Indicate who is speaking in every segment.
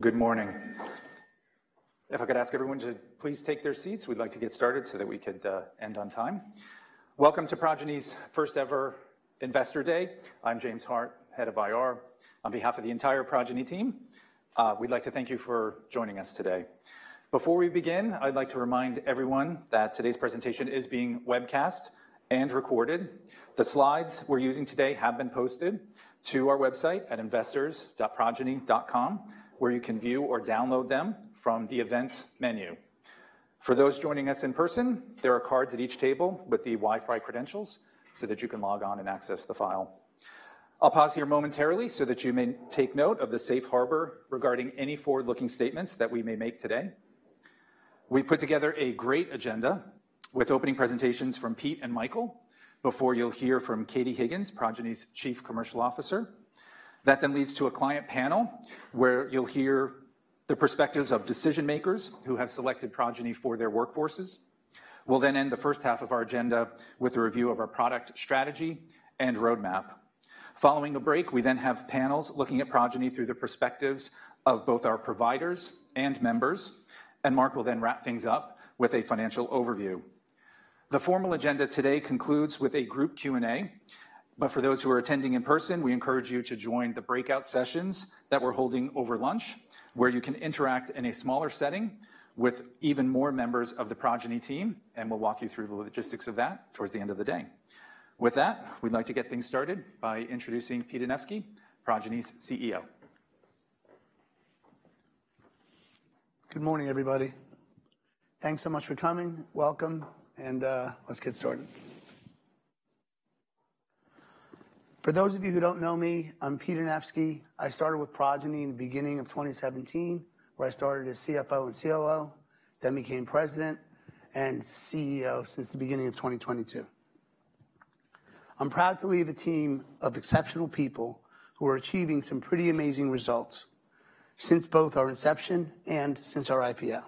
Speaker 1: Good morning. If I could ask everyone to please take their seats, we'd like to get started so that we could end on time. Welcome to Progyny's first-ever Investor Day. I'm James Hart, Head of IR. On behalf of the entire Progyny team, we'd like to thank you for joining us today. Before we begin, I'd like to remind everyone that today's presentation is being webcast and recorded. The slides we're using today have been posted to our website at investors.progyny.com, where you can view or download them from the Events menu. For those joining us in person, there are cards at each table with the Wi-Fi credentials so that you can log on and access the file. I'll pause here momentarily so that you may take note of the Safe Harbor regarding any forward-looking statements that we may make today. We put together a great agenda with opening presentations from Pete and Michael, before you'll hear from Katie Higgins, Progyny's Chief Commercial Officer. That then leads to a client panel, where you'll hear the perspectives of decision-makers who have selected Progyny for their workforces. We'll then end the first half of our agenda with a review of our product strategy and roadmap. Following a break, we then have panels looking at Progyny through the perspectives of both our providers and members, and Mark will then wrap things up with a financial overview. The formal agenda today concludes with a group Q&A, but for those who are attending in person, we encourage you to join the breakout sessions that we're holding over lunch, where you can interact in a smaller setting with even more members of the Progyny team, and we'll walk you through the logistics of that towards the end of the day. With that, we'd like to get things started by introducing Pete Anevski, Progyny's CEO.
Speaker 2: Good morning, everybody. Thanks so much for coming. Welcome, and let's get started. For those of you who don't know me, I'm Pete Anevski. I started with Progyny in the beginning of 2017, where I started as CFO and COO, then became president and CEO since the beginning of 2022. I'm proud to lead a team of exceptional people who are achieving some pretty amazing results since both our inception and since our IPO.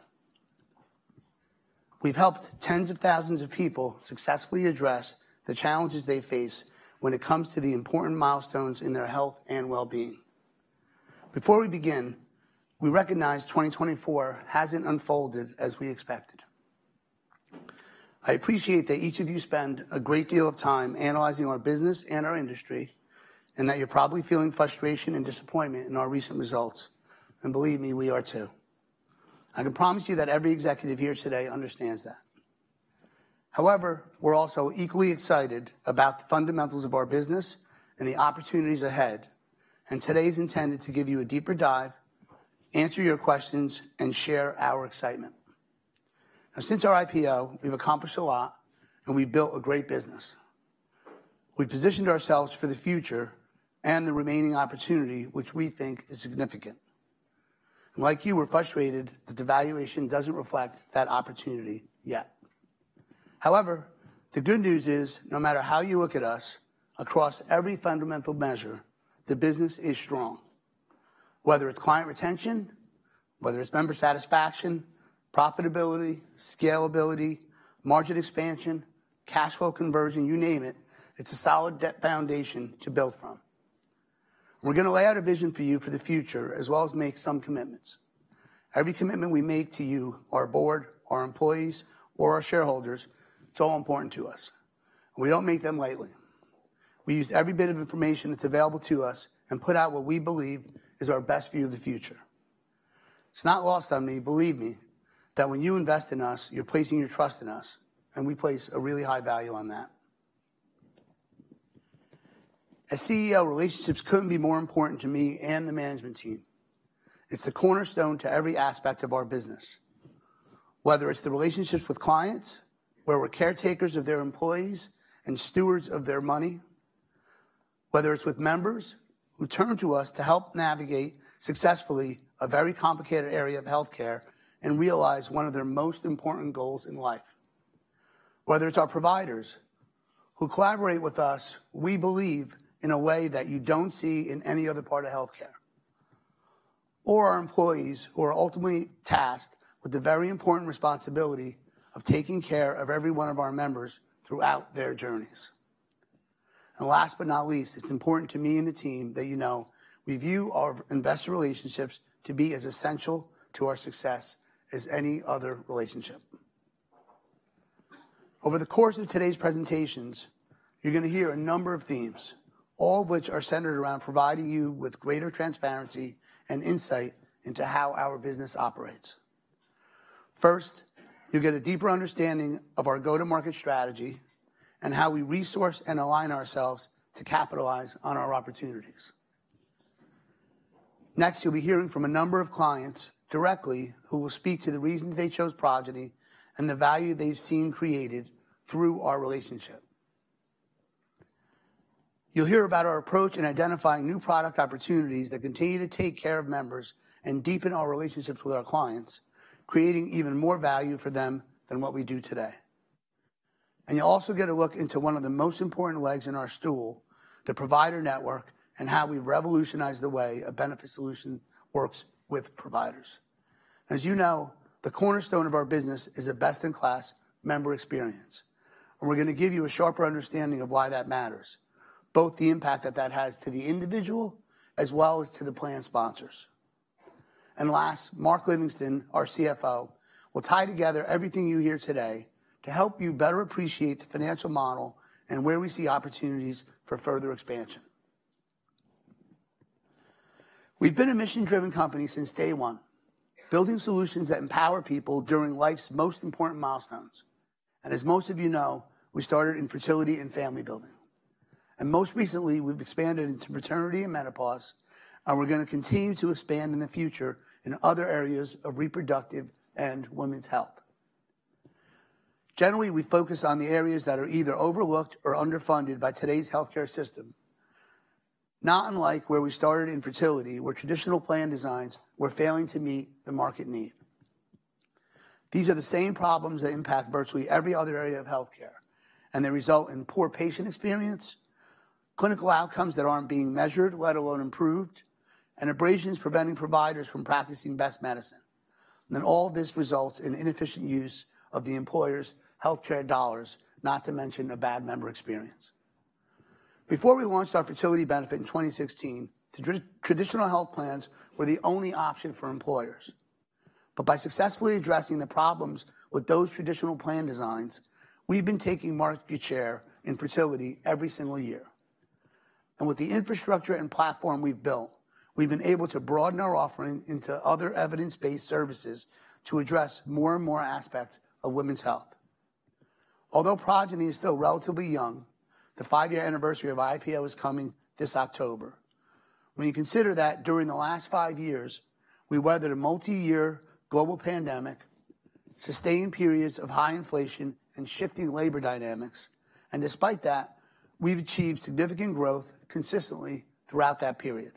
Speaker 2: We've helped tens of thousands of people successfully address the challenges they face when it comes to the important milestones in their health and well-being. Before we begin, we recognize 2024 hasn't unfolded as we expected. I appreciate that each of you spend a great deal of time analyzing our business and our industry, and that you're probably feeling frustration and disappointment in our recent results, and believe me, we are too. I can promise you that every executive here today understands that. However, we're also equally excited about the fundamentals of our business and the opportunities ahead, and today is intended to give you a deeper dive, answer your questions, and share our excitement. Now, since our IPO, we've accomplished a lot, and we've built a great business. We positioned ourselves for the future and the remaining opportunity, which we think is significant. And like you, we're frustrated that the valuation doesn't reflect that opportunity yet. However, the good news is, no matter how you look at us, across every fundamental measure, the business is strong. Whether it's client retention, whether it's member satisfaction, profitability, scalability, margin expansion, cash flow conversion, you name it, it's a solid depth foundation to build from. We're going to lay out a vision for you for the future, as well as make some commitments. Every commitment we make to you, our board, our employees, or our shareholders, it's all important to us. We don't make them lightly. We use every bit of information that's available to us and put out what we believe is our best view of the future. It's not lost on me, believe me, that when you invest in us, you're placing your trust in us, and we place a really high value on that. As CEO, relationships couldn't be more important to me and the management team. It's the cornerstone to every aspect of our business, whether it's the relationships with clients, where we're caretakers of their employees and stewards of their money. Whether it's with members who turn to us to help navigate successfully a very complicated area of healthcare and realize one of their most important goals in life. Whether it's our providers who collaborate with us, we believe, in a way that you don't see in any other part of healthcare, or our employees, who are ultimately tasked with the very important responsibility of taking care of every one of our members throughout their journeys. Last but not least, it's important to me and the team that you know we view our investor relationships to be as essential to our success as any other relationship. Over the course of today's presentations, you're going to hear a number of themes, all of which are centered around providing you with greater transparency and insight into how our business operates. First, you'll get a deeper understanding of our go-to-market strategy and how we resource and align ourselves to capitalize on our opportunities. Next, you'll be hearing from a number of clients directly who will speak to the reasons they chose Progyny and the value they've seen created through our relationship. You'll hear about our approach in identifying new product opportunities that continue to take care of members and deepen our relationships with our clients, creating even more value for them than what we do today. You'll also get a look into one of the most important legs in our stool, the provider network, and how we revolutionize the way a benefit solution works with providers. As you know, the cornerstone of our business is a best-in-class member experience, and we're going to give you a sharper understanding of why that matters, both the impact that that has to the individual as well as to the plan sponsors. And last, Mark Livingston, our CFO, will tie together everything you hear today to help you better appreciate the financial model and where we see opportunities for further expansion. We've been a mission-driven company since day one, building solutions that empower people during life's most important milestones. And as most of you know, we started in fertility and family building. Most recently, we've expanded into maternity and menopause, and we're going to continue to expand in the future in other areas of reproductive and women's health. Generally, we focus on the areas that are either overlooked or underfunded by today's healthcare system, not unlike where we started in fertility, where traditional plan designs were failing to meet the market need. These are the same problems that impact virtually every other area of healthcare, and they result in poor patient experience, clinical outcomes that aren't being measured, let alone improved, and frictions preventing providers from practicing best medicine. And then all this results in inefficient use of the employer's healthcare dollars, not to mention a bad member experience. Before we launched our fertility benefit in 2016, the traditional health plans were the only option for employers. But by successfully addressing the problems with those traditional plan designs, we've been taking market share in fertility every single year. And with the infrastructure and platform we've built, we've been able to broaden our offering into other evidence-based services to address more and more aspects of women's health. Although Progyny is still relatively young, the 5-year anniversary of IPO is coming this October. When you consider that during the last five years, we weathered a multi-year global pandemic, sustained periods of high inflation and shifting labor dynamics, and despite that, we've achieved significant growth consistently throughout that period.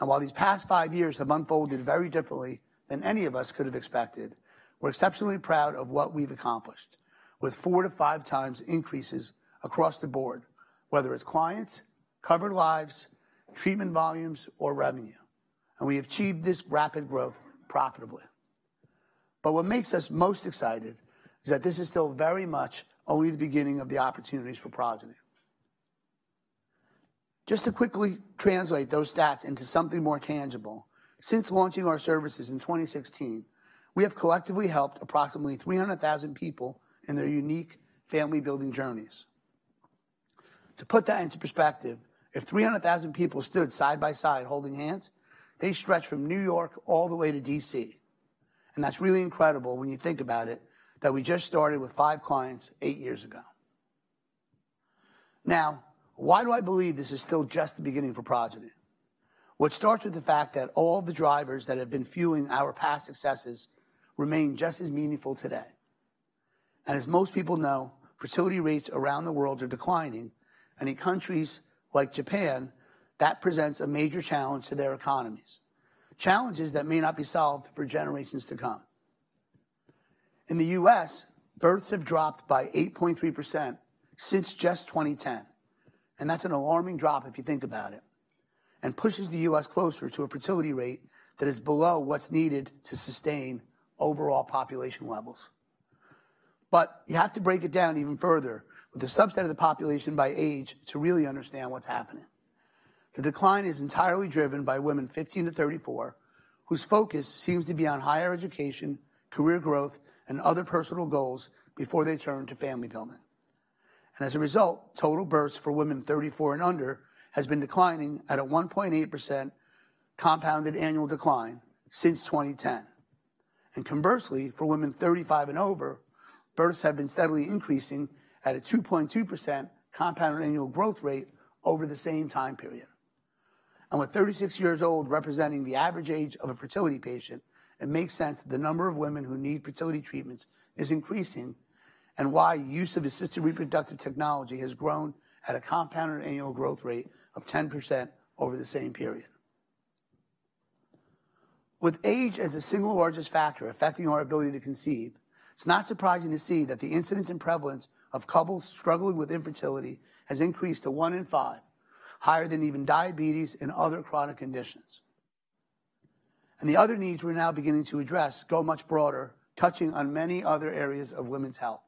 Speaker 2: And while these past five years have unfolded very differently than any of us could have expected, we're exceptionally proud of what we've accomplished, with four to five times increases across the board, whether it's clients, covered lives, treatment volumes, or revenue, and we achieved this rapid growth profitably. But what makes us most excited is that this is still very much only the beginning of the opportunities for Progyny. Just to quickly translate those stats into something more tangible, since launching our services in 2016, we have collectively helped approximately 300,000 people in their unique family-building journeys. To put that into perspective, if 300,000 people stood side by side, holding hands, they stretch from New York all the way to D.C. And that's really incredible when you think about it, that we just started with five clients eight years ago. Now, why do I believe this is still just the beginning for Progyny? Well, it starts with the fact that all the drivers that have been fueling our past successes remain just as meaningful today. As most people know, fertility rates around the world are declining, and in countries like Japan, that presents a major challenge to their economies, challenges that may not be solved for generations to come. In the U.S., births have dropped by 8.3% since just 2010, and that's an alarming drop if you think about it, and pushes the U.S. closer to a fertility rate that is below what's needed to sustain overall population levels. But you have to break it down even further, with the subset of the population by age, to really understand what's happening. The decline is entirely driven by women 15-34, whose focus seems to be on higher education, career growth, and other personal goals before they turn to family building. As a result, total births for women 34 and under has been declining at a 1.8% compounded annual decline since 2010. Conversely, for women 35 and over, births have been steadily increasing at a 2.2% compounded annual growth rate over the same time period. With 36 years old representing the average age of a fertility patient, it makes sense that the number of women who need fertility treatments is increasing, and why use of assisted reproductive technology has grown at a compounded annual growth rate of 10% over the same period. With age as the single largest factor affecting our ability to conceive, it's not surprising to see that the incidence and prevalence of couples struggling with infertility has increased to one in five, higher than even diabetes and other chronic conditions. The other needs we're now beginning to address go much broader, touching on many other areas of women's health.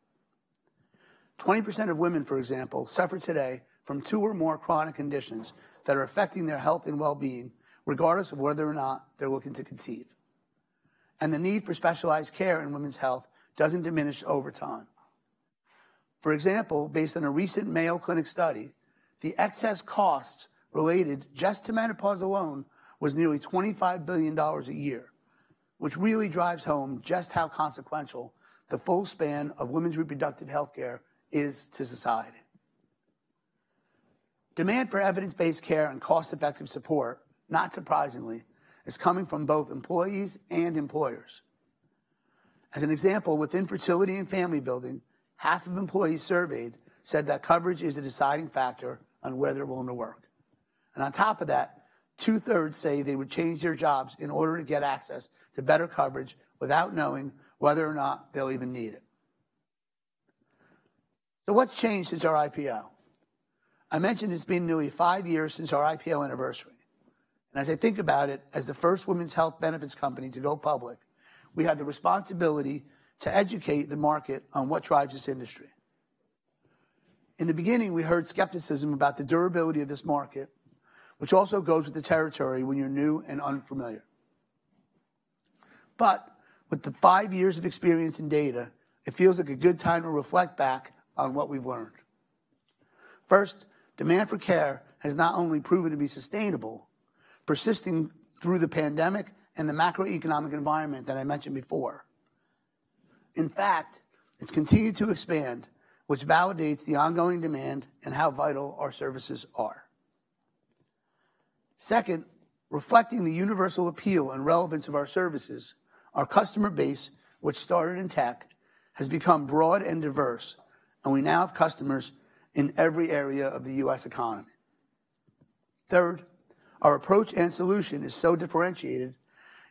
Speaker 2: 20% of women, for example, suffer today from two or more chronic conditions that are affecting their health and well-being, regardless of whether or not they're looking to conceive. The need for specialized care in women's health doesn't diminish over time. For example, based on a recent Mayo Clinic study, the excess cost related just to menopause alone was nearly $25 billion a year, which really drives home just how consequential the full span of women's reproductive healthcare is to society. Demand for evidence-based care and cost-effective support, not surprisingly, is coming from both employees and employers. As an example, with infertility and family building, half of employees surveyed said that coverage is a deciding factor on whether they're willing to work. And on top of that, 2/3 say they would change their jobs in order to get access to better coverage without knowing whether or not they'll even need it... So what's changed since our IPO? I mentioned it's been nearly five years since our IPO anniversary, and as I think about it, as the first women's health benefits company to go public, we had the responsibility to educate the market on what drives this industry. In the beginning, we heard skepticism about the durability of this market, which also goes with the territory when you're new and unfamiliar. But with the five years of experience and data, it feels like a good time to reflect back on what we've learned. First, demand for care has not only proven to be sustainable, persisting through the pandemic and the macroeconomic environment that I mentioned before. In fact, it's continued to expand, which validates the ongoing demand and how vital our services are. Second, reflecting the universal appeal and relevance of our services, our customer base, which started in tech, has become broad and diverse, and we now have customers in every area of the U.S. economy. Third, our approach and solution is so differentiated,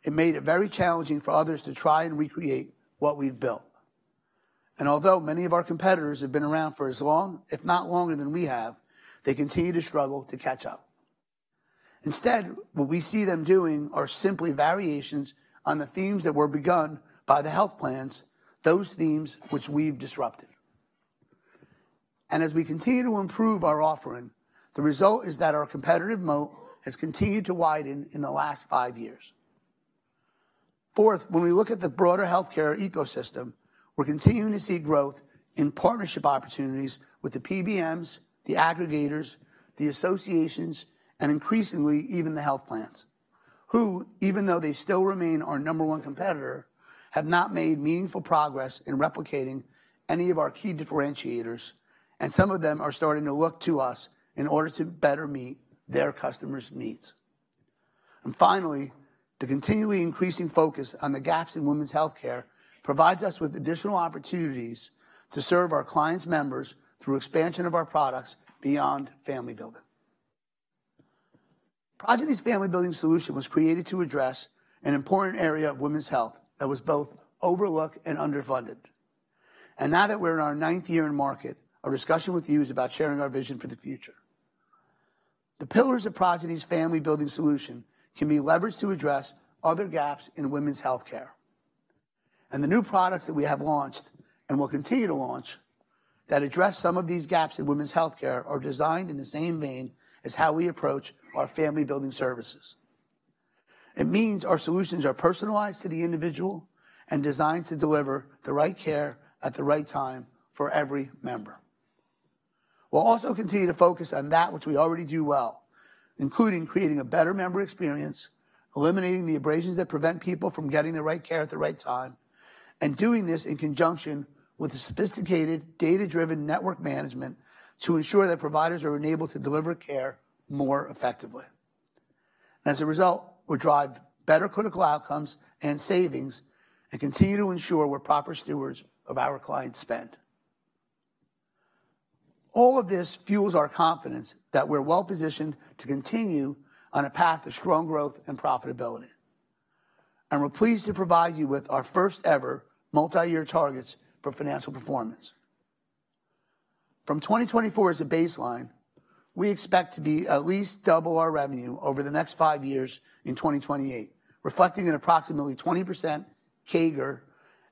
Speaker 2: it made it very challenging for others to try and recreate what we've built. And although many of our competitors have been around for as long, if not longer than we have, they continue to struggle to catch up. Instead, what we see them doing are simply variations on the themes that were begun by the health plans, those themes which we've disrupted. And as we continue to improve our offering, the result is that our competitive moat has continued to widen in the last five years. Fourth, when we look at the broader healthcare ecosystem, we're continuing to see growth in partnership opportunities with the PBMs, the aggregators, the associations, and increasingly, even the health plans, who, even though they still remain our number one competitor, have not made meaningful progress in replicating any of our key differentiators, and some of them are starting to look to us in order to better meet their customers' needs. Finally, the continually increasing focus on the gaps in women's healthcare provides us with additional opportunities to serve our clients' members through expansion of our products beyond family building. Progyny's family-building solution was created to address an important area of women's health that was both overlooked and underfunded. Now that we're in our ninth year in market, our discussion with you is about sharing our vision for the future. The pillars of Progyny's family building solution can be leveraged to address other gaps in women's healthcare. The new products that we have launched, and will continue to launch, that address some of these gaps in women's healthcare are designed in the same vein as how we approach our family-building services. It means our solutions are personalized to the individual and designed to deliver the right care at the right time for every member. We'll also continue to focus on that which we already do well, including creating a better member experience, eliminating the frictions that prevent people from getting the right care at the right time, and doing this in conjunction with a sophisticated, data-driven network management to ensure that providers are enabled to deliver care more effectively. As a result, we'll drive better critical outcomes and savings and continue to ensure we're proper stewards of our clients' spend. All of this fuels our confidence that we're well-positioned to continue on a path of strong growth and profitability, and we're pleased to provide you with our first-ever multi-year targets for financial performance. From 2024 as a baseline, we expect to be at least double our revenue over the next five years in 2028, reflecting an approximately 20% CAGR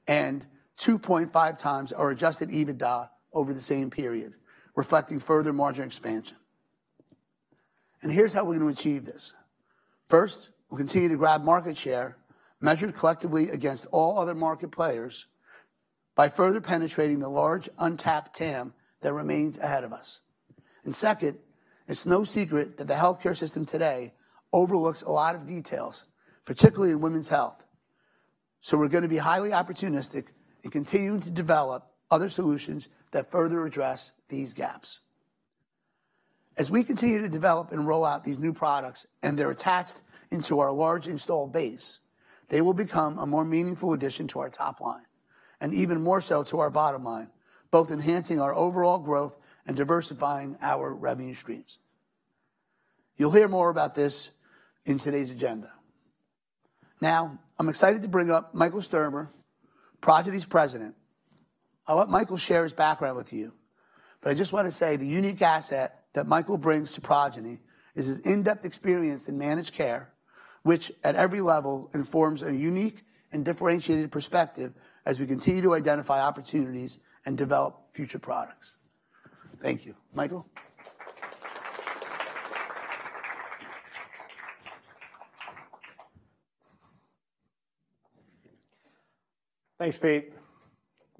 Speaker 2: and 2.5 times our Adjusted EBITDA over the same period, reflecting further margin expansion. And here's how we're going to achieve this. First, we'll continue to grab market share, measured collectively against all other market players, by further penetrating the large, untapped TAM that remains ahead of us. Second, it's no secret that the healthcare system today overlooks a lot of details, particularly in women's health. We're gonna be highly opportunistic and continue to develop other solutions that further address these gaps. As we continue to develop and roll out these new products, and they're attached into our large installed base, they will become a more meaningful addition to our top line, and even more so to our bottom line, both enhancing our overall growth and diversifying our revenue streams. You'll hear more about this in today's agenda. Now, I'm excited to bring up Michael Sturmer, Progyny's President. I'll let Michael share his background with you, but I just want to say the unique asset that Michael brings to Progyny is his in-depth experience in managed care, which at every level, informs a unique and differentiated perspective as we continue to identify opportunities and develop future products. Thank you. Michael?
Speaker 3: Thanks, Pete.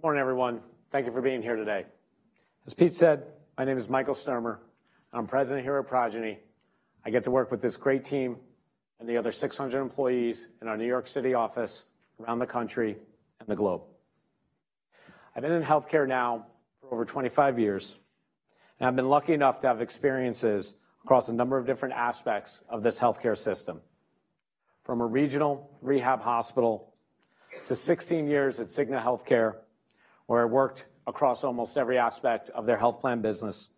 Speaker 3: Good morning, everyone. Thank you for being here today. As Pete said, my name is Michael Sturmer, and I'm president here at Progyny. I get to work with this great team and the other 600 employees in our New York City office, around the country, and the globe. I've been in healthcare now for over 25 years, and I've been lucky enough to have experiences across a number of different aspects of this healthcare system. From a regional rehab hospital to 16 years at Cigna Healthcare, where I worked across almost every aspect of their health plan business.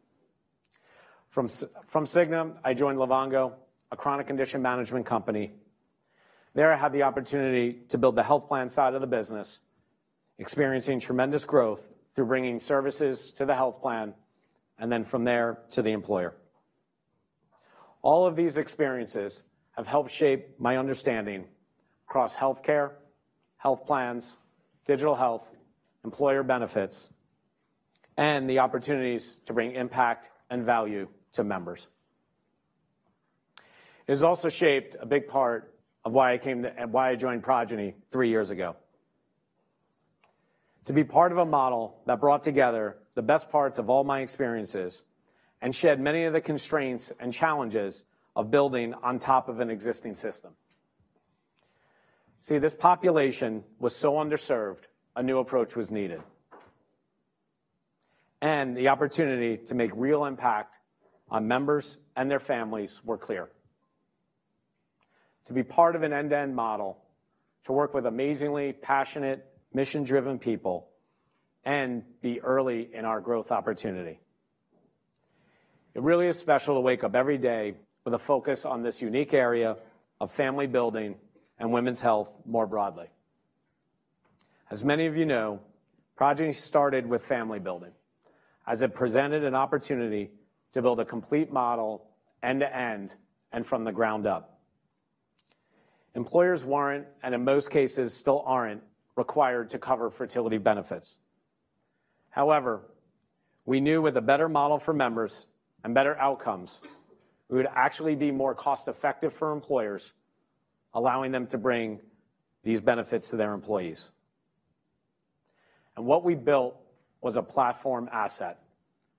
Speaker 3: From Cigna, I joined Livongo, a chronic condition management company. There, I had the opportunity to build the health plan side of the business, experiencing tremendous growth through bringing services to the health plan, and then from there, to the employer. All of these experiences have helped shape my understanding across healthcare, health plans, digital health, employer benefits, and the opportunities to bring impact and value to members. It has also shaped a big part of why I came to, and why I joined Progyny three years ago. To be part of a model that brought together the best parts of all my experiences and shed many of the constraints and challenges of building on top of an existing system. See, this population was so underserved, a new approach was needed, and the opportunity to make real impact on members and their families were clear. To be part of an end-to-end model, to work with amazingly passionate, mission-driven people and be early in our growth opportunity. It really is special to wake up every day with a focus on this unique area of family building and women's health more broadly. As many of you know, Progyny started with family building, as it presented an opportunity to build a complete model end to end and from the ground up. Employers weren't, and in most cases still aren't, required to cover fertility benefits. However, we knew with a better model for members and better outcomes, we would actually be more cost-effective for employers, allowing them to bring these benefits to their employees. What we built was a platform asset,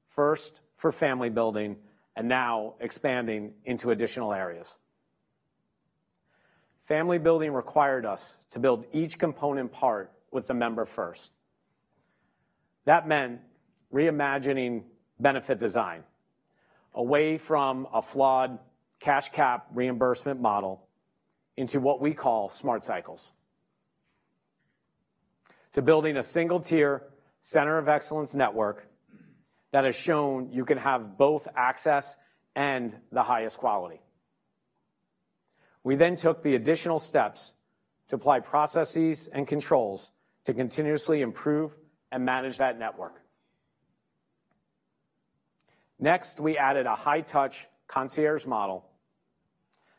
Speaker 3: first for family building and now expanding into additional areas. Family building required us to build each component part with the member first. That meant reimagining benefit design away from a flawed cash cap reimbursement model into what we call Smart Cycles. To building a single tier Center of Excellence network that has shown you can have both access and the highest quality. We then took the additional steps to apply processes and controls to continuously improve and manage that network. Next, we added a high-touch concierge model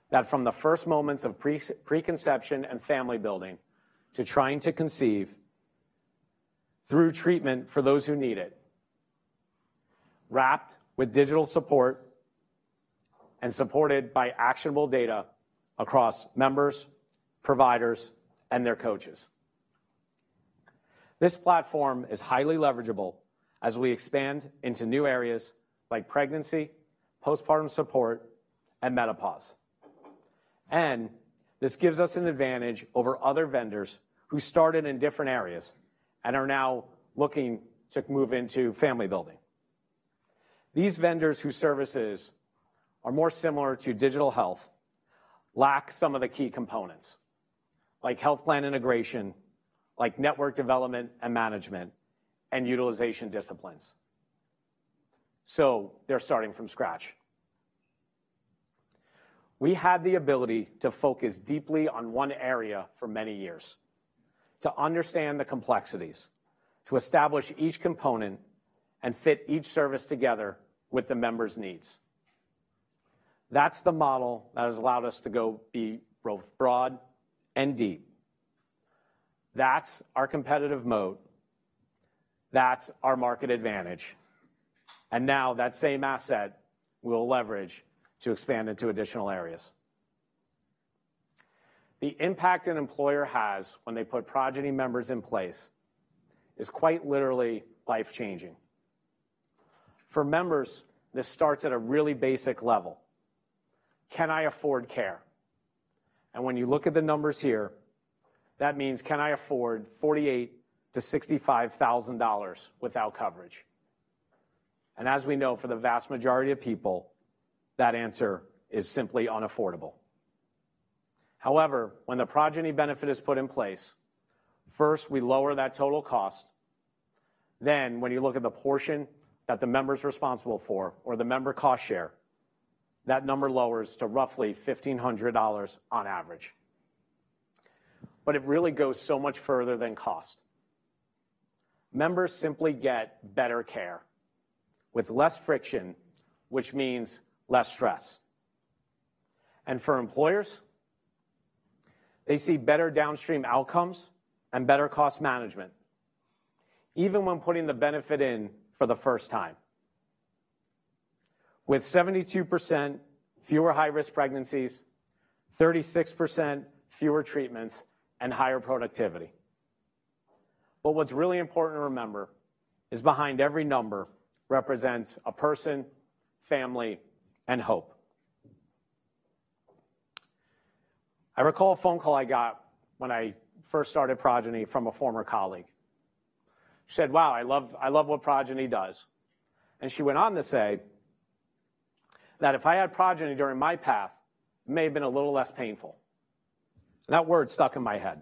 Speaker 3: that from the first moments of preconception and family building to trying to conceive through treatment for those who need it, wrapped with digital support and supported by actionable data across members, providers, and their coaches. This platform is highly leverageable as we expand into new areas like pregnancy, postpartum support, and menopause. And this gives us an advantage over other vendors who started in different areas and are now looking to move into family building. These vendors, whose services are more similar to digital health, lack some of the key components, like health plan integration, like network development and management, and utilization disciplines. So they're starting from scratch. We had the ability to focus deeply on one area for many years, to understand the complexities, to establish each component and fit each service together with the members' needs. That's the model that has allowed us to go be both broad and deep. That's our competitive moat. That's our market advantage, and now that same asset we'll leverage to expand into additional areas. The impact an employer has when they put Progyny members in place is quite literally life-changing. For members, this starts at a really basic level: Can I afford care? And when you look at the numbers here, that means can I afford $48,000-$65,000 without coverage? And as we know, for the vast majority of people, that answer is simply unaffordable. However, when the Progyny benefit is put in place, first, we lower that total cost. Then, when you look at the portion that the member's responsible for or the member cost share, that number lowers to roughly $1,500 on average. But it really goes so much further than cost. Members simply get better care with less friction, which means less stress. And for employers, they see better downstream outcomes and better cost management, even when putting the benefit in for the first time, with 72% fewer high-risk pregnancies, 36% fewer treatments, and higher productivity. But what's really important to remember is behind every number represents a person, family, and hope. I recall a phone call I got when I first started Progyny from a former colleague. She said: "Wow, I love, I love what Progyny does." And she went on to say that, "If I had Progyny during my path, it may have been a little less painful." That word stuck in my head....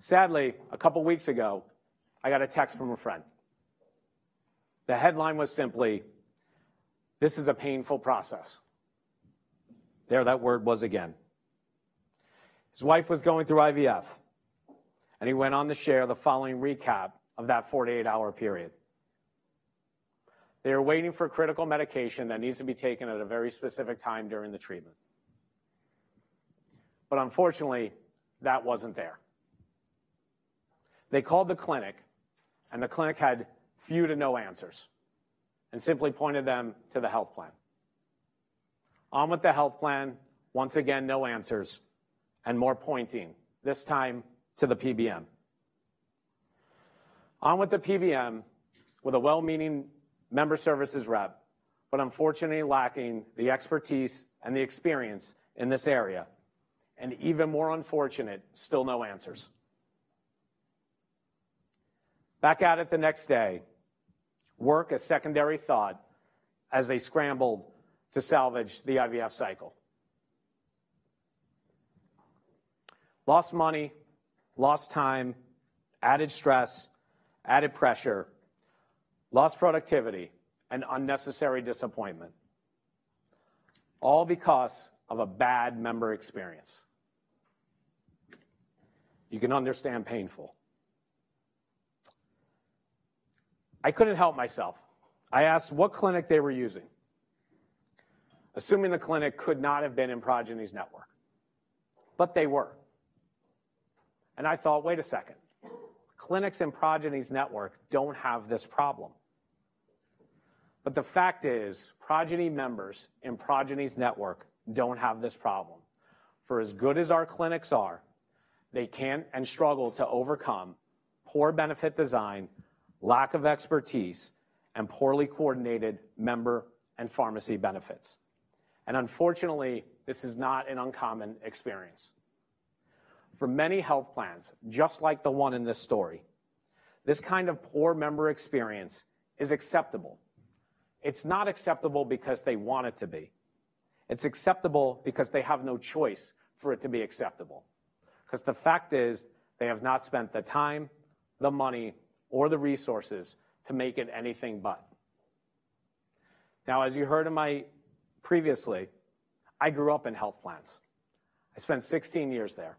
Speaker 3: Sadly, a couple weeks ago, I got a text from a friend. The headline was simply: "This is a painful process." There that word was again. His wife was going through IVF, and he went on to share the following recap of that 48-hour period. They were waiting for critical medication that needs to be taken at a very specific time during the treatment. But unfortunately, that wasn't there. They called the clinic, and the clinic had few to no answers and simply pointed them to the health plan. Called the health plan, once again, no answers and more pointing, this time to the PBM. On with the PBM, with a well-meaning member services rep, but unfortunately lacking the expertise and the experience in this area, and even more unfortunate, still no answers. Back at it the next day, work a secondary thought as they scrambled to salvage the IVF cycle. Lost money, lost time, added stress, added pressure, lost productivity, and unnecessary disappointment, all because of a bad member experience. You can understand painful. I couldn't help myself. I asked what clinic they were using, assuming the clinic could not have been in Progyny's network, but they were. I thought, wait a second, clinics in Progyny's network don't have this problem. The fact is, Progyny members in Progyny's network don't have this problem. For as good as our clinics are, they can't and struggle to overcome poor benefit design, lack of expertise, and poorly coordinated member and pharmacy benefits. Unfortunately, this is not an uncommon experience. For many health plans, just like the one in this story, this kind of poor member experience is acceptable. It's not acceptable because they want it to be. It's acceptable because they have no choice for it to be acceptable, 'cause the fact is, they have not spent the time, the money, or the resources to make it anything but. Now, as you heard from me previously, I grew up in health plans. I spent 16 years there,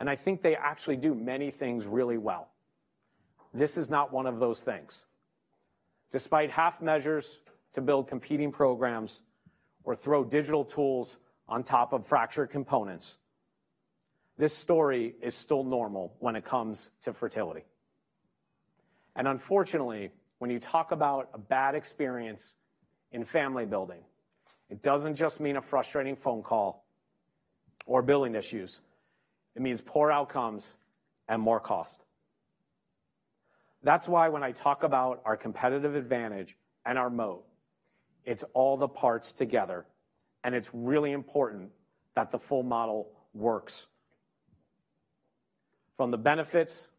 Speaker 3: and I think they actually do many things really well. This is not one of those things. Despite half measures to build competing programs or throw digital tools on top of fractured components, this story is still normal when it comes to fertility. Unfortunately, when you talk about a bad experience in family building, it doesn't just mean a frustrating phone call or billing issues. It means poor outcomes and more cost. That's why when I talk about our competitive advantage and our model, it's all the parts together, and it's really important that the full model works. From the benefits,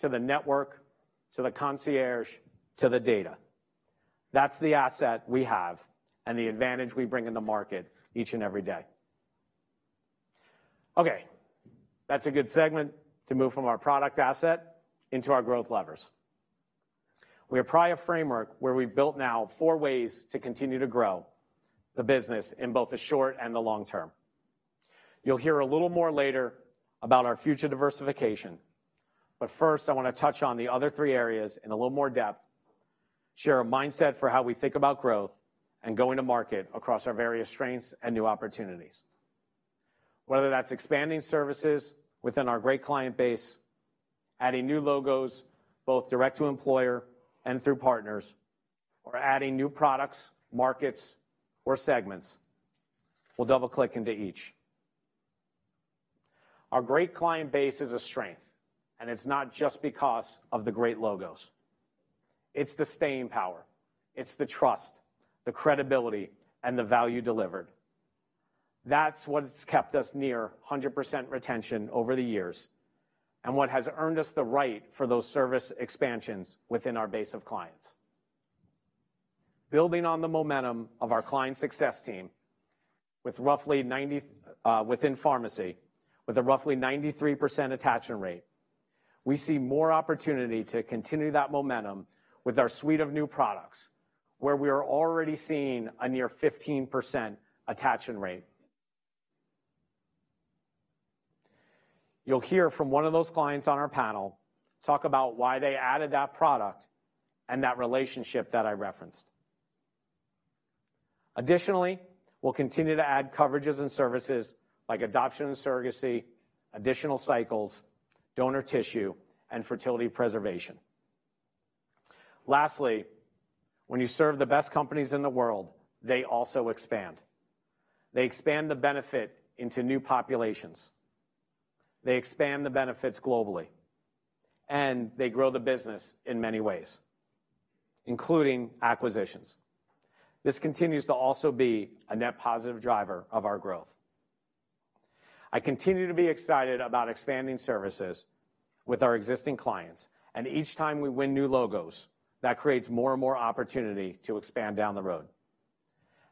Speaker 3: to the network, to the concierge, to the data. That's the asset we have and the advantage we bring in the market each and every day. Okay, that's a good segment to move from our product asset into our growth levers. We apply a framework where we've built now four ways to continue to grow the business in both the short and the long term. You'll hear a little more later about our future diversification, but first, I want to touch on the other three areas in a little more depth, share a mindset for how we think about growth and go into market across our various strengths and new opportunities. Whether that's expanding services within our great client base, adding new logos, both direct to employer and through partners, or adding new products, markets, or segments. We'll double-click into each. Our great client base is a strength, and it's not just because of the great logos. It's the staying power, it's the trust, the credibility, and the value delivered. That's what's kept us near 100% retention over the years, and what has earned us the right for those service expansions within our base of clients. Building on the momentum of our client success team, with roughly 93% attachment rate within pharmacy, we see more opportunity to continue that momentum with our suite of new products, where we are already seeing a near 15% attachment rate. You'll hear from one of those clients on our panel talk about why they added that product and that relationship that I referenced. Additionally, we'll continue to add coverages and services like adoption and surrogacy, additional cycles, donor tissue, and fertility preservation. Lastly, when you serve the best companies in the world, they also expand. They expand the benefit into new populations, they expand the benefits globally, and they grow the business in many ways, including acquisitions. This continues to also be a net positive driver of our growth. I continue to be excited about expanding services with our existing clients, and each time we win new logos, that creates more and more opportunity to expand down the road...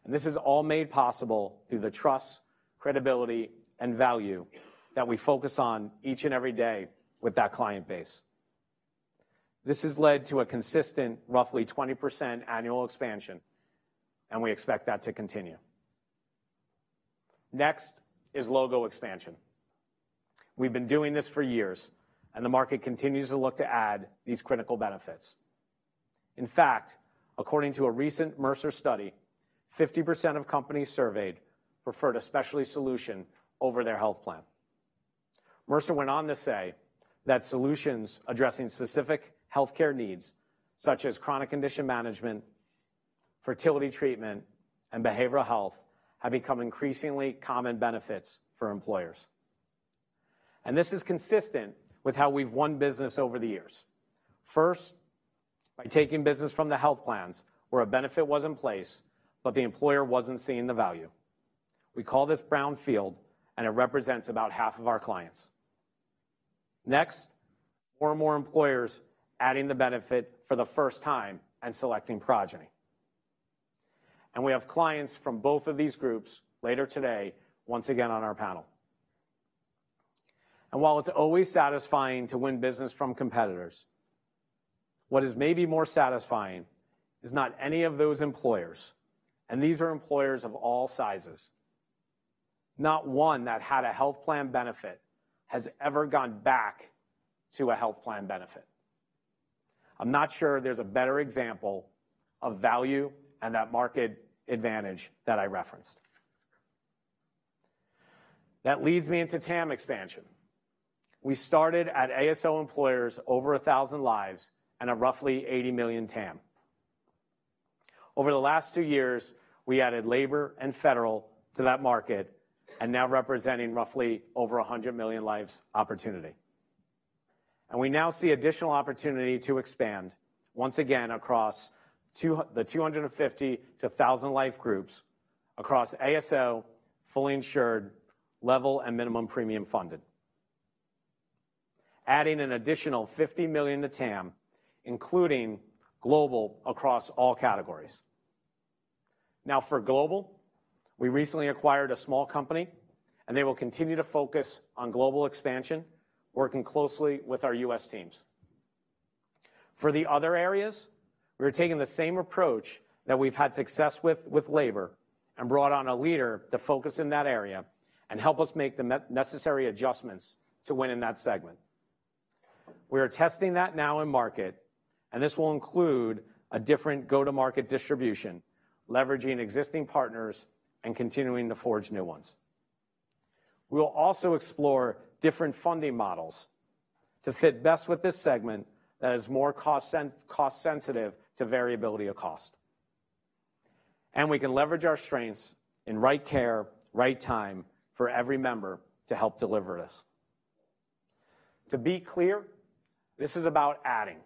Speaker 3: This is all made possible through the trust, credibility, and value that we focus on each and every day with that client base. This has led to a consistent, roughly 20% annual expansion, and we expect that to continue. Next is logo expansion. We've been doing this for years, and the market continues to look to add these critical benefits. In fact, according to a recent Mercer study, 50% of companies surveyed preferred a specialty solution over their health plan. Mercer went on to say that solutions addressing specific healthcare needs, such as chronic condition management, fertility treatment, and behavioral health, have become increasingly common benefits for employers. This is consistent with how we've won business over the years. First, by taking business from the health plans, where a benefit was in place, but the employer wasn't seeing the value. We call this brownfield, and it represents about half of our clients. Next, more and more employers adding the benefit for the first time and selecting Progyny. We have clients from both of these groups later today, once again on our panel. While it's always satisfying to win business from competitors, what is maybe more satisfying is not any of those employers, and these are employers of all sizes, not one that had a health plan benefit has ever gone back to a health plan benefit. I'm not sure there's a better example of value and that market advantage that I referenced. That leads me into TAM expansion. We started at ASO employers over 1,000 lives and a roughly $80 million TAM. Over the last two years, we added Labor and Federal to that market and now representing roughly over 100 million lives opportunity. We now see additional opportunity to expand once again across the 250 life groups-1,000 life groups across ASO, fully insured, level-funded, and minimum premium funded, adding an additional $50 million to TAM, including global across all categories. Now, for global, we recently acquired a small company, and they will continue to focus on global expansion, working closely with our U.S. teams. For the other areas, we are taking the same approach that we've had success with, with labor, and brought on a leader to focus in that area and help us make the necessary adjustments to win in that segment. We are testing that now in market, and this will include a different go-to-market distribution, leveraging existing partners and continuing to forge new ones. We will also explore different funding models to fit best with this segment that is more cost-sensitive to variability of cost. We can leverage our strengths in right care, right time for every member to help deliver this. To be clear, this is about adding: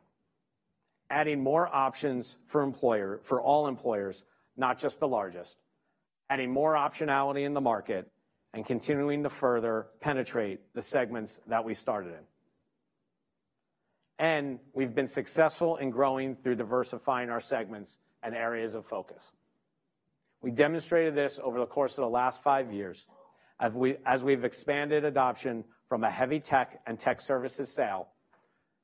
Speaker 3: adding more options for employer, for all employers, not just the largest, adding more optionality in the market, and continuing to further penetrate the segments that we started in. We've been successful in growing through diversifying our segments and areas of focus. We demonstrated this over the course of the last five years, as we, as we've expanded adoption from a heavy tech and tech services sale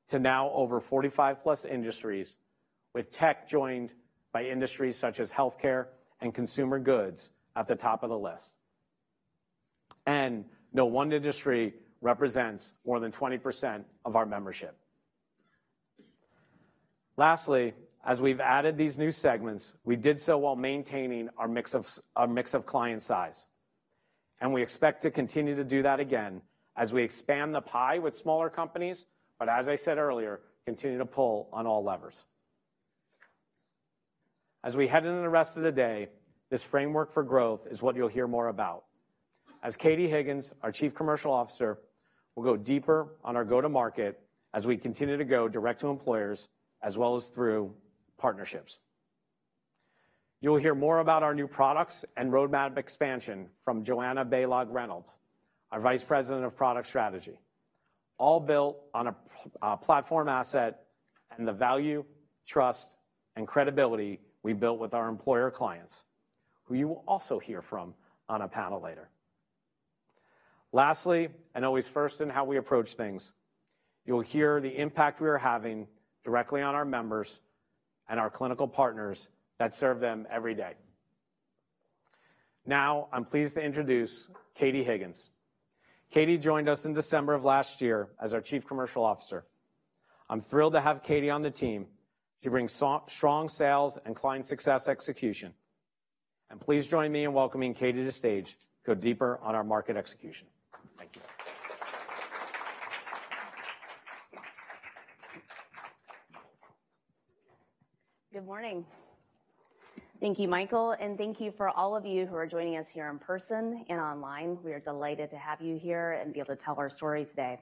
Speaker 3: to now over 45+ industries, with tech joined by industries such as healthcare and consumer goods at the top of the list. No one industry represents more than 20% of our membership. Lastly, as we've added these new segments, we did so while maintaining our mix of client size, and we expect to continue to do that again as we expand the pie with smaller companies, but as I said earlier, continue to pull on all levers. As we head into the rest of the day, this framework for growth is what you'll hear more about. As Katie Higgins, our Chief Commercial Officer, will go deeper on our go-to-market as we continue to go direct to employers as well as through partnerships. You'll hear more about our new products and roadmap expansion from Joanna Balogh-Reynolds, our Vice President of Product Strategy, all built on a platform asset and the value, trust, and credibility we built with our employer clients, who you will also hear from on a panel later. Lastly, and always first in how we approach things, you'll hear the impact we are having directly on our members and our clinical partners that serve them every day. Now, I'm pleased to introduce Katie Higgins. Katie joined us in December of last year as our Chief Commercial Officer. I'm thrilled to have Katie on the team. She brings strong sales and client success execution, and please join me in welcoming Katie to the stage to go deeper on our market execution. Thank you.
Speaker 4: Good morning. Thank you, Michael, and thank you for all of you who are joining us here in person and online. We are delighted to have you here and be able to tell our story today.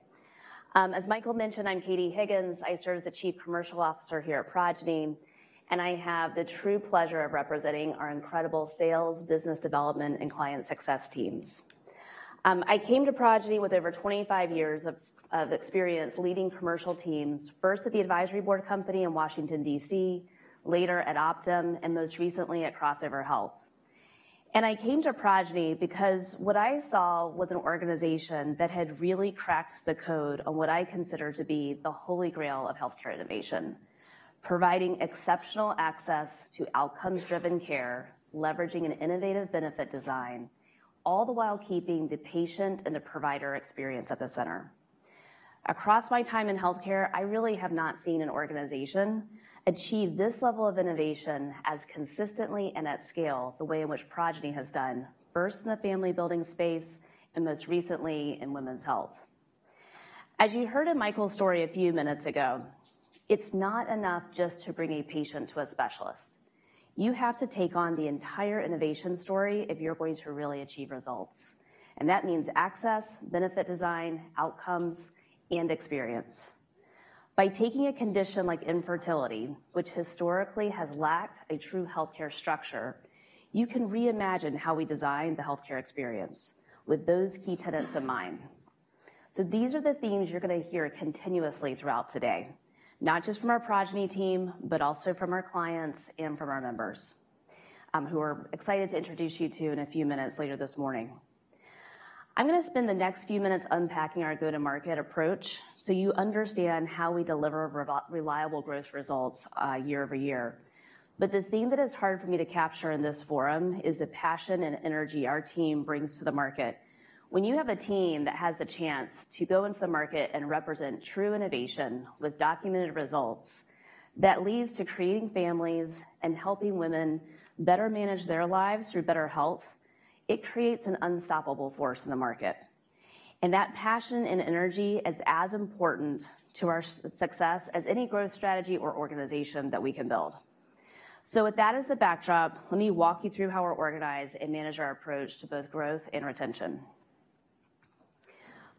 Speaker 4: As Michael mentioned, I'm Katie Higgins. I serve as the Chief Commercial Officer here at Progyny, and I have the true pleasure of representing our incredible sales, business development, and client success teams. I came to Progyny with over 25 years of experience leading commercial teams, first at The Advisory Board Company in Washington, D.C., later at Optum, and most recently at Crossover Health. I came to Progyny because what I saw was an organization that had really cracked the code on what I consider to be the holy grail of healthcare innovation: providing exceptional access to outcomes-driven care, leveraging an innovative benefit design, all the while keeping the patient and the provider experience at the center. Across my time in healthcare, I really have not seen an organization achieve this level of innovation as consistently and at scale, the way in which Progyny has done, first in the family building space, and most recently in women's health. As you heard in Michael's story a few minutes ago, it's not enough just to bring a patient to a specialist. You have to take on the entire innovation story if you're going to really achieve results, and that means access, benefit design, outcomes, and experience. By taking a condition like infertility, which historically has lacked a true healthcare structure, you can reimagine how we design the healthcare experience with those key tenets in mind. So these are the themes you're going to hear continuously throughout today, not just from our Progyny team, but also from our clients and from our members, who we're excited to introduce you to in a few minutes later this morning. I'm going to spend the next few minutes unpacking our go-to-market approach so you understand how we deliver reliable growth results, year over year. But the theme that is hard for me to capture in this forum is the passion and energy our team brings to the market. When you have a team that has the chance to go into the market and represent true innovation with documented results, that leads to creating families and helping women better manage their lives through better health, it creates an unstoppable force in the market. That passion and energy is as important to our success as any growth strategy or organization that we can build. With that as the backdrop, let me walk you through how we're organized and manage our approach to both growth and retention.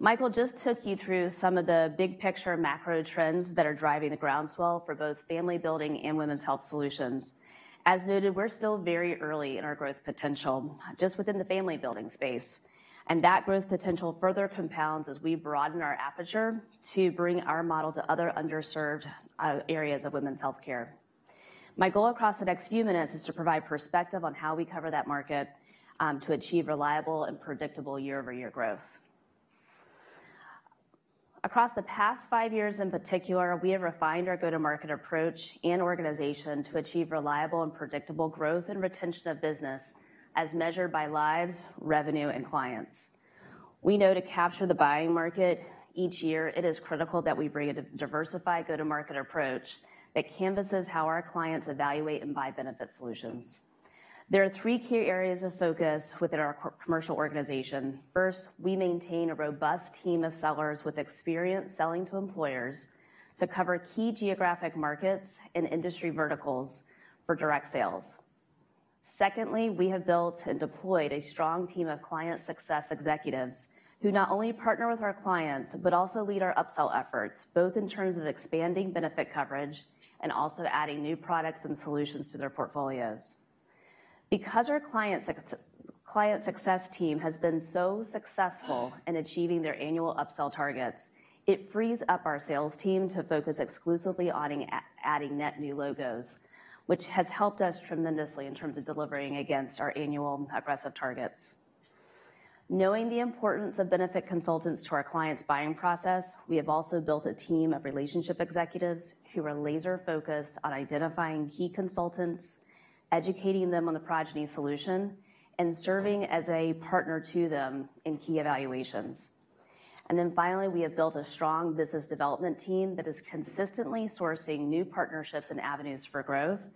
Speaker 4: Michael just took you through some of the big picture macro trends that are driving the groundswell for both family building and women's health solutions. As noted, we're still very early in our growth potential, just within the family building space, and that growth potential further compounds as we broaden our aperture to bring our model to other underserved areas of women's healthcare. My goal across the next few minutes is to provide perspective on how we cover that market to achieve reliable and predictable year-over-year growth. Across the past five years, in particular, we have refined our go-to-market approach and organization to achieve reliable and predictable growth and retention of business as measured by lives, revenue, and clients. We know to capture the buying market each year, it is critical that we bring a diversified go-to-market approach that canvases how our clients evaluate and buy benefit solutions. There are three key areas of focus within our commercial organization. First, we maintain a robust team of sellers with experience selling to employers to cover key geographic markets and industry verticals for direct sales. Secondly, we have built and deployed a strong team of client success executives who not only partner with our clients, but also lead our upsell efforts, both in terms of expanding benefit coverage and also adding new products and solutions to their portfolios. Because our client success team has been so successful in achieving their annual upsell targets, it frees up our sales team to focus exclusively on adding net new logos, which has helped us tremendously in terms of delivering against our annual aggressive targets. Knowing the importance of benefit consultants to our clients' buying process, we have also built a team of relationship executives who are laser-focused on identifying key consultants, educating them on the Progyny solution, and serving as a partner to them in key evaluations. And then finally, we have built a strong business development team that is consistently sourcing new partnerships and avenues for growth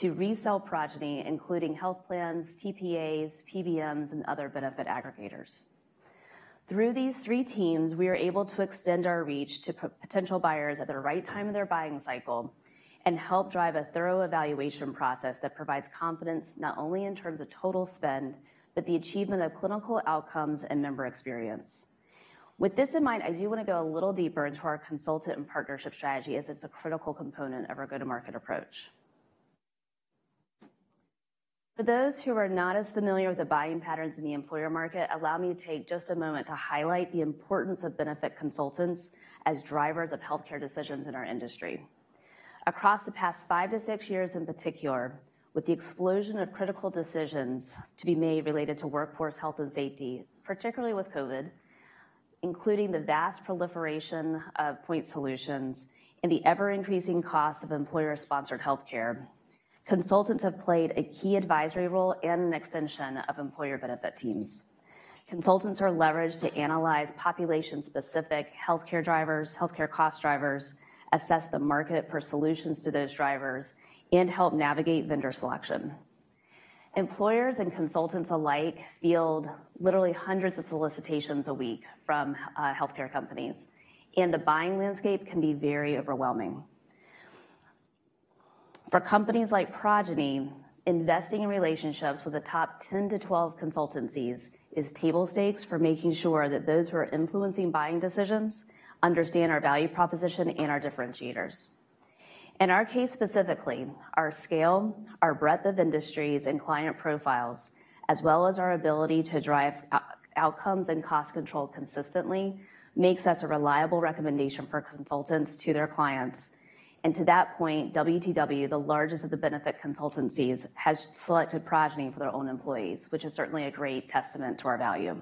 Speaker 4: to resell Progyny, including health plans, TPAs, PBMs, and other benefit aggregators. Through these three teams, we are able to extend our reach to potential buyers at the right time of their buying cycle and help drive a thorough evaluation process that provides confidence, not only in terms of total spend, but the achievement of clinical outcomes and member experience. With this in mind, I do want to go a little deeper into our consultant and partnership strategy, as it's a critical component of our go-to-market approach. For those who are not as familiar with the buying patterns in the employer market, allow me to take just a moment to highlight the importance of benefit consultants as drivers of healthcare decisions in our industry. Across the past five to six years, in particular, with the explosion of critical decisions to be made related to workforce health and safety, particularly with COVID, including the vast proliferation of point solutions and the ever-increasing cost of employer-sponsored healthcare, consultants have played a key advisory role and an extension of employer benefit teams. Consultants are leveraged to analyze population-specific healthcare drivers, healthcare cost drivers, assess the market for solutions to those drivers, and help navigate vendor selection. Employers and consultants alike field literally hundreds of solicitations a week from healthcare companies, and the buying landscape can be very overwhelming. For companies like Progyny, investing in relationships with the top 10-12 consultancies is table stakes for making sure that those who are influencing buying decisions understand our value proposition and our differentiators. In our case, specifically, our scale, our breadth of industries and client profiles, as well as our ability to drive outcomes and cost control consistently, makes us a reliable recommendation for consultants to their clients. And to that point, WTW, the largest of the benefit consultancies, has selected Progyny for their own employees, which is certainly a great testament to our value.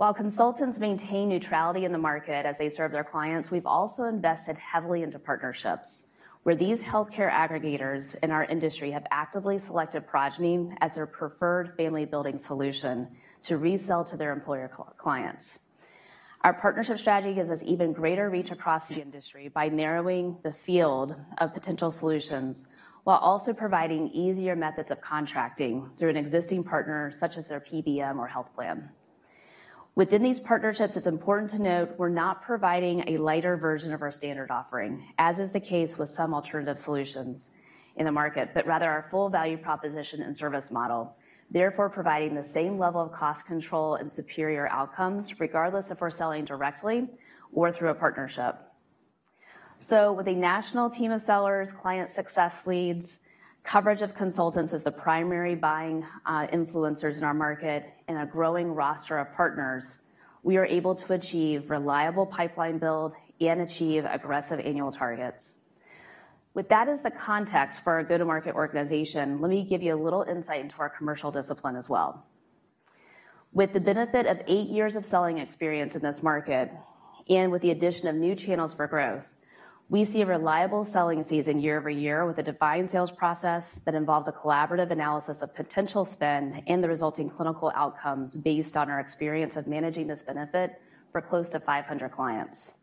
Speaker 4: While consultants maintain neutrality in the market as they serve their clients, we've also invested heavily into partnerships, where these healthcare aggregators in our industry have actively selected Progyny as their preferred family-building solution to resell to their employer clients. Our partnership strategy gives us even greater reach across the industry by narrowing the field of potential solutions, while also providing easier methods of contracting through an existing partner, such as their PBM or health plan. Within these partnerships, it's important to note we're not providing a lighter version of our standard offering, as is the case with some alternative solutions in the market, but rather our full value proposition and service model, therefore, providing the same level of cost control and superior outcomes, regardless if we're selling directly or through a partnership. So with a national team of sellers, client success leads, coverage of consultants as the primary buying influencers in our market, and a growing roster of partners, we are able to achieve reliable pipeline build and achieve aggressive annual targets. With that as the context for our go-to-market organization, let me give you a little insight into our commercial discipline as well. With the benefit of eight years of selling experience in this market, and with the addition of new channels for growth, we see a reliable selling season year-over-year, with a defined sales process that involves a collaborative analysis of potential spend and the resulting clinical outcomes based on our experience of managing this benefit for close to 500 clients.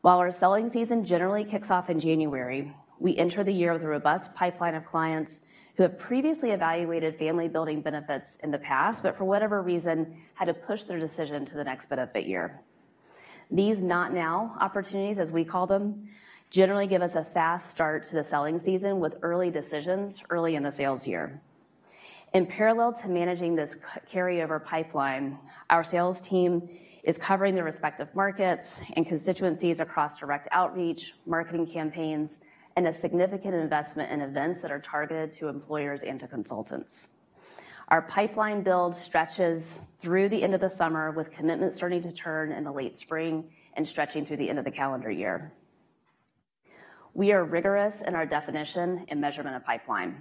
Speaker 4: While our selling season generally kicks off in January, we enter the year with a robust pipeline of clients who have previously evaluated family-building benefits in the past, but for whatever reason, had to push their decision to the next benefit year. These not-now opportunities, as we call them, generally give us a fast start to the selling season with early decisions early in the sales year. In parallel to managing this carryover pipeline, our sales team is covering their respective markets and constituencies across direct outreach, marketing campaigns, and a significant investment in events that are targeted to employers and to consultants. Our pipeline build stretches through the end of the summer, with commitments starting to turn in the late spring and stretching through the end of the calendar year. We are rigorous in our definition and measurement of pipeline.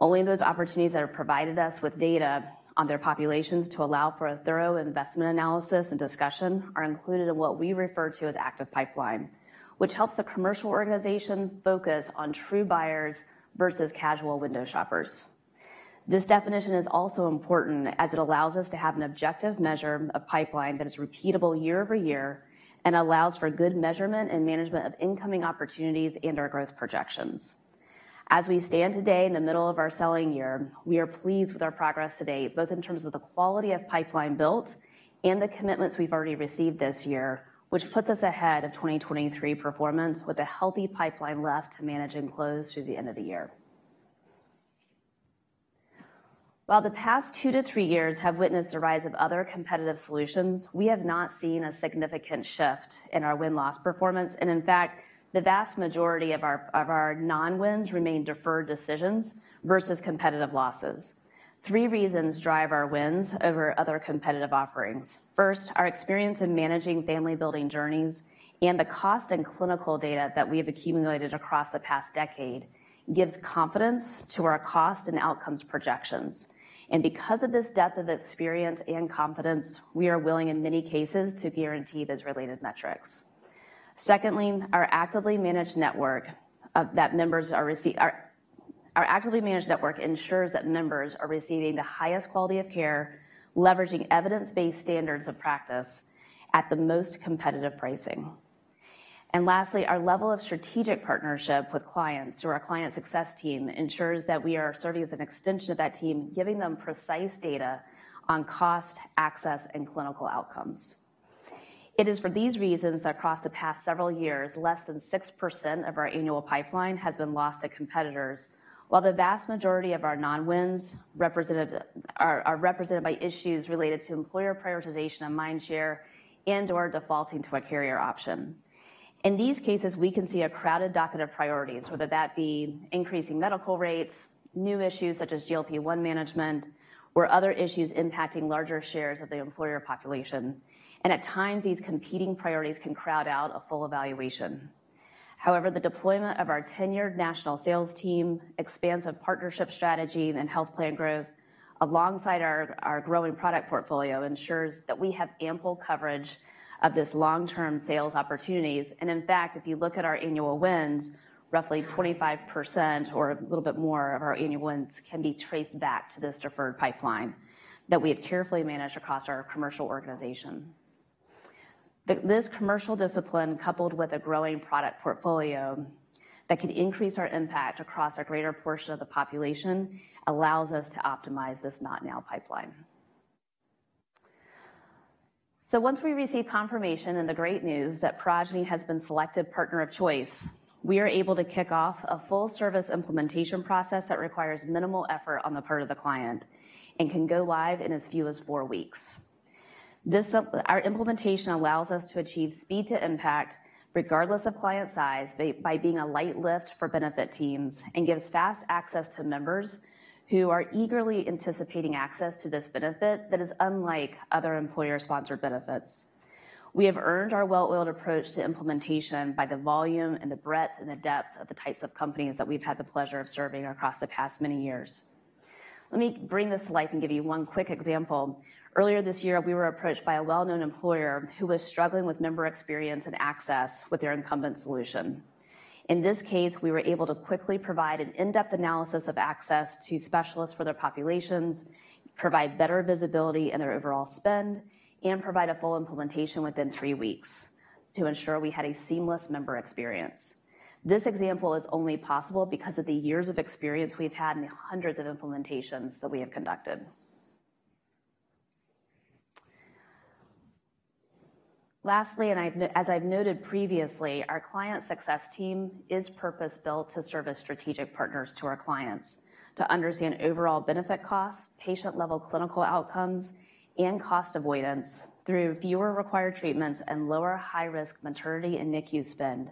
Speaker 4: Only those opportunities that have provided us with data on their populations to allow for a thorough investment analysis and discussion are included in what we refer to as active pipeline, which helps the commercial organization focus on true buyers versus casual window shoppers. This definition is also important as it allows us to have an objective measure of pipeline that is repeatable year-over-year and allows for good measurement and management of incoming opportunities and our growth projections. As we stand today in the middle of our selling year, we are pleased with our progress to date, both in terms of the quality of pipeline built and the commitments we've already received this year, which puts us ahead of 2023 performance with a healthy pipeline left to manage and close through the end of the year. While the past two to three years have witnessed the rise of other competitive solutions, we have not seen a significant shift in our win-loss performance, and in fact, the vast majority of our non-wins remain deferred decisions versus competitive losses. Three reasons drive our wins over other competitive offerings. First, our experience in managing family-building journeys and the cost and clinical data that we have accumulated across the past decade gives confidence to our cost and outcomes projections. And because of this depth of experience and confidence, we are willing, in many cases, to guarantee those related metrics. Secondly, our actively managed network ensures that members are receiving the highest quality of care, leveraging evidence-based standards of practice at the most competitive pricing. And lastly, our level of strategic partnership with clients through our client success team ensures that we are serving as an extension of that team, giving them precise data on cost, access, and clinical outcomes. It is for these reasons that across the past several years, less than 6% of our annual pipeline has been lost to competitors, while the vast majority of our non-wins are represented by issues related to employer prioritization and mindshare and/or defaulting to a carrier option. In these cases, we can see a crowded docket of priorities, whether that be increasing medical rates, new issues such as GLP-1 management, or other issues impacting larger shares of the employer population. At times, these competing priorities can crowd out a full evaluation. However, the deployment of our tenured national sales team, expansive partnership strategy, and health plan growth alongside our growing product portfolio ensures that we have ample coverage of this long-term sales opportunities. In fact, if you look at our annual wins, roughly 25% or a little bit more of our annual wins can be traced back to this deferred pipeline that we have carefully managed across our commercial organization. This commercial discipline, coupled with a growing product portfolio that can increase our impact across a greater portion of the population, allows us to optimize this not now pipeline. So once we receive confirmation and the great news that Progyny has been selected partner of choice, we are able to kick off a full-service implementation process that requires minimal effort on the part of the client and can go live in as few as four weeks. This, our implementation allows us to achieve speed to impact regardless of client size by being a light lift for benefit teams and gives fast access to members who are eagerly anticipating access to this benefit that is unlike other employer-sponsored benefits. We have earned our well-oiled approach to implementation by the volume and the breadth and the depth of the types of companies that we've had the pleasure of serving across the past many years. Let me bring this to life and give you one quick example. Earlier this year, we were approached by a well-known employer who was struggling with member experience and access with their incumbent solution. In this case, we were able to quickly provide an in-depth analysis of access to specialists for their populations, provide better visibility in their overall spend, and provide a full implementation within three weeks to ensure we had a seamless member experience. This example is only possible because of the years of experience we've had and the hundreds of implementations that we have conducted. Lastly, as I've noted previously, our client success team is purpose-built to serve as strategic partners to our clients, to understand overall benefit costs, patient-level clinical outcomes, and cost avoidance through fewer required treatments and lower high-risk maternity and NICU spend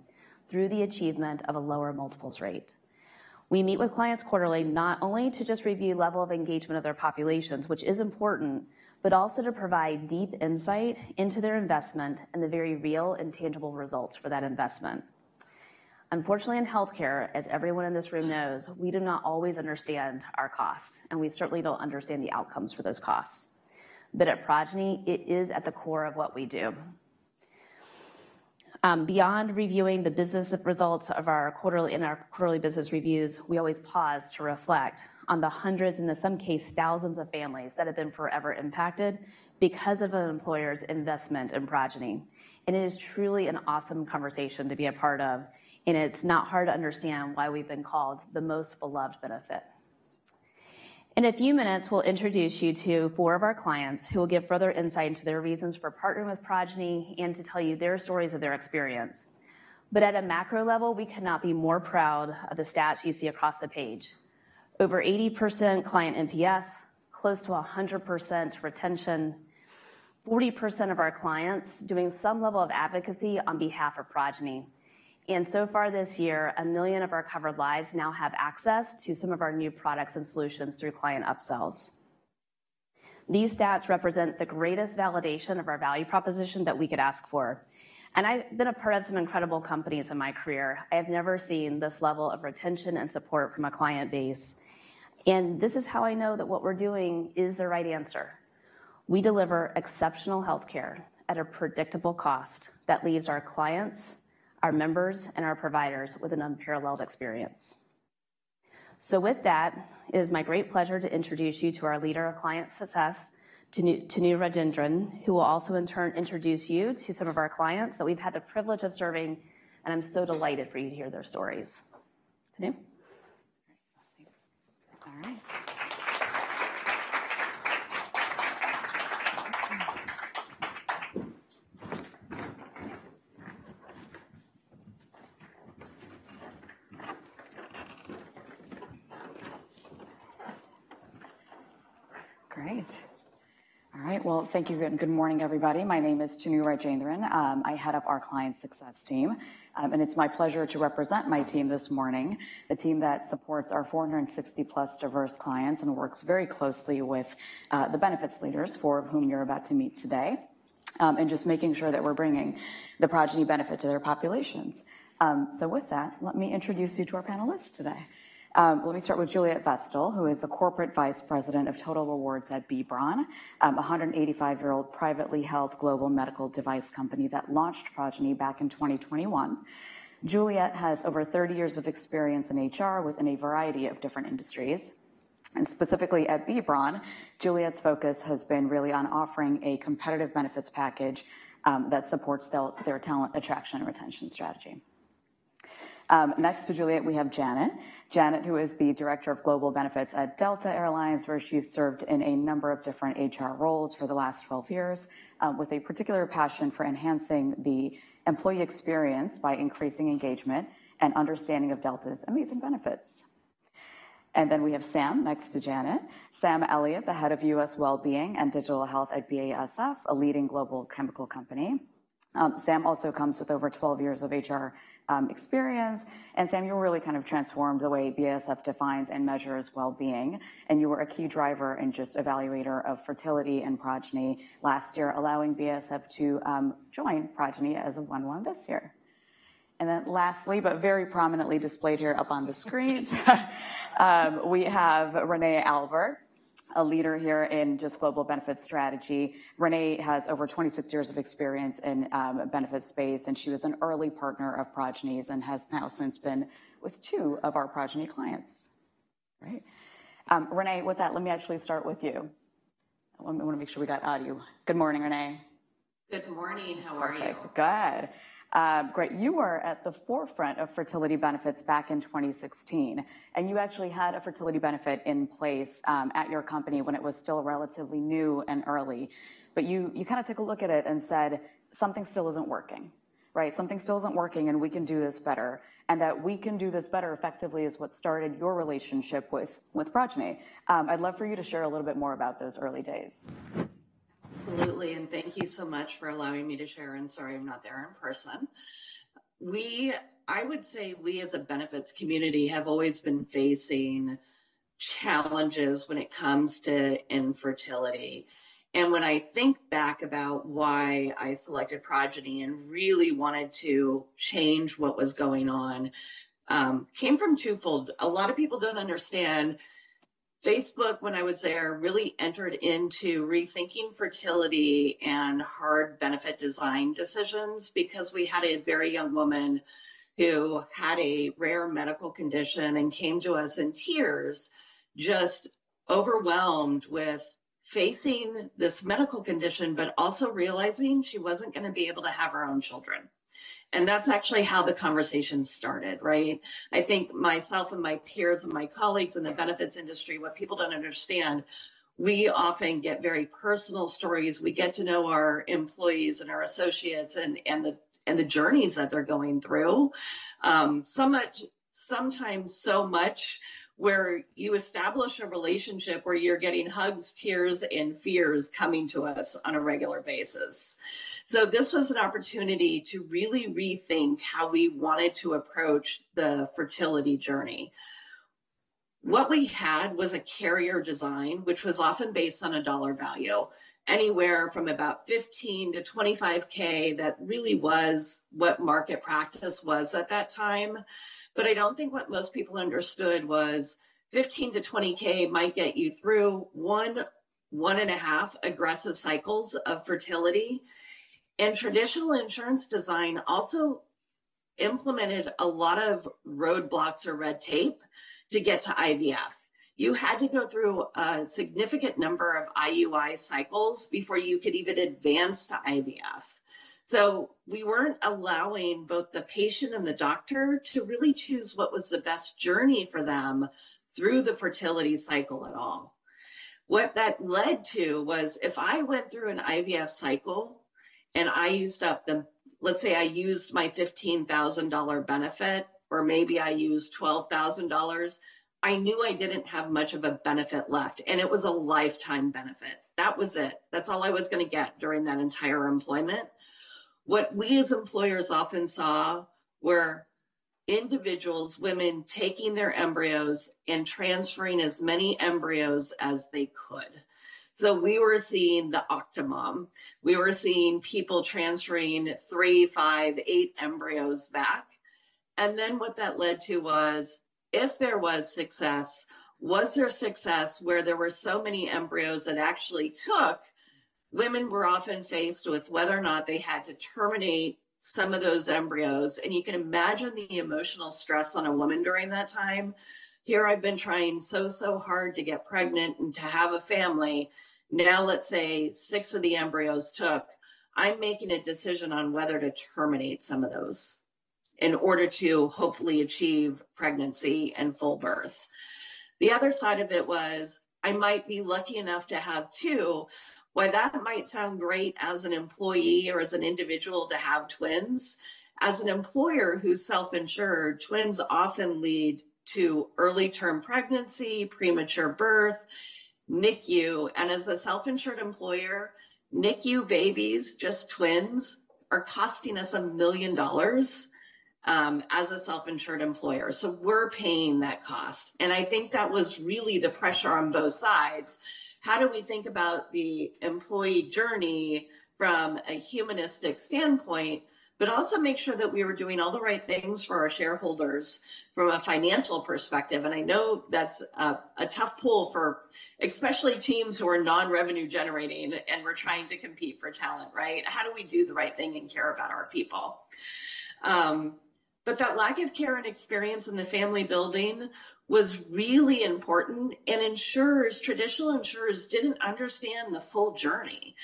Speaker 4: through the achievement of a lower multiples rate. We meet with clients quarterly, not only to just review level of engagement of their populations, which is important, but also to provide deep insight into their investment and the very real and tangible results for that investment. Unfortunately, in healthcare, as everyone in this room knows, we do not always understand our costs, and we certainly don't understand the outcomes for those costs. But at Progyny, it is at the core of what we do. Beyond reviewing the business results of our quarterly, in our quarterly business reviews, we always pause to reflect on the hundreds, and in some cases, thousands of families that have been forever impacted because of an employer's investment in Progyny. It is truly an awesome conversation to be a part of, and it's not hard to understand why we've been called the most beloved benefit. In a few minutes, we'll introduce you to four of our clients who will give further insight into their reasons for partnering with Progyny and to tell you their stories of their experience. But at a macro level, we cannot be more proud of the stats you see across the page. Over 80% client NPS, close to 100% retention, 40% of our clients doing some level of advocacy on behalf of Progyny, and so far this year, 1 million of our covered lives now have access to some of our new products and solutions through client upsells. These stats represent the greatest validation of our value proposition that we could ask for, and I've been a part of some incredible companies in my career. I have never seen this level of retention and support from a client base, and this is how I know that what we're doing is the right answer. We deliver exceptional healthcare at a predictable cost that leaves our clients, our members, and our providers with an unparalleled experience. So with that, it is my great pleasure to introduce you to our Leader of Client Success, Tanu, Tanu Rajendran, who will also in turn introduce you to some of our clients that we've had the privilege of serving, and I'm so delighted for you to hear their stories. Tanu?
Speaker 5: All right. Great. All right, well, thank you, and good morning, everybody. My name is Tanu Rajendran. I head up our client success team, and it's my pleasure to represent my team this morning, a team that supports our 460+ diverse clients and works very closely with the benefits leaders, four of whom you're about to meet today, and just making sure that we're bringing the Progyny benefit to their populations. So with that, let me introduce you to our panelists today. Let me start with Juliette Vestal, who is the Corporate Vice President of Total Rewards at B. Braun, a 185-year-old privately held global medical device company that launched Progyny back in 2021. Juliette has over 30 years of experience in HR within a variety of different industries, and specifically at B. Braun, Juliette's focus has been really on offering a competitive benefits package, that supports their, their talent attraction and retention strategy. Next to Juliette, we have Janet. Janet, who is the Director of Global Benefits at Delta Air Lines, where she's served in a number of different HR roles for the last 12 years, with a particular passion for enhancing the employee experience by increasing engagement and understanding of Delta's amazing benefits. And then we have Sam next to Janet. Sam Elliott, the Head of U.S. Wellbeing and Digital Health at BASF, a leading global chemical company. Sam also comes with over 12 years of HR experience, and Sam, you really kind of transformed the way BASF defines and measures well-being, and you were a key driver and just evaluator of fertility and Progyny last year, allowing BASF to join Progyny as a client this year. And then lastly, but very prominently displayed here up on the screens, we have Renee Albert, a leader here in just global benefit strategy. Renee has over 26 years of experience in benefit space, and she was an early partner of Progyny's and has now since been with two of our Progyny clients. Great. Renee, with that, let me actually start with you. I want, I wanna make sure we got audio. Good morning, Renee.
Speaker 6: Good morning. How are you?
Speaker 5: Perfect. Good. Great. You were at the forefront of fertility benefits back in 2016, and you actually had a fertility benefit in place at your company when it was still relatively new and early. But you, you kind of took a look at it and said: "Something still isn't working," right? "Something still isn't working, and we can do this better," and that we can do this better effectively is what started your relationship with Progyny. I'd love for you to share a little bit more about those early days.
Speaker 6: Absolutely, and thank you so much for allowing me to share, and sorry I'm not there in person. I would say we as a benefits community have always been facing challenges when it comes to infertility. And when I think back about why I selected Progyny and really wanted to change what was going on, came from twofold. A lot of people don't understand, Facebook, when I was there, really entered into rethinking fertility and hard benefit design decisions because we had a very young woman who had a rare medical condition and came to us in tears, just overwhelmed with facing this medical condition, but also realizing she wasn't gonna be able to have her own children. And that's actually how the conversation started, right? I think myself and my peers and my colleagues in the benefits industry, what people don't understand, we often get very personal stories. We get to know our employees and our associates and the journeys that they're going through. So much, sometimes so much where you establish a relationship where you're getting hugs, tears, and fears coming to us on a regular basis. So this was an opportunity to really rethink how we wanted to approach the fertility journey. What we had was a carrier design, which was often based on a dollar value, anywhere from about $15,000-$25,000. That really was what market practice was at that time, but I don't think what most people understood was $15,000-$20,000 might get you through one and a half aggressive cycles of fertility. Traditional insurance design also implemented a lot of roadblocks or red tape to get to IVF. You had to go through a significant number of IUI cycles before you could even advance to IVF. So we weren't allowing both the patient and the doctor to really choose what was the best journey for them through the fertility cycle at all. What that led to was, if I went through an IVF cycle and I used up the, let's say I used my $15,000 benefit, or maybe I used $12,000, I knew I didn't have much of a benefit left, and it was a lifetime benefit. That was it. That's all I was gonna get during that entire employment. What we as employers often saw were individuals, women, taking their embryos and transferring as many embryos as they could. So we were seeing the Octomom. We were seeing people transferring 3, 5, 8 embryos back. And then what that led to was, if there was success, was there success where there were so many embryos that actually took? Women were often faced with whether or not they had to terminate some of those embryos, and you can imagine the emotional stress on a woman during that time. "Here I've been trying so, so hard to get pregnant and to have a family. Now, let's say 6 of the embryos took. I'm making a decision on whether to terminate some of those in order to hopefully achieve pregnancy and full birth." The other side of it was, "I might be lucky enough to have 2." While that might sound great as an employee or as an individual to have twins, as an employer who's self-insured, twins often lead to early-term pregnancy, premature birth, NICU. As a self-insured employer, NICU babies, just twins, are costing us $1 million, as a self-insured employer, so we're paying that cost. I think that was really the pressure on both sides. How do we think about the employee journey from a humanistic standpoint, but also make sure that we were doing all the right things for our shareholders from a financial perspective? I know that's a tough pull for especially teams who are non-revenue generating, and we're trying to compete for talent, right? How do we do the right thing and care about our people? But that lack of care and experience in the family-building was really important, and insurers, traditional insurers, didn't understand the full journey.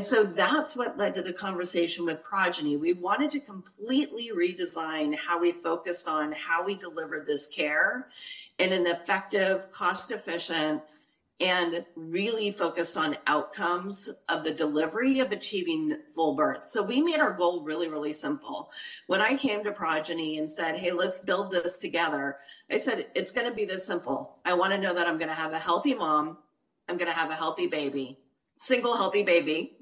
Speaker 6: So that's what led to the conversation with Progyny. We wanted to completely redesign how we focused on how we delivered this care in an effective, cost-efficient, and really focused on outcomes of the delivery of achieving full birth. So we made our goal really, really simple. When I came to Progyny and said, "Hey, let's build this together," I said, "It's gonna be this simple. I want to know that I'm gonna have a healthy mom. I'm gonna have a healthy baby, single healthy baby,"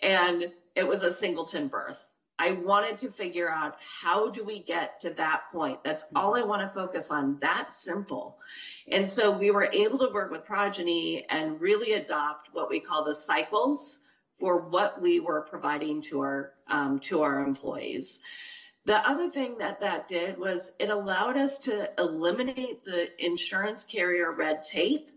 Speaker 6: and it was a singleton birth. I wanted to figure out, how do we get to that point? That's all I want to focus on. That simple. And so we were able to work with Progyny and really adopt what we call the cycles for what we were providing to our, to our employees. The other thing that that did was it allowed us to eliminate the insurance carrier red tape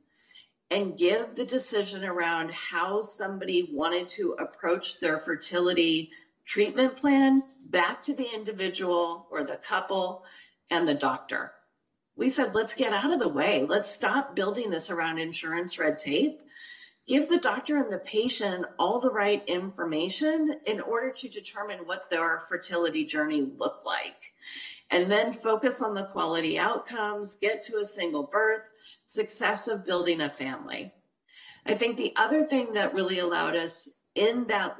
Speaker 6: and give the decision around how somebody wanted to approach their fertility treatment plan back to the individual or the couple and the doctor. We said, "Let's get out of the way. Let's stop building this around insurance red tape. Give the doctor and the patient all the right information in order to determine what their fertility journey looked like, and then focus on the quality outcomes, get to a single birth, success of building a family." I think the other thing that really allowed us in that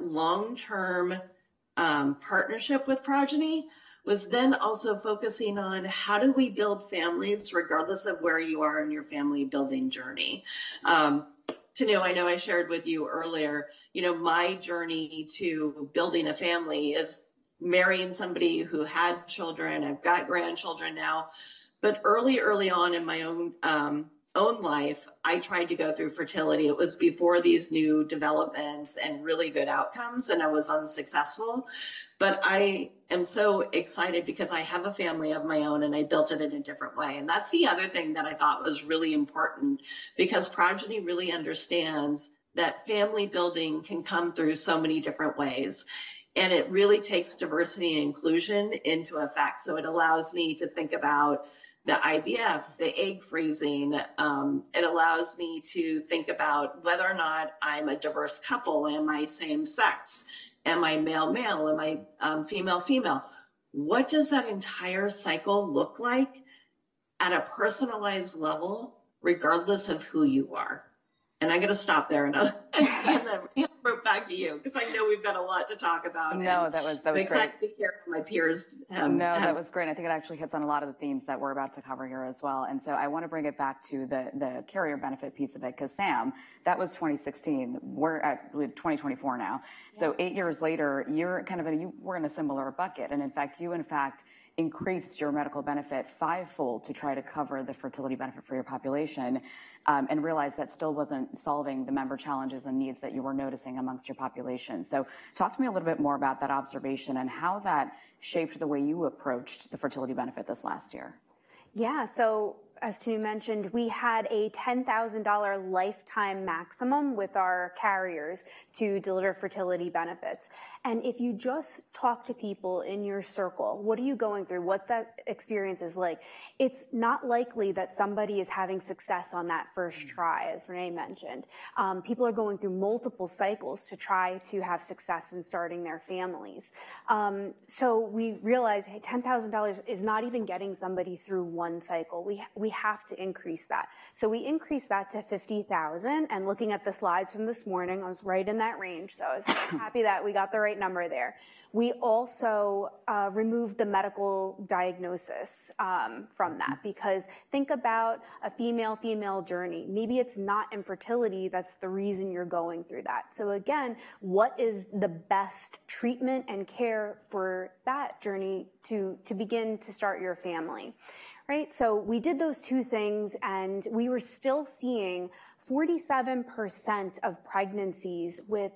Speaker 6: long-term partnership with Progyny was then also focusing on how do we build families, regardless of where you are in your family-building journey? Tanu, I know I shared with you earlier, you know, my journey to building a family is marrying somebody who had children. I've got grandchildren now. But early, early on in my own, own life, I tried to go through fertility. It was before these new developments and really good outcomes, and I was unsuccessful. But I am so excited because I have a family of my own, and I built it in a different way. And that's the other thing that I thought was really important because Progyny really understands that family building can come through so many different ways, and it really takes diversity and inclusion into effect. So it allows me to think about the IVF, the egg freezing. It allows me to think about whether or not I'm a diverse couple. Am I same sex? Am I male-male? Am I, female-female? What does that entire cycle look like at a personalized level, regardless of who you are? I'm going to stop there, and then hand it back to you because I know we've got a lot to talk about.
Speaker 5: No, that was, that was great.
Speaker 6: Exactly hear from my peers.
Speaker 5: No, that was great, and I think it actually hits on a lot of the themes that we're about to cover here as well. And so I want to bring it back to the carrier benefit piece of it, because, Sam, that was 2016. We're at, I believe, 2024 now. So eight years later, you're kind of in a—you were in a similar bucket, and in fact, you, in fact, increased your medical benefit fivefold to try to cover the fertility benefit for your population, and realized that still wasn't solving the member challenges and needs that you were noticing amongst your population. So talk to me a little bit more about that observation and how that shaped the way you approached the fertility benefit this last year.
Speaker 7: Yeah. So as Tanu mentioned, we had a $10,000 lifetime maximum with our carriers to deliver fertility benefits. And if you just talk to people in your circle, what are you going through? What that experience is like, it's not likely that somebody is having success on that first try, as Renee mentioned. People are going through multiple cycles to try to have success in starting their families. So we realized, hey, $10,000 is not even getting somebody through one cycle. We have to increase that. So we increased that to $50,000, and looking at the slides from this morning, I was right in that range, so I was happy that we got the right number there. We also removed the medical diagnosis from that, because think about a female-female journey. Maybe it's not infertility, that's the reason you're going through that. So again, what is the best treatment and care for that journey to begin to start your family, right? So we did those two things, and we were still seeing 47% of pregnancies with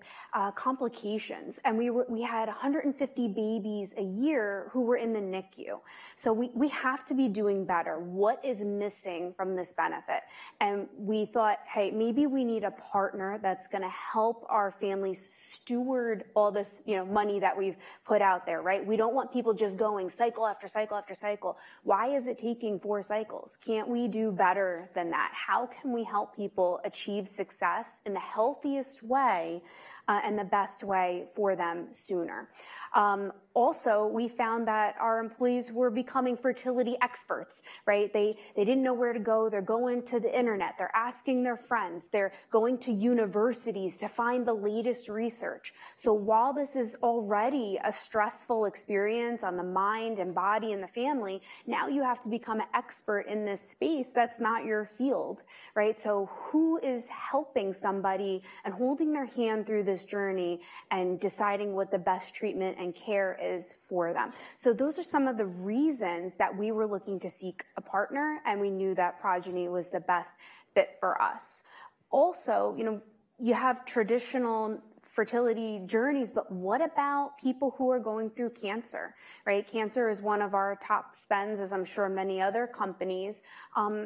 Speaker 7: complications, and we had 150 babies a year who were in the NICU. So we have to be doing better. What is missing from this benefit? And we thought, hey, maybe we need a partner that's going to help our families steward all this, you know, money that we've put out there, right? We don't want people just going cycle after cycle after cycle. Why is it taking four cycles? Can't we do better than that? How can we help people achieve success in the healthiest way and the best way for them sooner? Also, we found that our employees were becoming fertility experts, right? They didn't know where to go. They're going to the internet, they're asking their friends, they're going to universities to find the latest research. So while this is already a stressful experience on the mind and body and the family, now you have to become an expert in this space that's not your field, right? So those are some of the reasons that we were looking to seek a partner, and we knew that Progyny was the best fit for us. Also, you know, you have traditional fertility journeys, but what about people who are going through cancer, right? Cancer is one of our top spends, as I'm sure many other companies.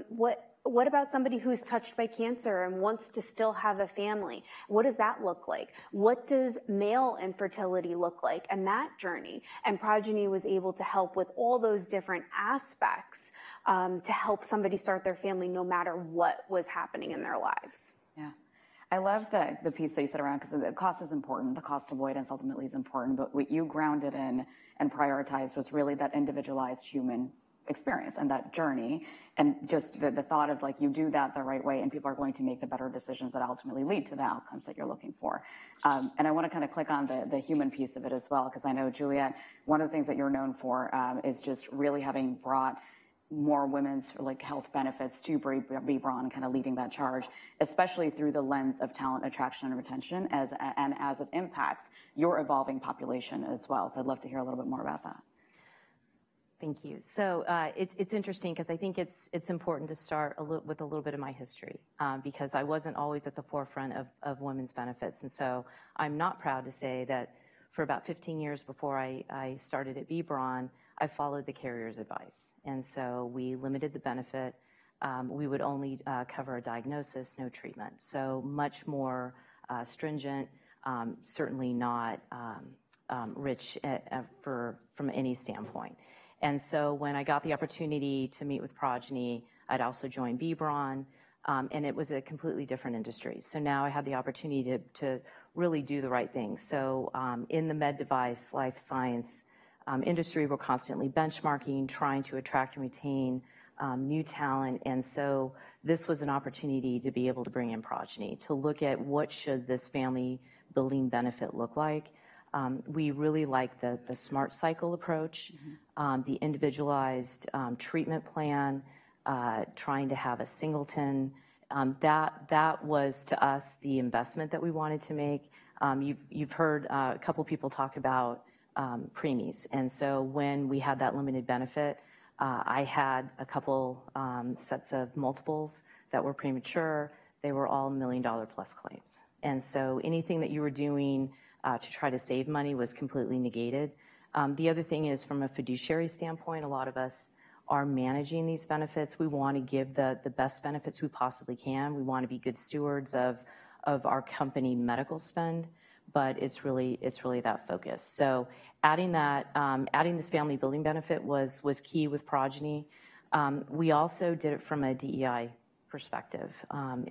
Speaker 7: What, what about somebody who's touched by cancer and wants to still have a family? What does that look like? What does male infertility look like and that journey? And Progyny was able to help with all those different aspects, to help somebody start their family, no matter what was happening in their lives.
Speaker 5: Yeah. I love the piece that you said around, because the cost is important. The cost avoidance ultimately is important, but what you grounded in and prioritized was really that individualized human experience and that journey, and just the thought of, like, you do that the right way, and people are going to make the better decisions that ultimately lead to the outcomes that you're looking for. And I want to kind of click on the human piece of it as well, because I know, Juliette, one of the things that you're known for is just really having brought more women's, like, health benefits to B. Braun and kind of leading that charge, especially through the lens of talent attraction and retention, and as it impacts your evolving population as well. So I'd love to hear a little bit more about that.
Speaker 8: Thank you. So, it's interesting because I think it's important to start with a little bit of my history, because I wasn't always at the forefront of women's benefits. And so I'm not proud to say that for about 15 years before I started at B. Braun, I followed the carrier's advice, and so we limited the benefit. We would only cover a diagnosis, no treatment. So much more stringent, certainly not rich from any standpoint. And so when I got the opportunity to meet with Progyny, I'd also joined B. Braun, and it was a completely different industry. So now I had the opportunity to really do the right thing. So, in the med device, life science industry, we're constantly benchmarking, trying to attract and retain, new talent. And so this was an opportunity to be able to bring in Progyny, to look at what should this family building benefit look like. We really like the Smart Cycle approach-
Speaker 5: Mm-hmm.
Speaker 8: The individualized treatment plan, trying to have a singleton. That, that was, to us, the investment that we wanted to make. You've, you've heard, a couple people talk about preemies. And so when we had that limited benefit, I had a couple sets of multiples that were premature. They were all $1 million-plus claims. And so anything that you were doing to try to save money was completely negated. The other thing is, from a fiduciary standpoint, a lot of us are managing these benefits. We want to give the, the best benefits we possibly can. We want to be good stewards of, of our company medical spend, but it's really, it's really that focus. So adding that, adding this family building benefit was, was key with Progyny. We also did it from a DEI perspective.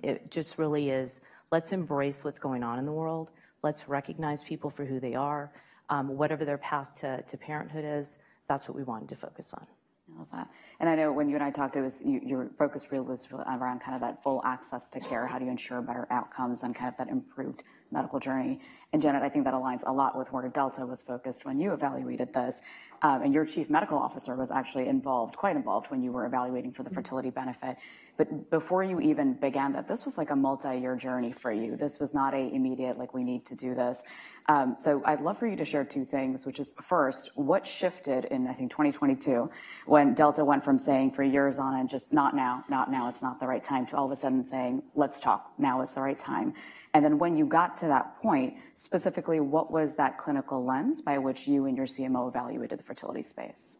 Speaker 8: It just really is, let's embrace what's going on in the world. Let's recognize people for who they are, whatever their path to parenthood is, that's what we wanted to focus on.
Speaker 5: I love that. I know when you and I talked, it was your focus really was around kind of that full access to care, how do you ensure better outcomes and kind of that improved medical journey. Janet, I think that aligns a lot with where Delta was focused when you evaluated this. And your chief medical officer was actually involved, quite involved, when you were evaluating for the fertility benefit. But before you even began that, this was like a multi-year journey for you. This was not an immediate, like, we need to do this. So, I'd love for you to share two things, which is, first, what shifted in, I think, 2022, when Delta went from saying for years on end, "Just not now, not now, it's not the right time," to all of a sudden saying, "Let's talk, now is the right time?" And then when you got to that point, specifically, what was that clinical lens by which you and your CMO evaluated the fertility space?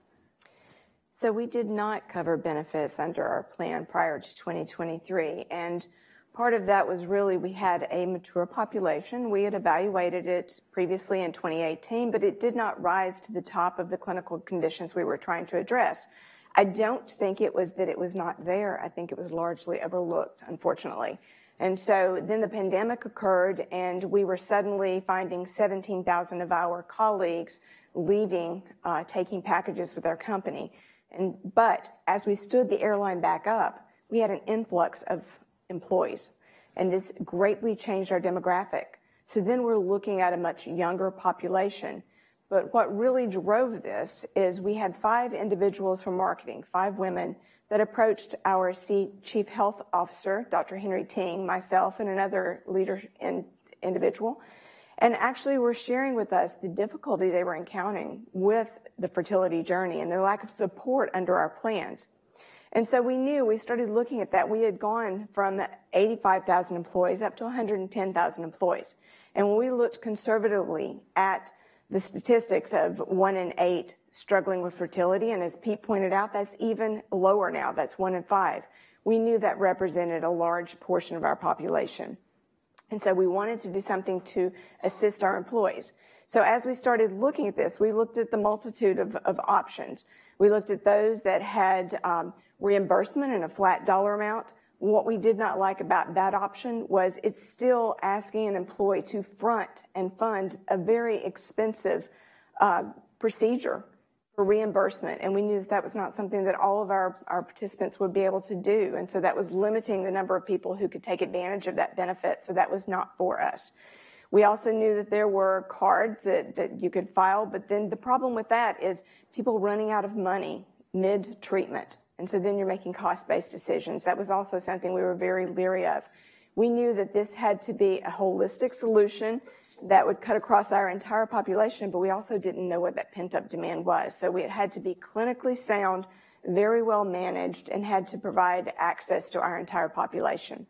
Speaker 8: So we did not cover benefits under our plan prior to 2023, and part of that was really we had a mature population. We had evaluated it previously in 2018, but it did not rise to the top of the clinical conditions we were trying to address. I don't think it was that it was not there, I think it was largely overlooked, unfortunately. And so then the pandemic occurred, and we were suddenly finding 17,000 of our colleagues leaving, taking packages with our company. And but as we stood the airline back up, we had an influx of employees, and this greatly changed our demographic. So then we're looking at a much younger population. But what really drove this is we had five individuals from marketing, five women, that approached our Chief Health Officer, Dr. Henry Ting, myself, and another leader individual, and actually were sharing with us the difficulty they were encountering with the fertility journey and the lack of support under our plans. So we knew. We started looking at that. We had gone from 85,000 employees up to 110,000 employees. When we looked conservatively at the statistics of one in eight struggling with fertility, and as Pete pointed out, that's even lower now, that's one in five, we knew that represented a large portion of our population, and so we wanted to do something to assist our employees. As we started looking at this, we looked at the multitude of options. We looked at those that had reimbursement in a flat dollar amount. What we did not like about that option was it's still asking an employee to front and fund a very expensive procedure for reimbursement, and we knew that that was not something that all of our, our participants would be able to do, and so that was limiting the number of people who could take advantage of that benefit, so that was not for us. We also knew that there were cards that, that you could file, but then the problem with that is people running out of money mid-treatment, and so then you're making cost-based decisions. That was also something we were very leery of. We knew that this had to be a holistic solution that would cut across our entire population, but we also didn't know what that pent-up demand was. So it had to be clinically sound, very well managed, and had to provide access to our entire population.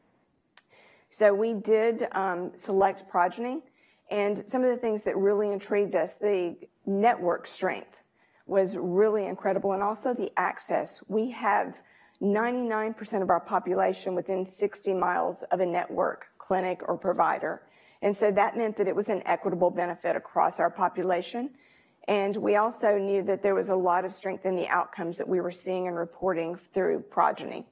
Speaker 8: So we did select Progyny, and some of the things that really intrigued us, the network strength was really incredible, and also the access. We have 99% of our population within 60 mi of a network clinic or provider, and so that meant that it was an equitable benefit across our population. And we also knew that there was a lot of strength in the outcomes that we were seeing and reporting through Progyny.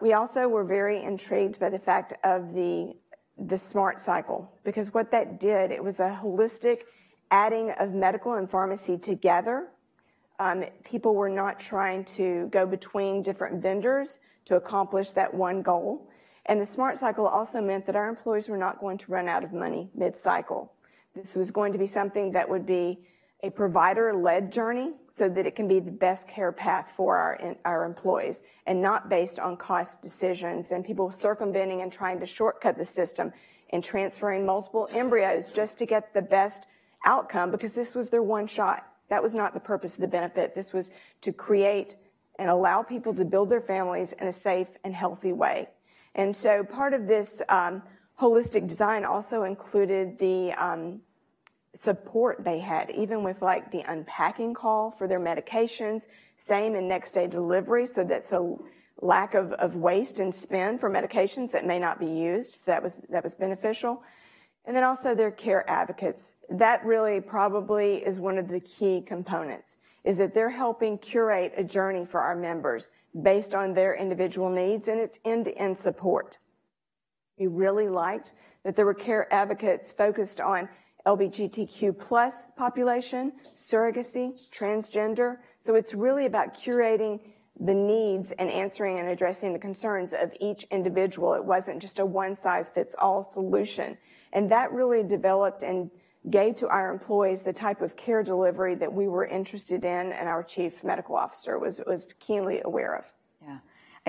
Speaker 8: We also were very intrigued by the fact of the Smart Cycle, because what that did, it was a holistic adding of medical and pharmacy together. People were not trying to go between different vendors to accomplish that one goal. And the Smart Cycle also meant that our employees were not going to run out of money mid-cycle. This was going to be something that would be a provider-led journey, so that it can be the best care path for our employees, and not based on cost decisions, and people circumventing and trying to shortcut the system, and transferring multiple embryos just to get the best outcome, because this was their one shot. That was not the purpose of the benefit. This was to create and allow people to build their families in a safe and healthy way. And so part of this, holistic design also included the, support they had, even with, like, the unpacking call for their medications, same and next day delivery, so that's a lack of, of waste and spend for medications that may not be used. So that was, that was beneficial. And then also their care advocates. That really probably is one of the key components, is that they're helping curate a journey for our members based on their individual needs, and it's end-to-end support.... We really liked that there were care advocates focused on LGBTQ+ population, surrogacy, transgender. So it's really about curating the needs and answering and addressing the concerns of each individual. It wasn't just a one-size-fits-all solution, and that really developed and gave to our employees the type of care delivery that we were interested in, and our chief medical officer was, was keenly aware of.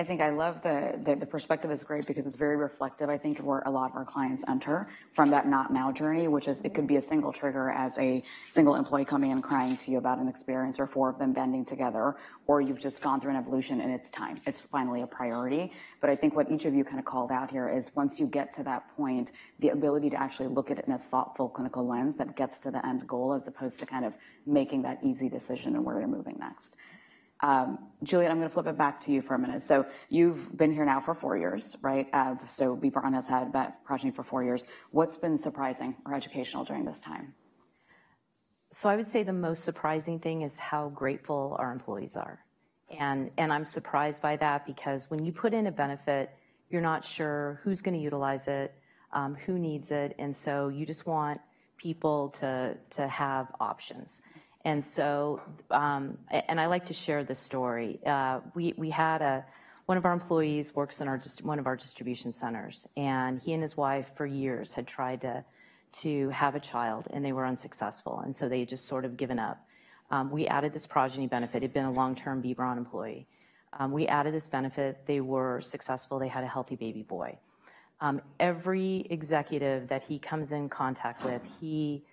Speaker 5: Yeah. I think I love the perspective is great because it's very reflective. I think where a lot of our clients enter from that not now journey, which is it could be a single trigger as a single employee coming in and crying to you about an experience, or four of them banding together, or you've just gone through an evolution, and it's time. It's finally a priority. But I think what each of you kind of called out here is, once you get to that point, the ability to actually look at it in a thoughtful, clinical lens that gets to the end goal, as opposed to kind of making that easy decision on where you're moving next. Juliette, I'm going to flip it back to you for a minute. So you've been here now for four years, right? So B. Braun has had that Progyny for four years. What's been surprising or educational during this time?
Speaker 8: So I would say the most surprising thing is how grateful our employees are, and I'm surprised by that because when you put in a benefit, you're not sure who's going to utilize it, who needs it, and so you just want people to have options. And so, I like to share this story. One of our employees works in one of our distribution centers, and he and his wife for years had tried to have a child, and they were unsuccessful, and so they just sort of given up. We added this Progyny benefit. He'd been a long-term B. Braun employee. We added this benefit. They were successful. They had a healthy baby boy. Every executive that he comes in contact with, he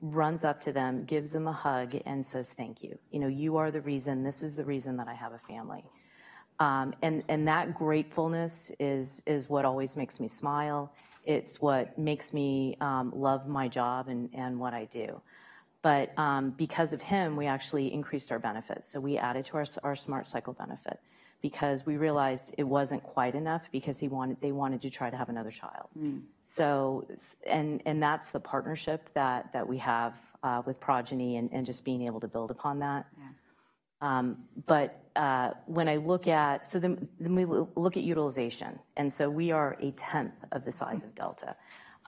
Speaker 8: runs up to them, gives them a hug, and says: "Thank you. You know, you are the reason, this is the reason that I have a family." And that gratefulness is what always makes me smile. It's what makes me love my job and what I do. But because of him, we actually increased our benefits, so we added to our Smart Cycle benefit because we realized it wasn't quite enough because they wanted to try to have another child.
Speaker 5: Mm.
Speaker 8: So, and that's the partnership that we have with Progyny and just being able to build upon that.
Speaker 5: Yeah.
Speaker 8: But when I look at... So then we look at utilization, and so we are a tenth of the size of Delta.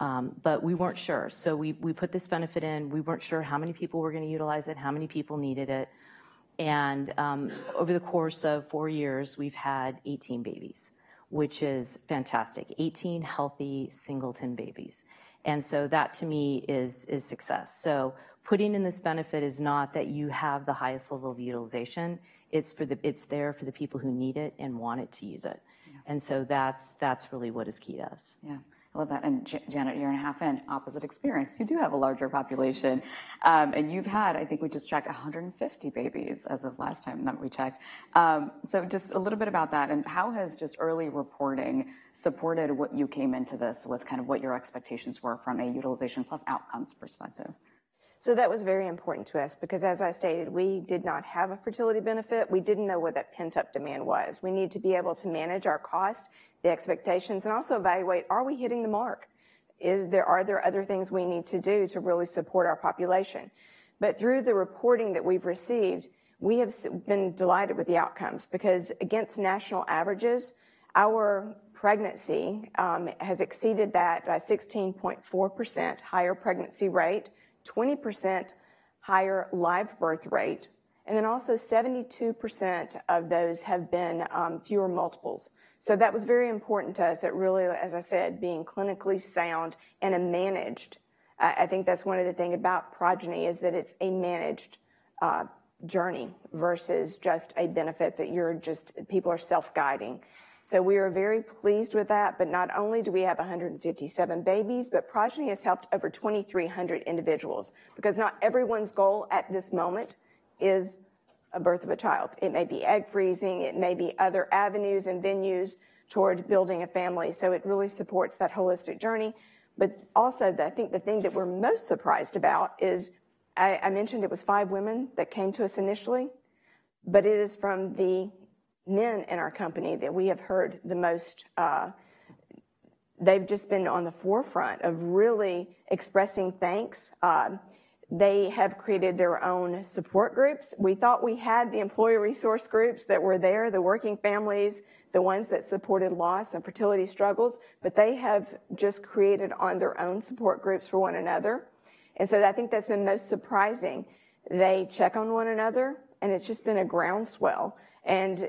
Speaker 5: Mm.
Speaker 8: But we weren't sure. So we put this benefit in. We weren't sure how many people were going to utilize it, how many people needed it, and over the course of four years, we've had 18 babies, which is fantastic. 18 healthy singleton babies, and so that to me is success. So putting in this benefit is not that you have the highest level of utilization. It's there for the people who need it and wanted to use it.
Speaker 5: Yeah.
Speaker 8: That's really what is key to us.
Speaker 5: Yeah, I love that. Janet, you're in a half in, opposite experience. You do have a larger population, and you've had, I think we just tracked 150 babies as of last time that we checked. So just a little bit about that, and how has just early reporting supported what you came into this with, kind of what your expectations were from a utilization plus outcomes perspective?
Speaker 9: So that was very important to us because, as I stated, we did not have a fertility benefit. We didn't know what that pent-up demand was. We need to be able to manage our cost, the expectations, and also evaluate, are we hitting the mark? Is there? Are there other things we need to do to really support our population? But through the reporting that we've received, we have been delighted with the outcomes because against national averages, our pregnancy has exceeded that by 16.4% higher pregnancy rate, 20% higher live birth rate, and then also 72% of those have been fewer multiples. So that was very important to us, that really, as I said, being clinically sound and a managed... I think that's one other thing about Progyny, is that it's a managed journey versus just a benefit that you're just—people are self-guiding. So we are very pleased with that, but not only do we have 157 babies, but Progyny has helped over 2,300 individuals because not everyone's goal at this moment is a birth of a child. It may be egg freezing, it may be other avenues and venues toward building a family, so it really supports that holistic journey. But also, I think the thing that we're most surprised about is, I mentioned it was five women that came to us initially, but it is from the men in our company that we have heard the most. They've just been on the forefront of really expressing thanks. They have created their own support groups. We thought we had the employee resource groups that were there, the working families, the ones that supported loss and fertility struggles, but they have just created on their own support groups for one another, and so I think that's been most surprising. They check on one another, and it's just been a groundswell.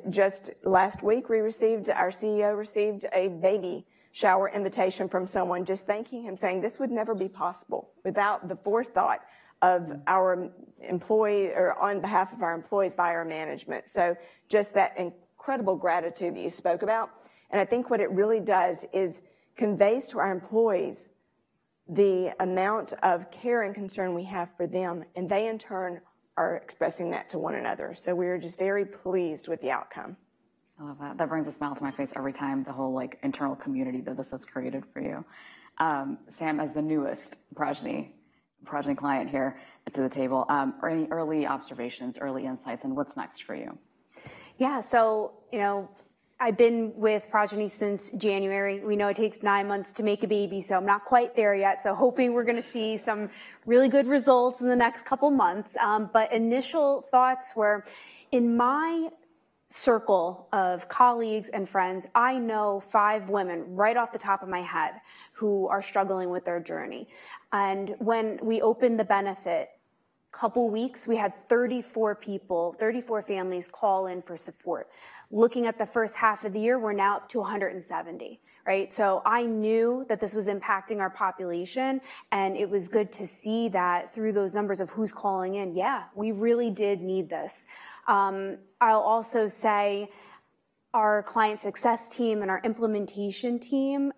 Speaker 9: Just last week, our CEO received a baby shower invitation from someone just thanking him, saying, "This would never be possible without the forethought of our employee or on behalf of our employees by our management." So just that incredible gratitude that you spoke about, and I think what it really does is conveys to our employees the amount of care and concern we have for them, and they, in turn, are expressing that to one another. So we are just very pleased with the outcome.
Speaker 5: I love that. That brings a smile to my face every time, the whole, like, internal community that this has created for you. Sam, as the newest Progyny client here to the table, are any early observations, early insights on what's next for you?
Speaker 7: Yeah. So, you know, I've been with Progyny since January. We know it takes nine months to make a baby, so I'm not quite there yet. So hoping we're gonna see some really good results in the next couple of months. But initial thoughts were, in my circle of colleagues and friends, I know five women, right off the top of my head, who are struggling with their journey. And when we opened the benefit, couple weeks, we had 34 people, 34 families call in for support. Looking at the first half of the year, we're now up to 170, right? So I knew that this was impacting our population, and it was good to see that through those numbers of who's calling in. Yeah, we really did need this. I'll also say our client success team and our implementation team,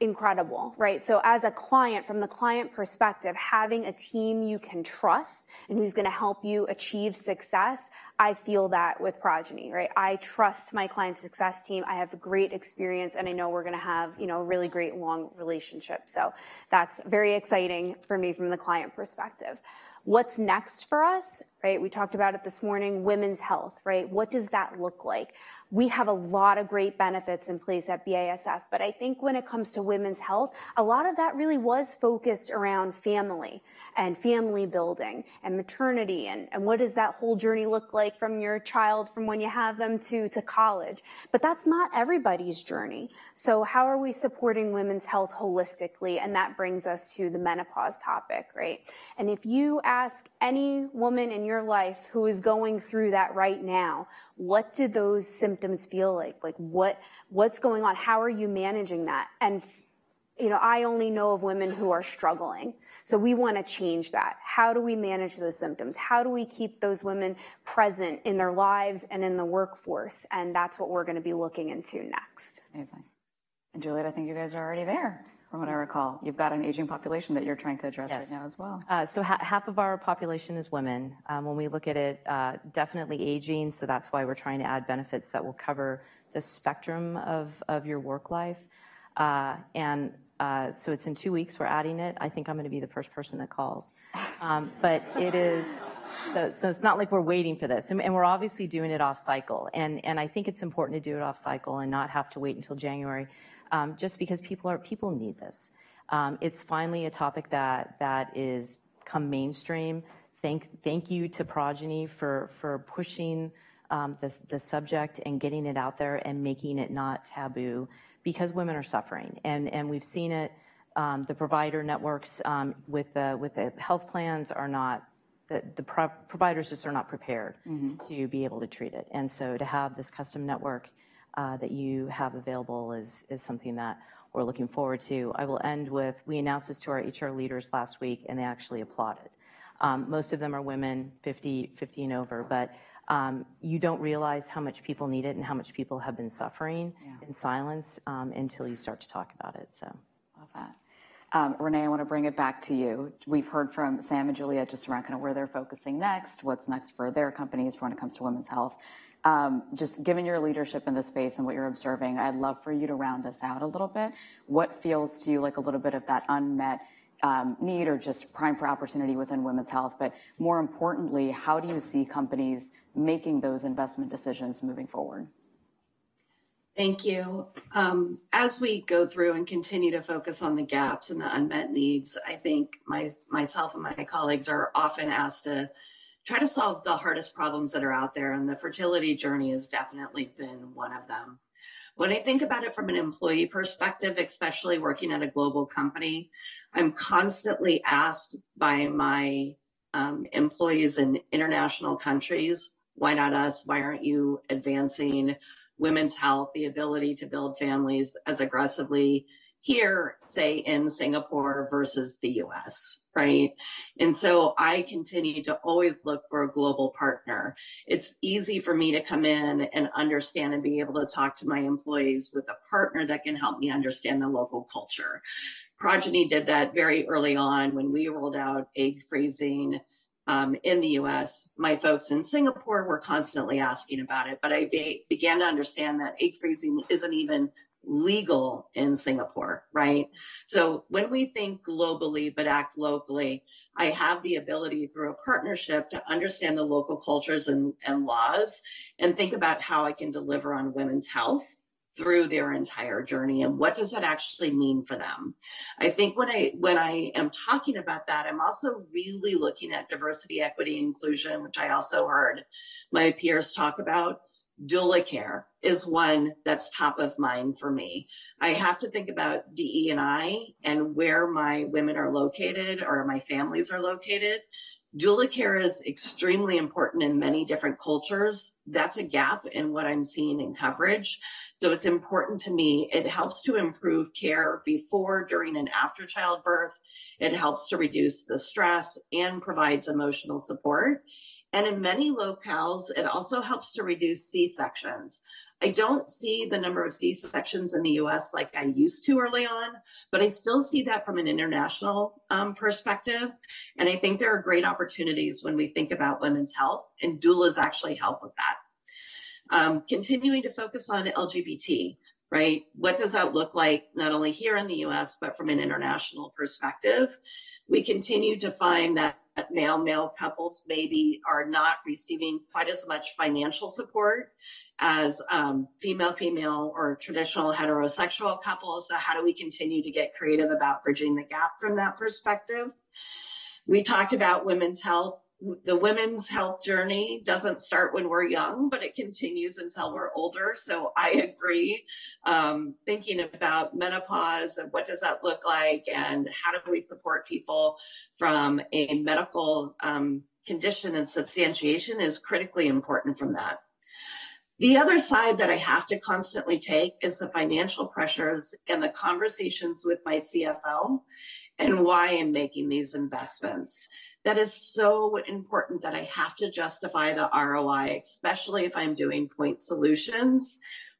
Speaker 7: incredible, right? So as a client, from the client perspective, having a team you can trust and who's gonna help you achieve success, I feel that with Progyny, right? I trust my client success team. I have great experience, and I know we're gonna have, you know, a really great long relationship. So that's very exciting for me from the client perspective. What's next for us, right? We talked about it this morning, women's health, right? What does that look like? We have a lot of great benefits in place at BASF, but I think when it comes to women's health, a lot of that really was focused around family, and family building, and maternity and, and what does that whole journey look like from your child, from when you have them to, to college? But that's not everybody's journey. So how are we supporting women's health holistically? And that brings us to the menopause topic, right? And if you ask any woman in your life who is going through that right now, what do those symptoms feel like? Like, what, what's going on? How are you managing that? And, you know, I only know of women who are struggling, so we wanna change that. How do we manage those symptoms? How do we keep those women present in their lives and in the workforce? And that's what we're gonna be looking into next.
Speaker 5: Amazing. And, Juliette, I think you guys are already there, from what I recall. You've got an aging population that you're trying to address-
Speaker 8: Yes.
Speaker 5: right now as well.
Speaker 8: So half of our population is women. When we look at it, definitely aging, so that's why we're trying to add benefits that will cover the spectrum of your work life. And so it's in two weeks, we're adding it. I think I'm gonna be the first person that calls. But it is. So it's not like we're waiting for this, and we're obviously doing it off cycle. And I think it's important to do it off cycle and not have to wait until January, just because people are— people need this. It's finally a topic that is become mainstream. Thank you to Progyny for pushing the subject and getting it out there and making it not taboo because women are suffering and we've seen it. The provider networks with the health plans are not—the providers just are not prepared-
Speaker 5: Mm-hmm.
Speaker 8: ...to be able to treat it. And so to have this custom network that you have available is something that we're looking forward to. I will end with, we announced this to our HR leaders last week, and they actually applauded. Most of them are women, 50, 50 and over. But you don't realize how much people need it and how much people have been suffering-
Speaker 5: Yeah...
Speaker 8: in silence, until you start to talk about it, so.
Speaker 5: Love that. Renee, I want to bring it back to you. We've heard from Sam and Juliette just around kind of where they're focusing next, what's next for their companies when it comes to women's health. Just given your leadership in this space and what you're observing, I'd love for you to round us out a little bit. What feels to you like a little bit of that unmet need or just prime for opportunity within women's health? But more importantly, how do you see companies making those investment decisions moving forward?
Speaker 6: Thank you. As we go through and continue to focus on the gaps and the unmet needs, I think myself and my colleagues are often asked to try to solve the hardest problems that are out there, and the fertility journey has definitely been one of them. When I think about it from an employee perspective, especially working at a global company, I'm constantly asked by my employees in international countries: "Why not us? Why aren't you advancing women's health, the ability to build families, as aggressively here, say, in Singapore versus the U.S.?" Right? And so I continue to always look for a global partner. It's easy for me to come in and understand and be able to talk to my employees with a partner that can help me understand the local culture. Progyny did that very early on when we rolled out egg freezing in the U.S. My folks in Singapore were constantly asking about it, but I began to understand that egg freezing isn't even legal in Singapore, right? So when we think globally but act locally, I have the ability, through a partnership, to understand the local cultures and laws and think about how I can deliver on women's health through their entire journey, and what does that actually mean for them? I think when I am talking about that, I'm also really looking at diversity, equity, inclusion, which I also heard my peers talk about. Doula care is one that's top of mind for me. I have to think about DE&I and where my women are located or my families are located. Doula care is extremely important in many different cultures. That's a gap in what I'm seeing in coverage, so it's important to me. It helps to improve care before, during, and after childbirth. It helps to reduce the stress and provides emotional support, and in many locales, it also helps to reduce C-sections. I don't see the number of C-sections in the U.S. like I used to early on, but I still see that from an international perspective, and I think there are great opportunities when we think about women's health, and doulas actually help with that. Continuing to focus on LGBT, right? What does that look like, not only here in the U.S. but from an international perspective? We continue to find that male-male couples maybe are not receiving quite as much financial support as female-female or traditional heterosexual couples. So how do we continue to get creative about bridging the gap from that perspective? We talked about women's health. The women's health journey doesn't start when we're young, but it continues until we're older. So I agree. Thinking about menopause and what does that look like, and how do we support people from a medical condition and substantiation is critically important from that. The other side that I have to constantly take is the financial pressures and the conversations with my CFO and why I'm making these investments. That is so important that I have to justify the ROI, especially if I'm doing point solutions.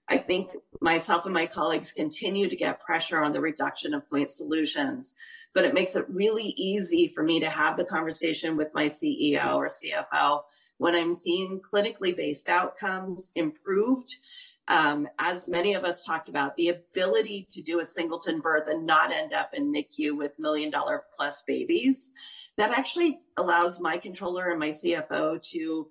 Speaker 6: I think myself and my colleagues continue to get pressure on the reduction of point solutions, but it makes it really easy for me to have the conversation with my CEO or CFO when I'm seeing clinically based outcomes improved. As many of us talked about, the ability to do a singleton birth and not end up in NICU with million-dollar-plus babies, that actually allows my controller and my CFO to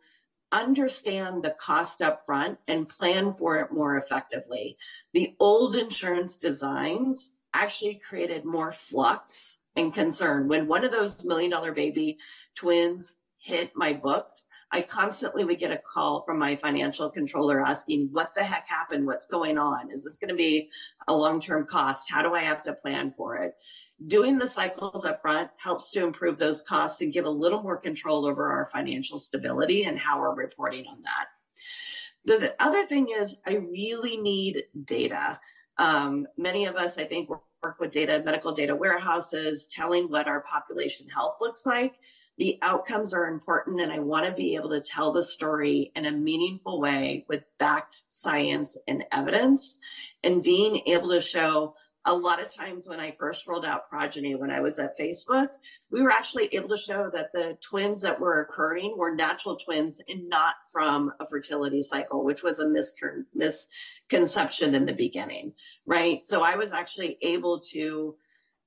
Speaker 6: understand the cost up front and plan for it more effectively. The old insurance designs actually created more flux and concern. When one of those million-dollar baby twins hit my books, I constantly would get a call from my financial controller asking: "What the heck happened? What's going on? Is this going to be a long-term cost? How do I have to plan for it?" Doing the cycles up front helps to improve those costs and give a little more control over our financial stability and how we're reporting on that. The other thing is, I really need data. Many of us, I think, work with data, medical data warehouses, telling what our population health looks like. The outcomes are important, and I want to be able to tell the story in a meaningful way with backed science and evidence, and being able to show... A lot of times when I first rolled out Progyny, when I was at Facebook, we were actually able to show that the twins that were occurring were natural twins and not from a fertility cycle, which was a misconception in the beginning, right? So I was actually able to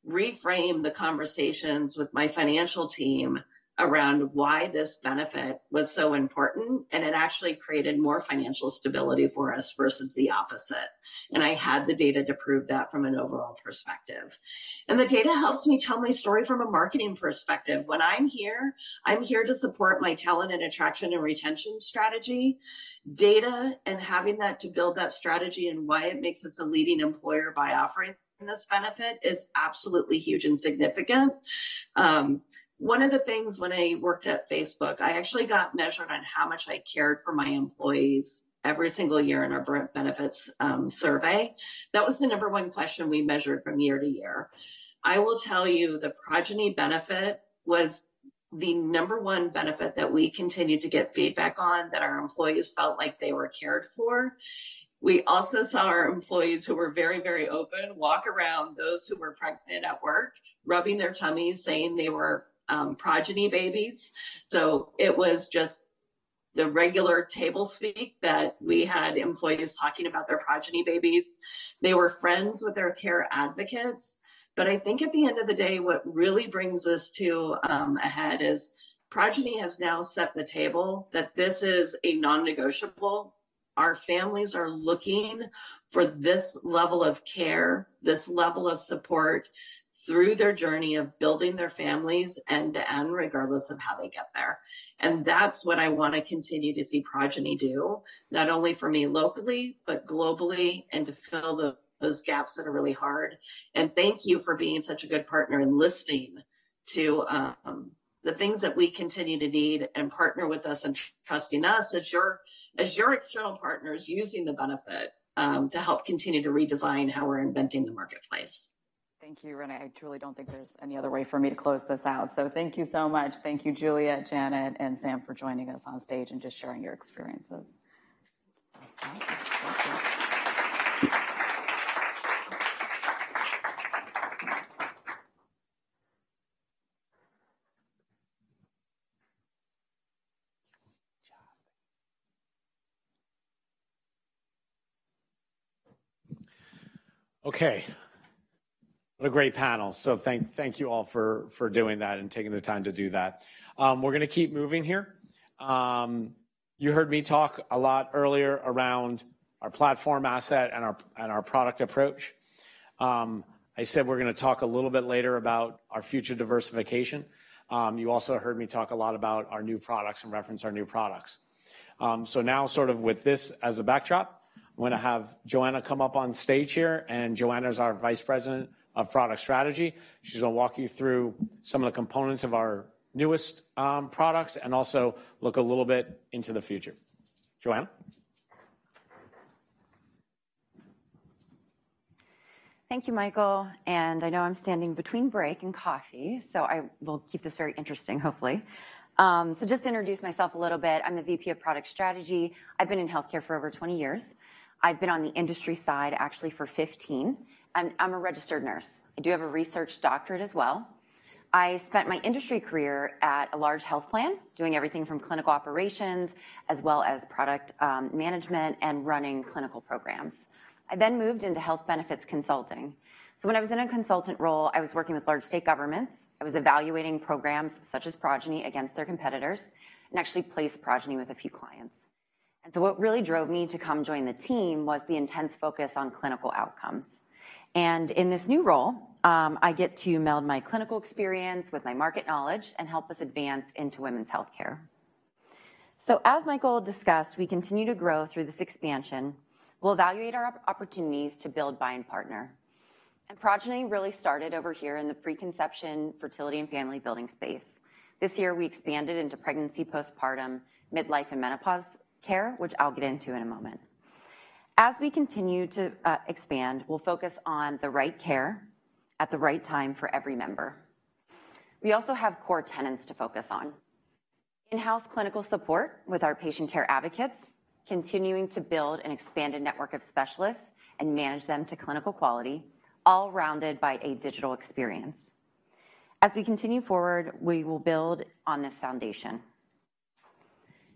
Speaker 6: reframe the conversations with my financial team around why this benefit was so important, and it actually created more financial stability for us versus the opposite. And I had the data to prove that from an overall perspective. And the data helps me tell my story from a marketing perspective. When I'm here, I'm here to support my talent and attraction and retention strategy. Data, and having that to build that strategy and why it makes us a leading employer by offering this benefit, is absolutely huge and significant. One of the things when I worked at Facebook, I actually got measured on how much I cared for my employees every single year in our benefits survey. That was the number one question we measured from year to year. I will tell you, the Progyny benefit was the number one benefit that we continued to get feedback on, that our employees felt like they were cared for. We also saw our employees, who were very, very open, walk around those who were pregnant at work, rubbing their tummies, saying they were Progyny babies. So it was just the regular table speak that we had employees talking about their Progyny babies. They were friends with their care advocates. But I think at the end of the day, what really brings this to a head is Progyny has now set the table that this is a non-negotiable. Our families are looking for this level of care, this level of support through their journey of building their families end to end, regardless of how they get there. And that's what I want to continue to see Progyny do, not only for me locally, but globally, and to fill the, those gaps that are really hard. Thank you for being such a good partner and listening to the things that we continue to need and partner with us and trusting us as your, as your external partners, using the benefit to help continue to redesign how we're inventing the marketplace.
Speaker 5: Thank you, Renee. I truly don't think there's any other way for me to close this out. So thank you so much. Thank you, Julie, Janet, and Sam, for joining us on stage and just sharing your experiences. Thank you.
Speaker 3: Okay. What a great panel. So thank you all for doing that and taking the time to do that. We're going to keep moving here. You heard me talk a lot earlier around our platform asset and our product approach. I said we're going to talk a little bit later about our future diversification. You also heard me talk a lot about our new products and reference our new products. So now, sort of with this as a backdrop, I'm going to have Joanna come up on stage here, and Joanna is our Vice President of Product Strategy. She's going to walk you through some of the components of our newest products and also look a little bit into the future. Joanna?
Speaker 10: Thank you, Michael, and I know I'm standing between break and coffee, so I will keep this very interesting, hopefully. So just to introduce myself a little bit, I'm the VP of Product Strategy. I've been in healthcare for over 20 years. I've been on the industry side, actually, for 15, and I'm a registered nurse. I do have a research doctorate as well. I spent my industry career at a large health plan, doing everything from clinical operations as well as product management and running clinical programs. I then moved into health benefits consulting. So when I was in a consultant role, I was working with large state governments. I was evaluating programs such as Progyny against their competitors and actually placed Progyny with a few clients. And so what really drove me to come join the team was the intense focus on clinical outcomes. In this new role, I get to meld my clinical experience with my market knowledge and help us advance into women's healthcare. So as Michael discussed, we continue to grow through this expansion. We'll evaluate our opportunities to build, buy, and partner. Progyny really started over here in the preconception, fertility, and family-building space. This year, we expanded into pregnancy, postpartum, midlife, and menopause care, which I'll get into in a moment. As we continue to expand, we'll focus on the right care at the right time for every member. We also have core tenets to focus on. In-house clinical support with our Patient Care Advocates, continuing to build an expanded network of specialists and manage them to clinical quality, all rounded by a digital experience. As we continue forward, we will build on this foundation.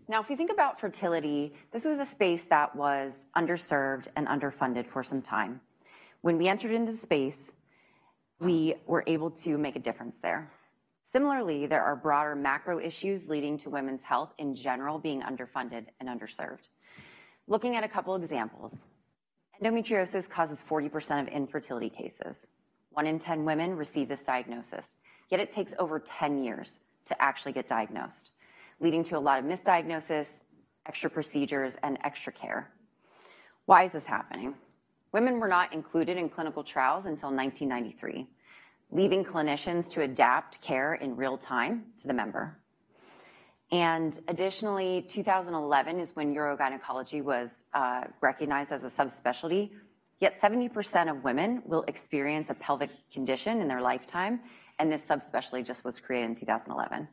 Speaker 10: Now, if you think about fertility, this was a space that was underserved and underfunded for some time. When we entered into the space, we were able to make a difference there. Similarly, there are broader macro issues leading to women's health in general being underfunded and underserved. Looking at a couple examples, endometriosis causes 40% of infertility cases. One in 10 women receive this diagnosis, yet it takes over 10 years to actually get diagnosed, leading to a lot of misdiagnosis, extra procedures, and extra care. Why is this happening? Women were not included in clinical trials until 1993, leaving clinicians to adapt care in real time to the member. Additionally, 2011 is when urogynecology was recognized as a subspecialty, yet 70% of women will experience a pelvic condition in their lifetime, and this subspecialty just was created in 2011.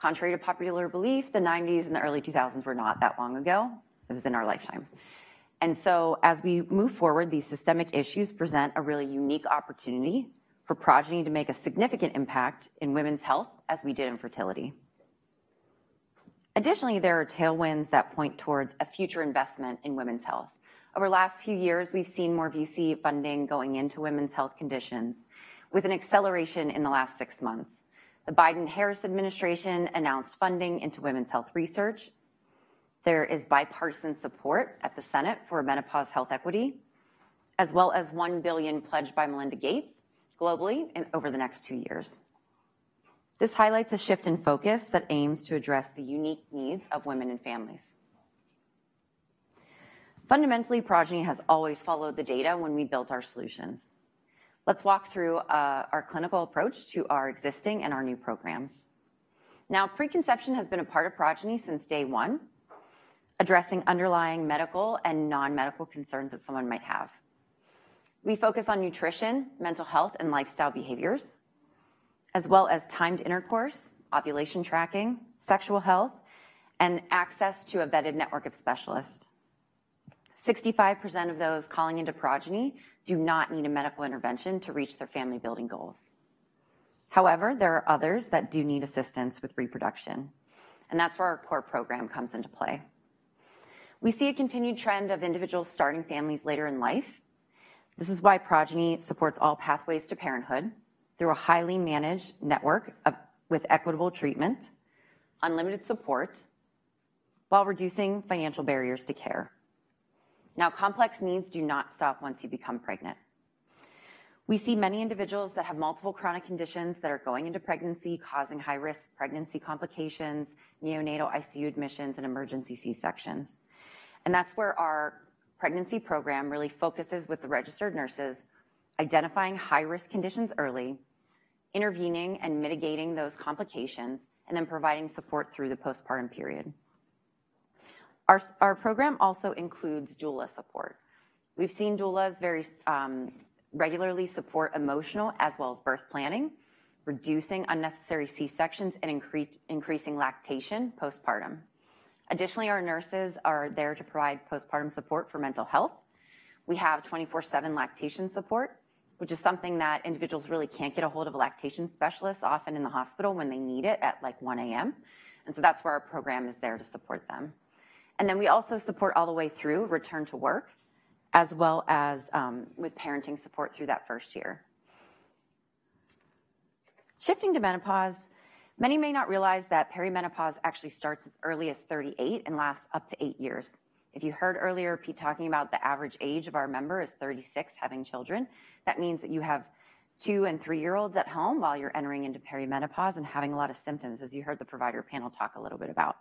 Speaker 10: Contrary to popular belief, the 1990s and the early 2000s were not that long ago. It was in our lifetime. So as we move forward, these systemic issues present a really unique opportunity for Progyny to make a significant impact in women's health, as we did in fertility. Additionally, there are tailwinds that point towards a future investment in women's health. Over the last few years, we've seen more VC funding going into women's health conditions, with an acceleration in the last six months. The Biden-Harris administration announced funding into women's health research. There is bipartisan support at the Senate for menopause health equity, as well as $1 billion pledged by Melinda Gates globally and over the next two years. This highlights a shift in focus that aims to address the unique needs of women and families. Fundamentally, Progyny has always followed the data when we built our solutions. Let's walk through our clinical approach to our existing and our new programs. Now, preconception has been a part of Progyny since day one, addressing underlying medical and non-medical concerns that someone might have. We focus on nutrition, mental health, and lifestyle behaviors, as well as timed intercourse, ovulation tracking, sexual health, and access to a vetted network of specialists. 65% of those calling into Progyny do not need a medical intervention to reach their family building goals. However, there are others that do need assistance with reproduction, and that's where our core program comes into play. We see a continued trend of individuals starting families later in life. This is why Progyny supports all pathways to parenthood through a highly managed network with equitable treatment, unlimited support, while reducing financial barriers to care. Now, complex needs do not stop once you become pregnant. We see many individuals that have multiple chronic conditions that are going into pregnancy, causing high-risk pregnancy complications, neonatal ICU admissions, and emergency C-sections. And that's where our pregnancy program really focuses with the registered nurses, identifying high-risk conditions early, intervening and mitigating those complications, and then providing support through the postpartum period. Our program also includes doula support. We've seen doulas very regularly support emotional as well as birth planning, reducing unnecessary C-sections, and increasing lactation postpartum. Additionally, our nurses are there to provide postpartum support for mental health. We have 24/7 lactation support, which is something that individuals really can't get ahold of a lactation specialist often in the hospital when they need it at, like, 1:00 A.M., and so that's where our program is there to support them. Then we also support all the way through return to work, as well as with parenting support through that first year. Shifting to menopause, many may not realize that perimenopause actually starts as early as 38 and lasts up to 8 years. If you heard earlier, Pete talking about the average age of our member is 36, having children, that means that you have two- and three-year-olds at home while you're entering into perimenopause and having a lot of symptoms, as you heard the provider panel talk a little bit about.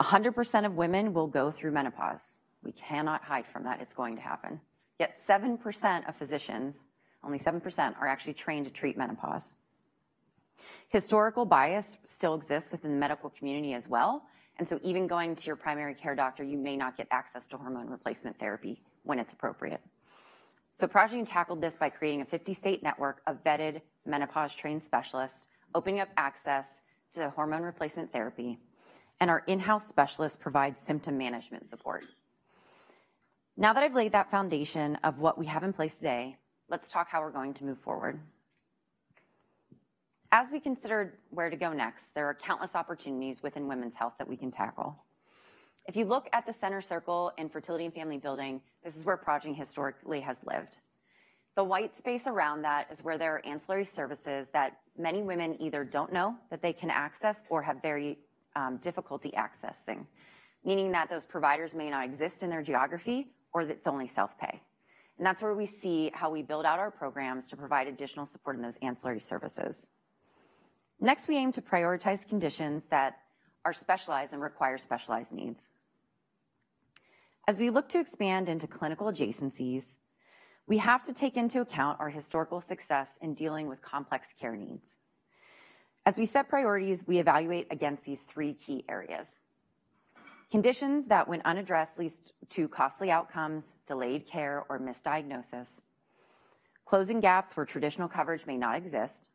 Speaker 10: 100% of women will go through menopause. We cannot hide from that. It's going to happen. Yet 7% of physicians, only 7%, are actually trained to treat menopause. Historical bias still exists within the medical community as well, and so even going to your primary care doctor, you may not get access to hormone replacement therapy when it's appropriate. So Progyny tackled this by creating a 50-state network of vetted menopause-trained specialists, opening up access to hormone replacement therapy, and our in-house specialists provide symptom management support. Now that I've laid that foundation of what we have in place today, let's talk how we're going to move forward. As we consider where to go next, there are countless opportunities within women's health that we can tackle. If you look at the center circle in fertility and family building, this is where Progyny historically has lived. The white space around that is where there are ancillary services that many women either don't know that they can access or have very, difficulty accessing, meaning that those providers may not exist in their geography or that it's only self-pay. And that's where we see how we build out our programs to provide additional support in those ancillary services. Next, we aim to prioritize conditions that are specialized and require specialized needs. As we look to expand into clinical adjacencies, we have to take into account our historical success in dealing with complex care needs. As we set priorities, we evaluate against these three key areas: conditions that, when unaddressed, leads to costly outcomes, delayed care, or misdiagnosis, closing gaps where traditional coverage may not exist,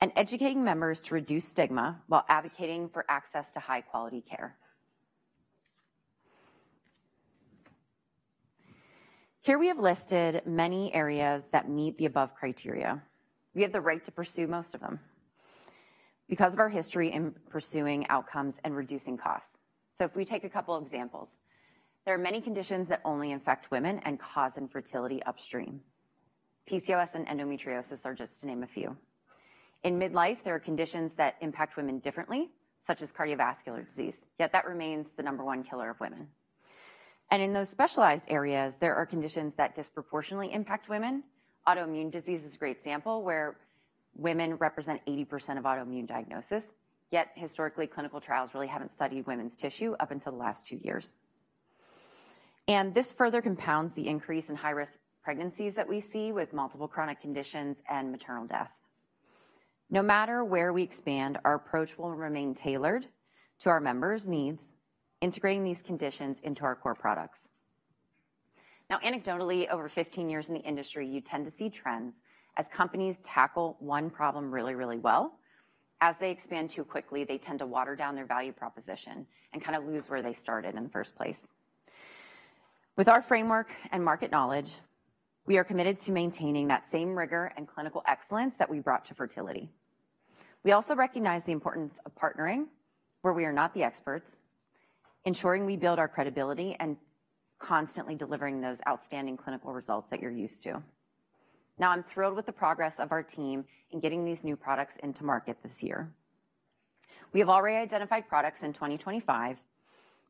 Speaker 10: and educating members to reduce stigma while advocating for access to high-quality care. Here we have listed many areas that meet the above criteria. We have the right to pursue most of them because of our history in pursuing outcomes and reducing costs. So if we take a couple examples, there are many conditions that only infect women and cause infertility upstream. PCOS and endometriosis are just to name a few. In midlife, there are conditions that impact women differently, such as cardiovascular disease, yet that remains the number one killer of women. And in those specialized areas, there are conditions that disproportionately impact women. Autoimmune disease is a great example where women represent 80% of autoimmune diagnosis, yet historically, clinical trials really haven't studied women's tissue up until the last two years. This further compounds the increase in high-risk pregnancies that we see with multiple chronic conditions and maternal death. No matter where we expand, our approach will remain tailored to our members' needs, integrating these conditions into our core products. Now, anecdotally, over 15 years in the industry, you tend to see trends as companies tackle one problem really, really well. As they expand too quickly, they tend to water down their value proposition and kind of lose where they started in the first place. With our framework and market knowledge, we are committed to maintaining that same rigor and clinical excellence that we brought to fertility. We also recognize the importance of partnering where we are not the experts, ensuring we build our credibility and constantly delivering those outstanding clinical results that you're used to. Now, I'm thrilled with the progress of our team in getting these new products into market this year. We have already identified products in 2025,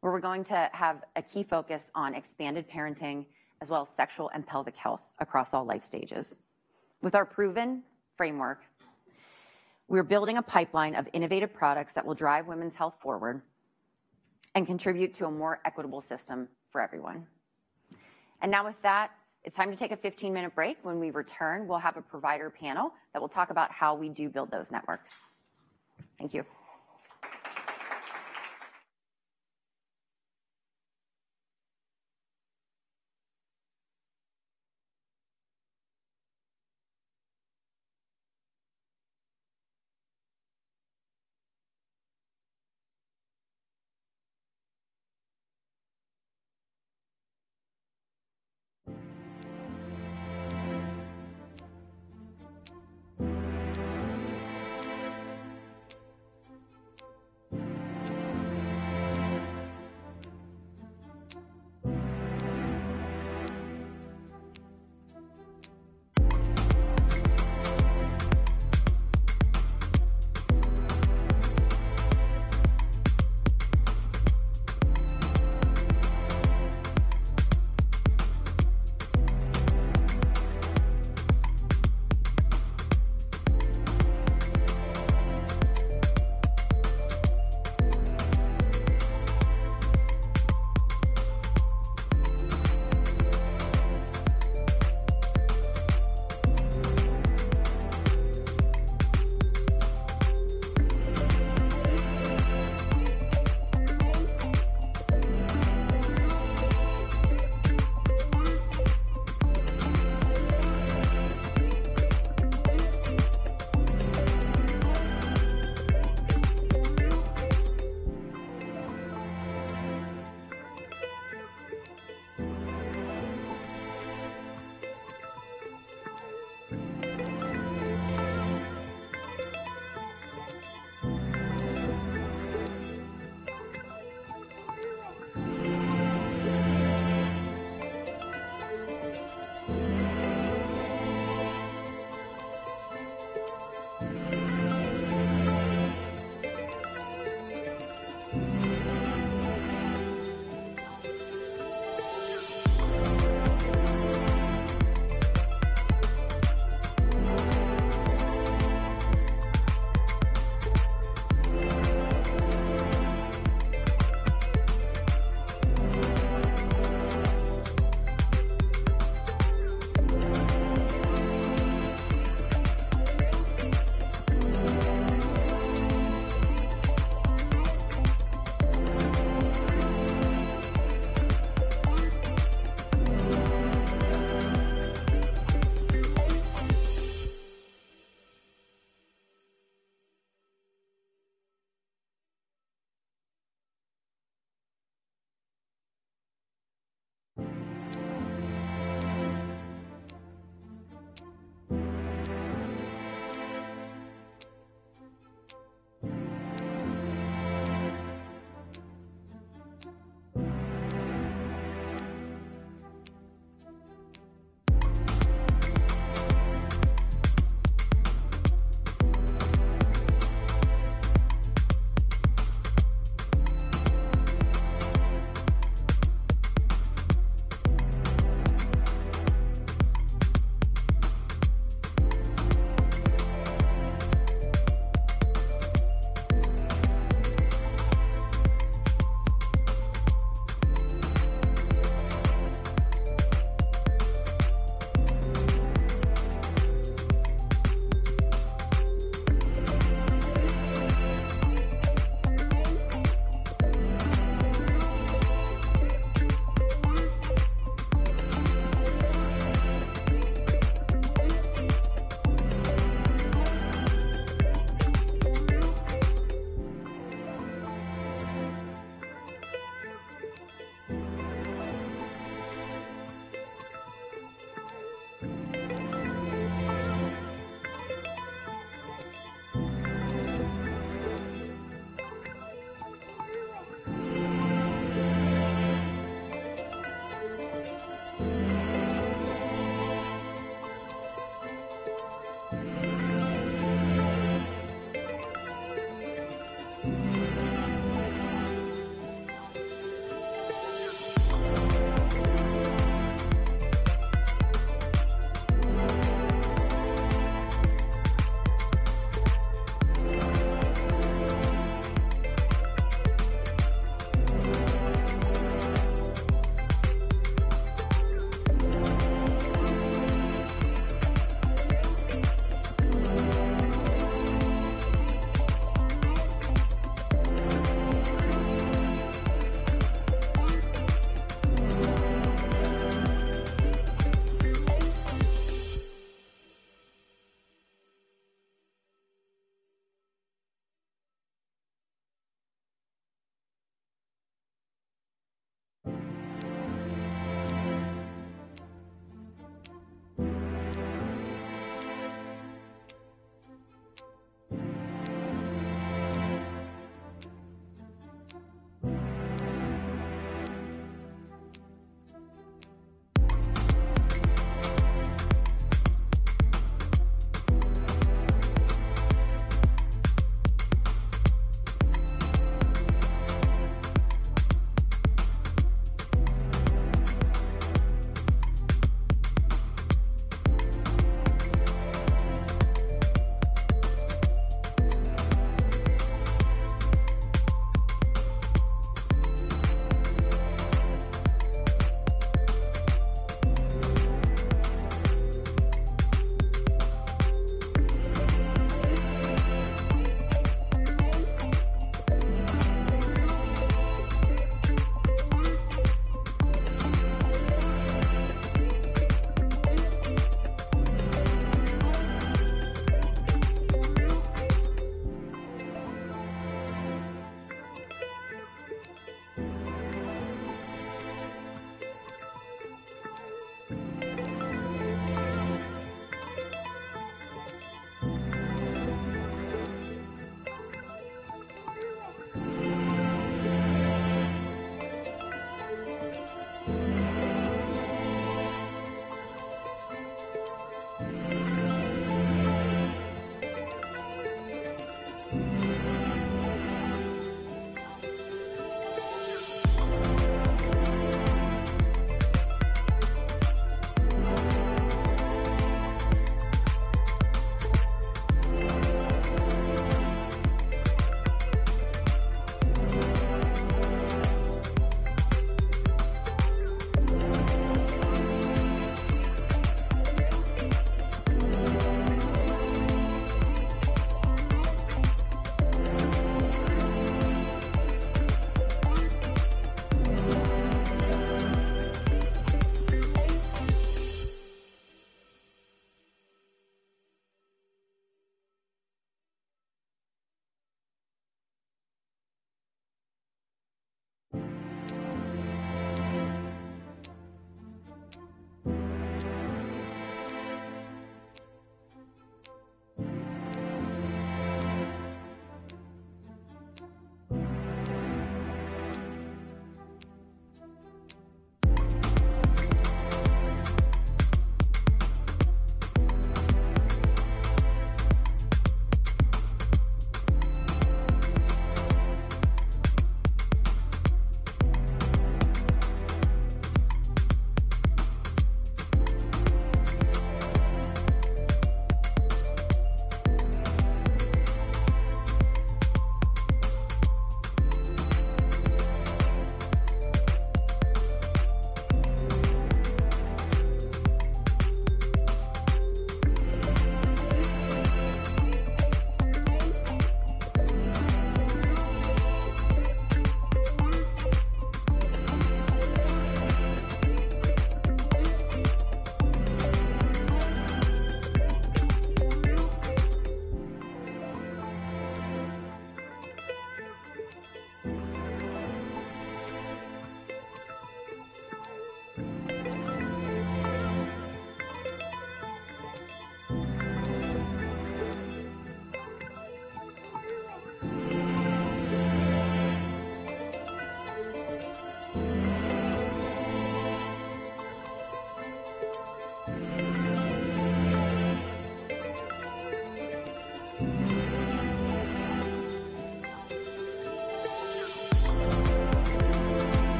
Speaker 10: where we're going to have a key focus on expanded parenting, as well as sexual and pelvic health across all life stages. With our proven framework, we're building a pipeline of innovative products that will drive women's health forward and contribute to a more equitable system for everyone. And now with that, it's time to take a 15-minute break. When we return, we'll have a provider panel that will talk about how we do build those networks. Thank you.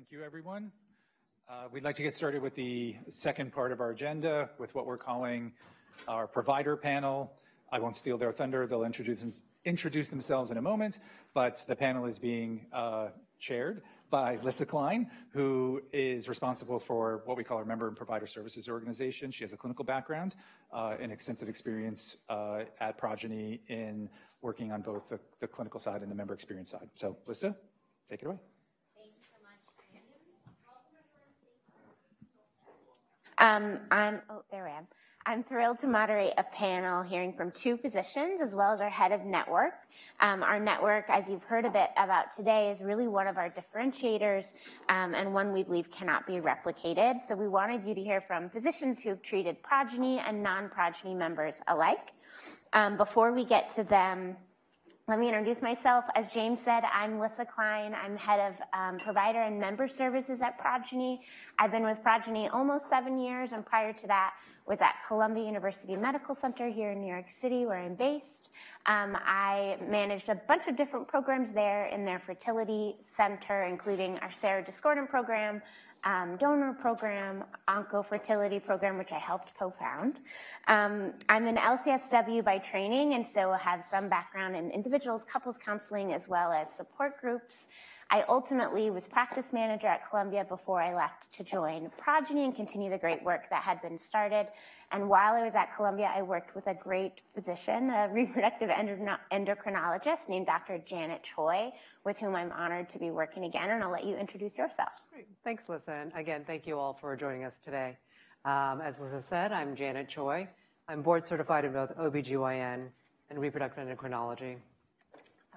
Speaker 1: Thank you, everyone. We'd like to get started with the second part of our agenda, with what we're calling our provider panel. I won't steal their thunder. They'll introduce themselves in a moment, but the panel is being chaired by Lissa Klein, who is responsible for what we call our Member and Provider Services organization. She has a clinical background and extensive experience at Progyny in working on both the clinical side and the member experience side. So, Lissa, take it away.
Speaker 11: Thank you so much, James. Welcome, everyone. Thank you. I'm thrilled to moderate a panel hearing from two physicians, as well as our head of network. Our network, as you've heard a bit about today, is really one of our differentiators, and one we believe cannot be replicated. So we wanted you to hear from physicians who have treated Progyny and non-Progyny members alike. Before we get to them. Let me introduce myself. As James said, I'm Lissa Klein. I'm head of Provider and Member Services at Progyny. I've been with Progyny almost seven years, and prior to that, was at Columbia University Medical Center here in New York City, where I'm based. I managed a bunch of different programs there in their fertility center, including our serodiscordant program, donor program, oncofertility program, which I helped co-found. I'm an LCSW by training, and so I have some background in individuals, couples counseling, as well as support groups. I ultimately was practice manager at Columbia before I left to join Progyny and continue the great work that had been started. While I was at Columbia, I worked with a great physician, a reproductive endocrinologist named Dr. Janet Choi, with whom I'm honored to be working again, and I'll let you introduce yourself.
Speaker 12: Great. Thanks, Lissa, and again, thank you all for joining us today. As Lissa said, I'm Janet Choi. I'm board-certified in both OB-GYN and reproductive endocrinology.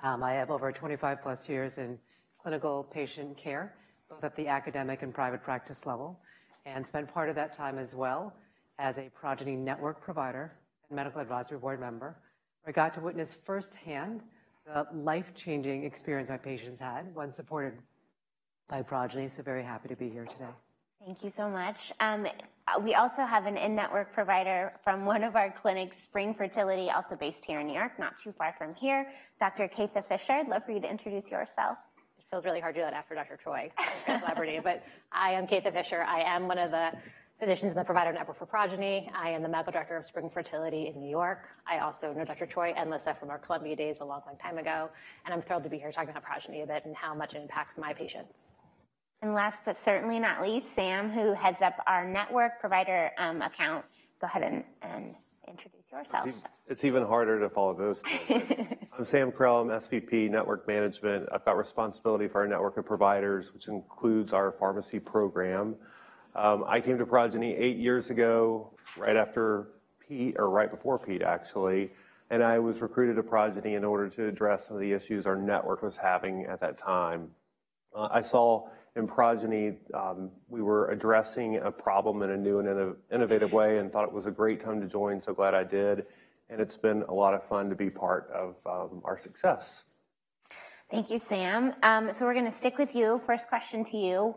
Speaker 12: I have over 25+ years in clinical patient care, both at the academic and private practice level, and spent part of that time as well as a Progyny network provider and Medical Advisory Board member, where I got to witness firsthand the life-changing experience my patients had when supported by Progyny. So very happy to be here today.
Speaker 11: Thank you so much. We also have an in-network provider from one of our clinics, Spring Fertility, also based here in New York, not too far from here, Dr. Catha Fischer, I'd love for you to introduce yourself.
Speaker 13: It feels really hard to do that after Dr. Choi, a celebrity, but I am Catha Fischer. I am one of the physicians in the provider network for Progyny. I am the medical director of Spring Fertility in New York. I also know Dr. Choi and Lissa from our Columbia days a long, long time ago, and I'm thrilled to be here talking about Progyny a bit and how much it impacts my patients.
Speaker 11: Last, but certainly not least, Sam, who heads up our network provider account. Go ahead and introduce yourself.
Speaker 14: It's even harder to follow those two. I'm Sam Krell, I'm SVP, Network Management. I've got responsibility for our network of providers, which includes our pharmacy program. I came to Progyny eight years ago, right after Pete, or right before Pete, actually, and I was recruited to Progyny in order to address some of the issues our network was having at that time. I saw in Progyny we were addressing a problem in a new and innovative way and thought it was a great time to join, so glad I did, and it's been a lot of fun to be part of our success.
Speaker 11: Thank you, Sam. So we're going to stick with you. First question to you.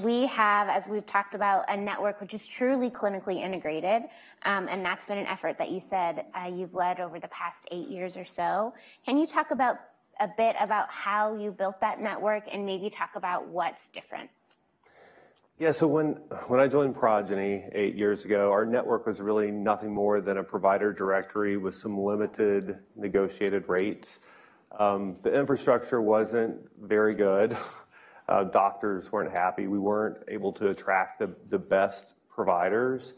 Speaker 11: We have, as we've talked about, a network which is truly clinically integrated, and that's been an effort that you said you've led over the past eight years or so. Can you talk about a bit about how you built that network and maybe talk about what's different?
Speaker 14: Yeah, so when I joined Progyny eight years ago, our network was really nothing more than a provider directory with some limited negotiated rates. The infrastructure wasn't very good. Doctors weren't happy. We weren't able to attract the best providers.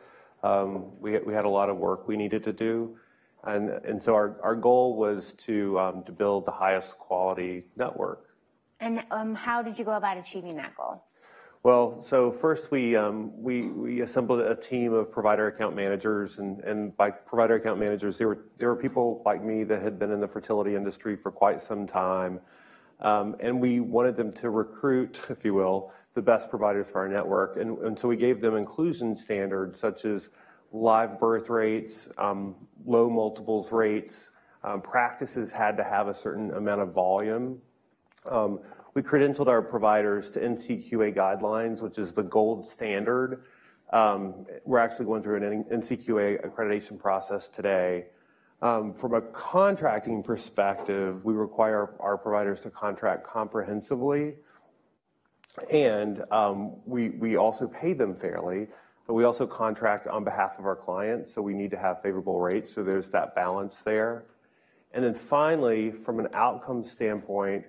Speaker 14: We had a lot of work we needed to do, and so our goal was to build the highest quality network.
Speaker 11: How did you go about achieving that goal?
Speaker 14: Well, so first we assembled a team of provider account managers, and by provider account managers, they were people like me that had been in the fertility industry for quite some time, and we wanted them to recruit, if you will, the best providers for our network, and so we gave them inclusion standards such as live birth rates, low multiples rates, practices had to have a certain amount of volume. We credentialed our providers to NCQA guidelines, which is the gold standard. We're actually going through an NCQA accreditation process today. From a contracting perspective, we require our providers to contract comprehensively, and we also pay them fairly, but we also contract on behalf of our clients, so we need to have favorable rates. So there's that balance there. Then finally, from an outcome standpoint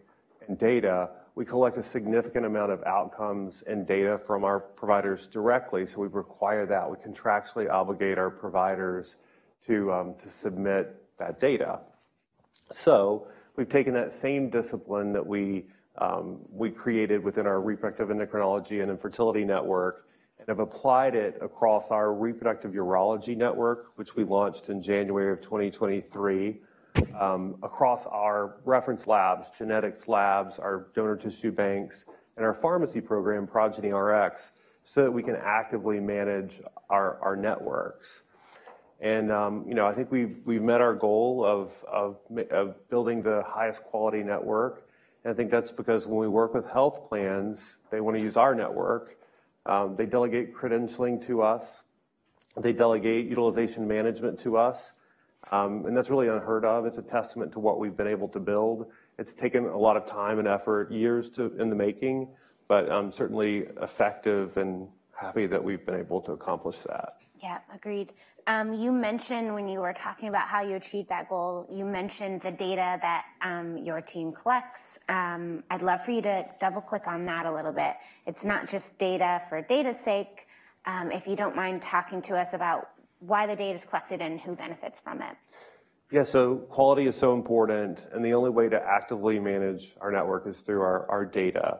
Speaker 14: and data, we collect a significant amount of outcomes and data from our providers directly, so we require that. We contractually obligate our providers to submit that data. So we've taken that same discipline that we created within our reproductive endocrinology and infertility network and have applied it across our reproductive urology network, which we launched in January 2023, across our reference labs, genetics labs, our donor tissue banks, and our pharmacy program, Progyny Rx, so that we can actively manage our networks. And, you know, I think we've met our goal of building the highest quality network, and I think that's because when we work with health plans, they want to use our network. They delegate credentialing to us, they delegate utilization management to us, and that's really unheard of. It's a testament to what we've been able to build. It's taken a lot of time and effort, years to, in the making, but certainly effective and happy that we've been able to accomplish that.
Speaker 11: Yeah, agreed. You mentioned when you were talking about how you achieved that goal, you mentioned the data that your team collects. I'd love for you to double-click on that a little bit. It's not just data for data's sake. If you don't mind talking to us about why the data is collected and who benefits from it?
Speaker 14: Yeah, so quality is so important, and the only way to actively manage our network is through our, our data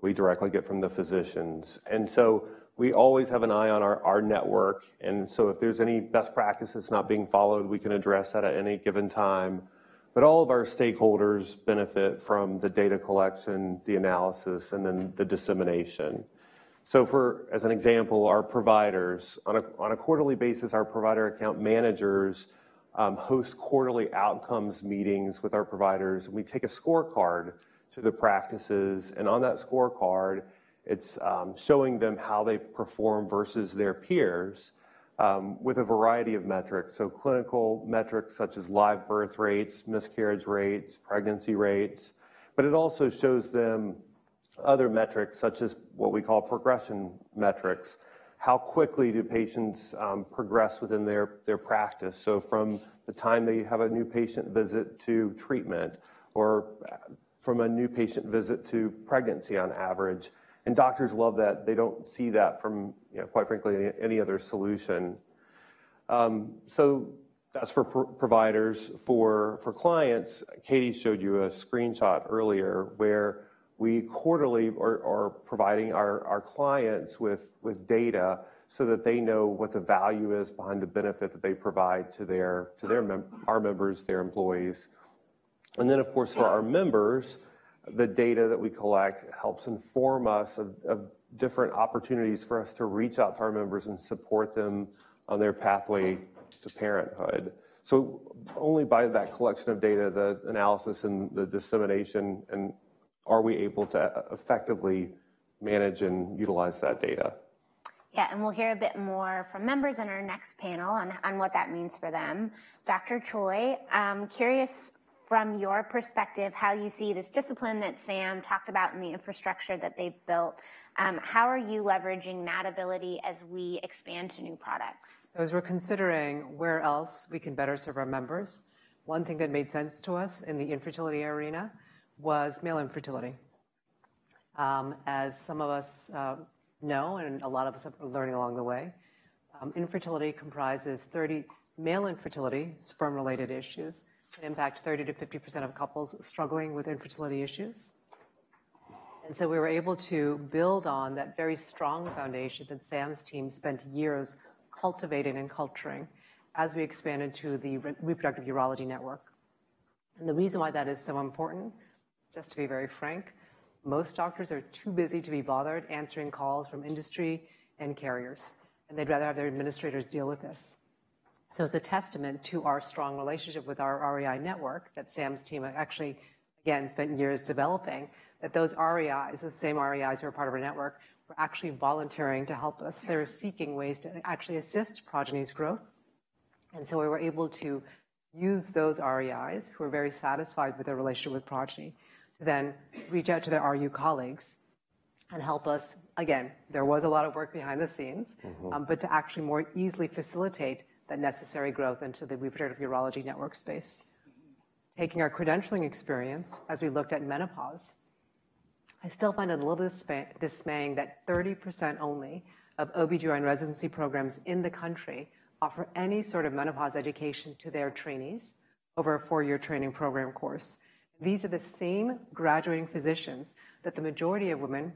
Speaker 14: that we directly get from the physicians. And so we always have an eye on our, our network, and so if there's any best practices not being followed, we can address that at any given time. But all of our stakeholders benefit from the data collection, the analysis, and then the dissemination. So for, as an example, our providers. On a, on a quarterly basis, our provider account managers host quarterly outcomes meetings with our providers. We take a scorecard to the practices, and on that scorecard, it's showing them how they perform versus their peers with a variety of metrics. So clinical metrics such as live birth rates, miscarriage rates, pregnancy rates, but it also shows them other metrics, such as what we call progression metrics. How quickly do patients progress within their practice? So from the time they have a new patient visit to treatment or from a new patient visit to pregnancy on average, and doctors love that. They don't see that from, you know, quite frankly, any other solution. So that's for providers. For clients, Katie showed you a screenshot earlier, where we quarterly are providing our clients with data so that they know what the value is behind the benefit that they provide to their our members, their employees. And then, of course, for our members, the data that we collect helps inform us of different opportunities for us to reach out to our members and support them on their pathway to parenthood. So only by that collection of data, the analysis, and the dissemination, and are we able to effectively manage and utilize that data.
Speaker 11: Yeah, and we'll hear a bit more from members in our next panel on what that means for them. Dr. Choi, curious, from your perspective, how you see this discipline that Sam talked about and the infrastructure that they've built. How are you leveraging that ability as we expand to new products?
Speaker 12: So as we're considering where else we can better serve our members, one thing that made sense to us in the infertility arena was male infertility. As some of us know, and a lot of us have learned along the way, infertility comprises male infertility, sperm-related issues, can impact 30%-50% of couples struggling with infertility issues. And so we were able to build on that very strong foundation that Sam's team spent years cultivating and culturing as we expanded to the Reproductive Urology network. And the reason why that is so important, just to be very frank, most doctors are too busy to be bothered answering calls from industry and carriers, and they'd rather have their administrators deal with this. So it's a testament to our strong relationship with our REI network that Sam's team actually, again, spent years developing, that those REIs, those same REIs who are part of our network, were actually volunteering to help us. They're seeking ways to actually assist Progyny's growth. And so we were able to use those REIs, who are very satisfied with their relationship with Progyny, to then reach out to their RU colleagues and help us. Again, there was a lot of work behind the scenes-
Speaker 14: Mm-hmm.
Speaker 12: But to actually more easily facilitate the necessary growth into the reproductive urology network space. Taking our credentialing experience as we looked at menopause, I still find it a little dismaying that only 30% of OBGYN residency programs in the country offer any sort of menopause education to their trainees over a four-year training program course. These are the same graduating physicians that the majority of women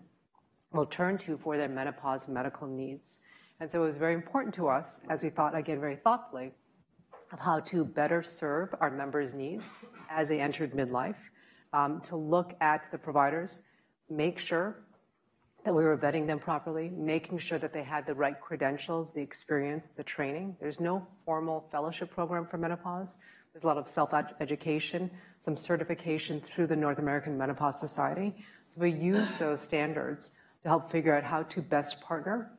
Speaker 12: will turn to for their menopause medical needs. And so it was very important to us, as we thought, again, very thoughtfully, of how to better serve our members' needs as they entered midlife, to look at the providers, make sure that we were vetting them properly, making sure that they had the right credentials, the experience, the training. There's no formal fellowship program for menopause. There's a lot of self-education, some certification through the North American Menopause Society. So we use those standards to help figure out how to best partner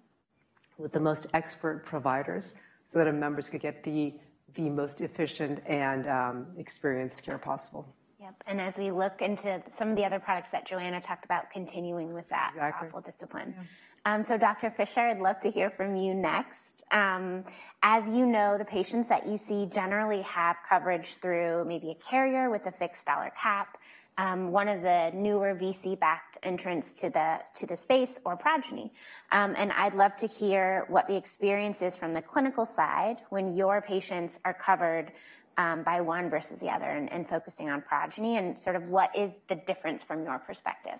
Speaker 12: with the most expert providers so that our members could get the most efficient and experienced care possible.
Speaker 11: Yep, and as we look into some of the other products that Joanna talked about, continuing with that-
Speaker 12: Exactly.
Speaker 11: -powerful discipline.
Speaker 12: Yeah.
Speaker 11: So, Dr. Fischer, I'd love to hear from you next. As you know, the patients that you see generally have coverage through maybe a carrier with a fixed dollar cap, one of the newer VC-backed entrants to the space or Progyny. And I'd love to hear what the experience is from the clinical side when your patients are covered by one versus the other, and focusing on Progyny, and sort of what is the difference from your perspective?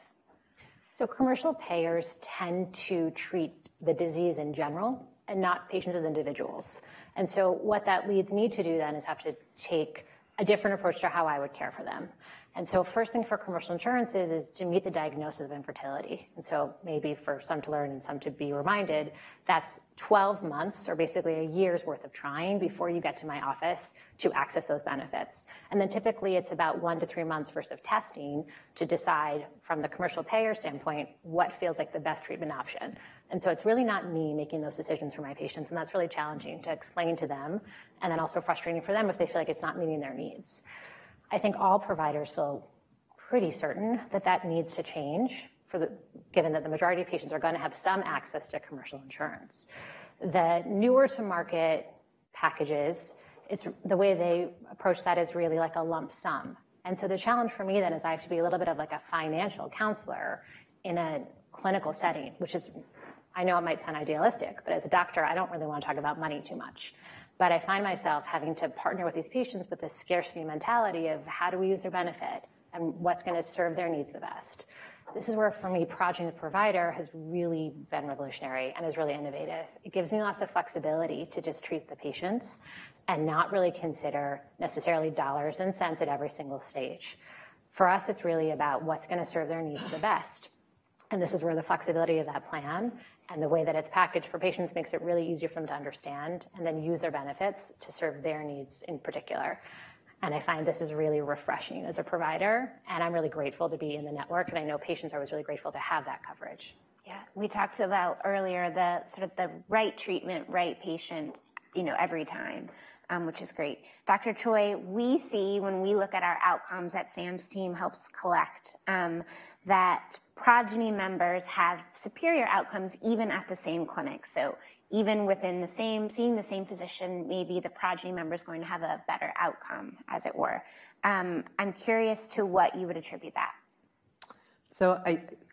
Speaker 13: So commercial payers tend to treat the disease in general and not patients as individuals. And so what that leads me to do then is have to take a different approach to how I would care for them. And so first thing for commercial insurance is to meet the diagnosis of infertility. And so maybe for some to learn and some to be reminded, that's 12 months or basically a year's worth of trying before you get to my office to access those benefits. And then typically, it's about one to three months worth of testing to decide, from the commercial payer standpoint, what feels like the best treatment option. And so it's really not me making those decisions for my patients, and that's really challenging to explain to them, and then also frustrating for them if they feel like it's not meeting their needs. I think all providers feel pretty certain that that needs to change for the given that the majority of patients are going to have some access to commercial insurance. The newer-to-market packages, it's the way they approach that is really like a lump sum. And so the challenge for me then is I have to be a little bit of, like, a financial counselor in a clinical setting, which is- I know it might sound idealistic, but as a doctor, I don't really want to talk about money too much. But I find myself having to partner with these patients with this scarcity mentality of: how do we use their benefit, and what's going to serve their needs the best? This is where, for me, Progyny provider has really been revolutionary and is really innovative. It gives me lots of flexibility to just treat the patients and not really consider necessarily dollars and cents at every single stage. For us, it's really about what's going to serve their needs the best, and this is where the flexibility of that plan and the way that it's packaged for patients makes it really easier for them to understand and then use their benefits to serve their needs in particular. I find this is really refreshing as a provider, and I'm really grateful to be in the network, and I know patients are always really grateful to have that coverage.
Speaker 11: Yeah, we talked about earlier the, sort of the right treatment, right patient, you know, every time, which is great. Dr. Choi, we see when we look at our outcomes that Sam's team helps collect, that Progyny members have superior outcomes even at the same clinic. So even within the same, seeing the same physician, maybe the Progyny member is going to have a better outcome, as it were. I'm curious to what you would attribute that.
Speaker 12: So,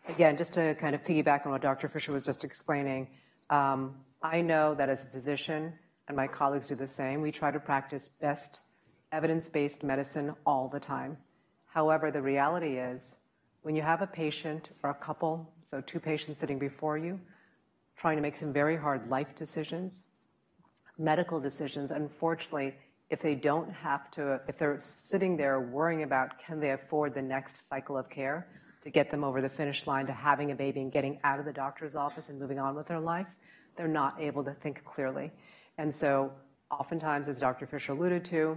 Speaker 12: again, just to kind of piggyback on what Dr. Fischer was just explaining, I know that as a physician, and my colleagues do the same, we try to practice best evidence-based medicine all the time. However, the reality is, when you have a patient or a couple, so two patients sitting before you, trying to make some very hard life decisions, medical decisions, unfortunately, if they're sitting there worrying about can they afford the next cycle of care to get them over the finish line to having a baby and getting out of the doctor's office and moving on with their life, they're not able to think clearly. And so oftentimes, as Dr. Fischer alluded to,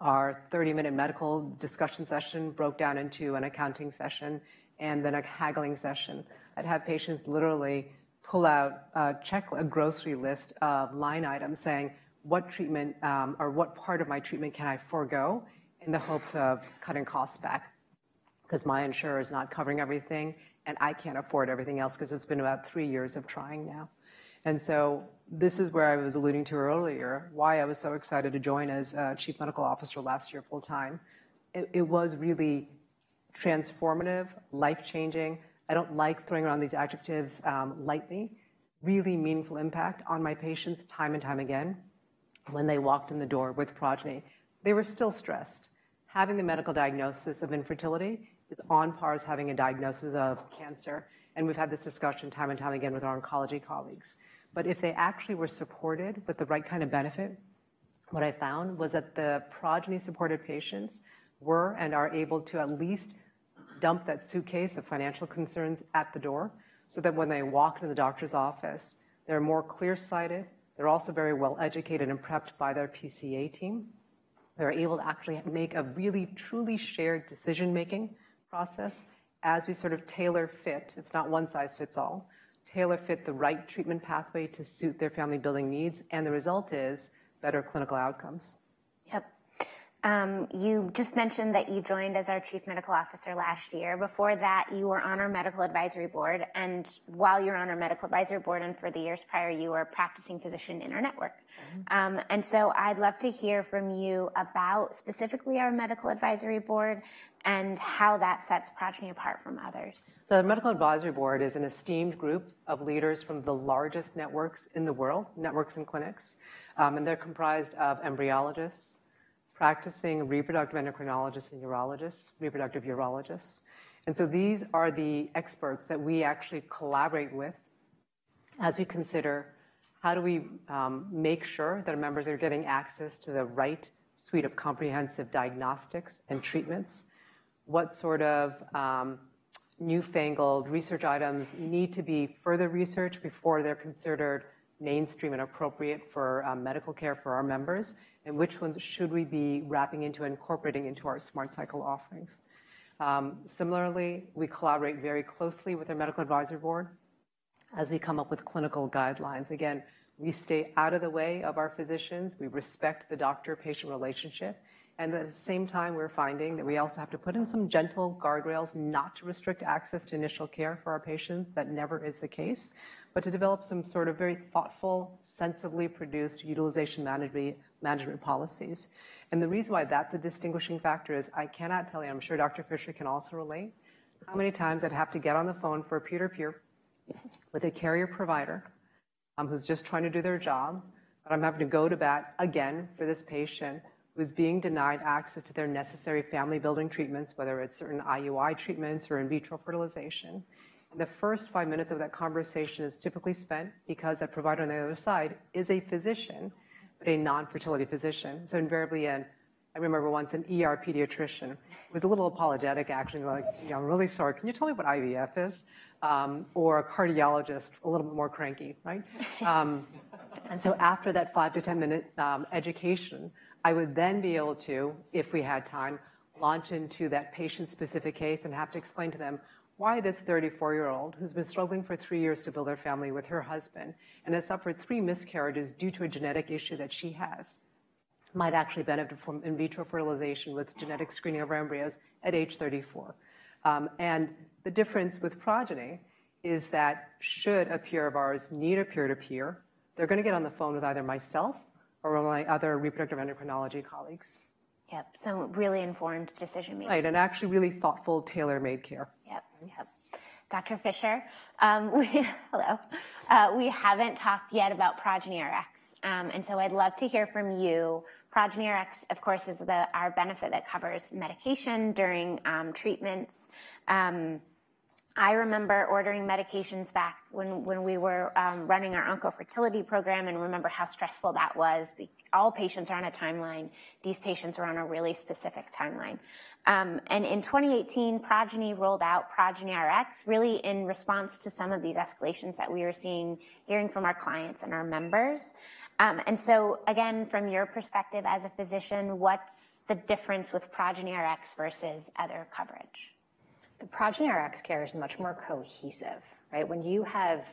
Speaker 12: our 30-minute medical discussion session broke down into an accounting session and then a haggling session. I'd have patients literally pull out a grocery list of line items saying: "What treatment or what part of my treatment can I forgo in the hopes of cutting costs back? Because my insurer is not covering everything, and I can't afford everything else because it's been about three years of trying now." So this is where I was alluding to earlier, why I was so excited to join as Chief Medical Officer last year, full-time. It, it was really transformative, life-changing. I don't like throwing around these adjectives lightly, really meaningful impact on my patients time and time again. When they walked in the door with Progyny, they were still stressed. Having the medical diagnosis of infertility is on par as having a diagnosis of cancer, and we've had this discussion time and time again with our oncology colleagues. But if they actually were supported with the right kind of benefit, what I found was that the Progyny-supported patients were and are able to at least dump that suitcase of financial concerns at the door, so that when they walk to the doctor's office, they're more clear-sighted. They're also very well educated and prepped by their PCA team. They're able to actually make a really, truly shared decision-making process as we sort of tailor-fit. It's not one size fits all. Tailor-fit the right treatment pathway to suit their family-building needs, and the result is better clinical outcomes.
Speaker 11: Yep. You just mentioned that you joined as our Chief Medical Officer last year. Before that, you were on our Medical Advisory Board, and while you were on our Medical Advisory Board and for the years prior, you were a practicing physician in our network.
Speaker 12: Mm-hmm.
Speaker 11: And so I'd love to hear from you about specifically our Medical Advisory Board and how that sets Progyny apart from others.
Speaker 12: The Medical Advisory Board is an esteemed group of leaders from the largest networks in the world, networks and clinics. They're comprised of embryologists, practicing reproductive endocrinologists and reproductive urologists. These are the experts that we actually collaborate with as we consider how do we make sure that our members are getting access to the right suite of comprehensive diagnostics and treatments? What sort of newfangled research items need to be further researched before they're considered mainstream and appropriate for medical care for our members? And which ones should we be wrapping into, incorporating into our Smart Cycle offerings? Similarly, we collaborate very closely with our Medical Advisory Board as we come up with clinical guidelines. Again, we stay out of the way of our physicians. We respect the doctor-patient relationship, and at the same time, we're finding that we also have to put in some gentle guardrails, not to restrict access to initial care for our patients. That never is the case, but to develop some sort of very thoughtful, sensibly produced utilization management policies. And the reason why that's a distinguishing factor is I cannot tell you, I'm sure Dr. Fischer can also relate, how many times I'd have to get on the phone for a peer-to-peer with a carrier provider who's just trying to do their job, but I'm having to go to bat again for this patient who's being denied access to their necessary family-building treatments, whether it's certain IUI treatments or in vitro fertilization. And the first five minutes of that conversation is typically spent because that provider on the other side is a physician, but a non-fertility physician. So invariably, and I remember once an ER pediatrician, was a little apologetic, actually, like: "Yeah, I'm really sorry. Can you tell me what IVF is?" or a cardiologist, a little bit more cranky, right? and so after that five to ten minute education, I would then be able to, if we had time, launch into that patient-specific case and have to explain to them why this 34-year-old, who's been struggling for three years to build their family with her husband and has suffered three miscarriages due to a genetic issue that she has, might actually benefit from in-vitro fertilization with genetic screening of her embryos at age 34. The difference with Progyny is that should a peer of ours need a peer-to-peer, they're going to get on the phone with either myself or one of my other reproductive endocrinology colleagues.
Speaker 11: Yep, so really informed decision-making.
Speaker 12: Right, and actually really thoughtful, tailor-made care.
Speaker 11: Yep, yep. Dr. Fischer, hello. We haven't talked yet about Progyny Rx, and so I'd love to hear from you. Progyny Rx, of course, is the, our benefit that covers medication during treatments. I remember ordering medications back when, when we were running our oncofertility program, and remember how stressful that was. All patients are on a timeline. These patients are on a really specific timeline. And in 2018, Progyny rolled out Progyny Rx, really in response to some of these escalations that we were seeing, hearing from our clients and our members. And so again, from your perspective as a physician, what's the difference with Progyny Rx versus other coverage?
Speaker 13: The Progyny Rx care is much more cohesive, right? When you have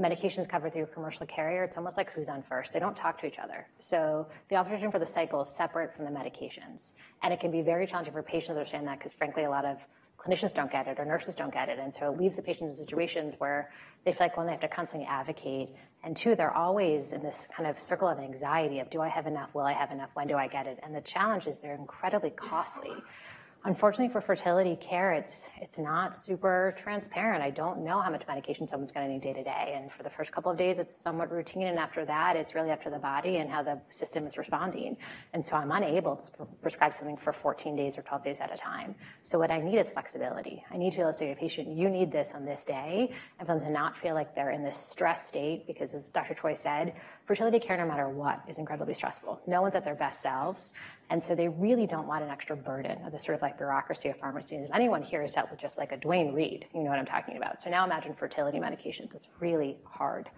Speaker 13: medications covered through a commercial carrier, it's almost like who's on first. They don't talk to each other. So the authorization for the cycle is separate from the medications, and it can be very challenging for patients to understand that because, frankly, a lot of clinicians don't get it or nurses don't get it. And so it leaves the patient in situations where they feel like, one, they have to constantly advocate, and two, they're always in this kind of circle of anxiety of: Do I have enough? Will I have enough? When do I get it? And the challenge is they're incredibly costly. Unfortunately, for fertility care, it's not super transparent. I don't know how much medication someone's going to need day to day, and for the first couple of days, it's somewhat routine, and after that, it's really up to the body and how the system is responding. And so I'm unable to prescribe something for 14 days or 12 days at a time. So what I need is flexibility. I need to be able to say to a patient: "You need this on this day," and for them to not feel like they're in this stress state, because as Dr. Choi said, fertility care, no matter what, is incredibly stressful. No one's at their best selves, and so they really don't want an extra burden of this sort of, like, bureaucracy of pharmacy. And if anyone here has dealt with just like a Duane Reade, you know what I'm talking about. So now imagine fertility medications. It's really hard.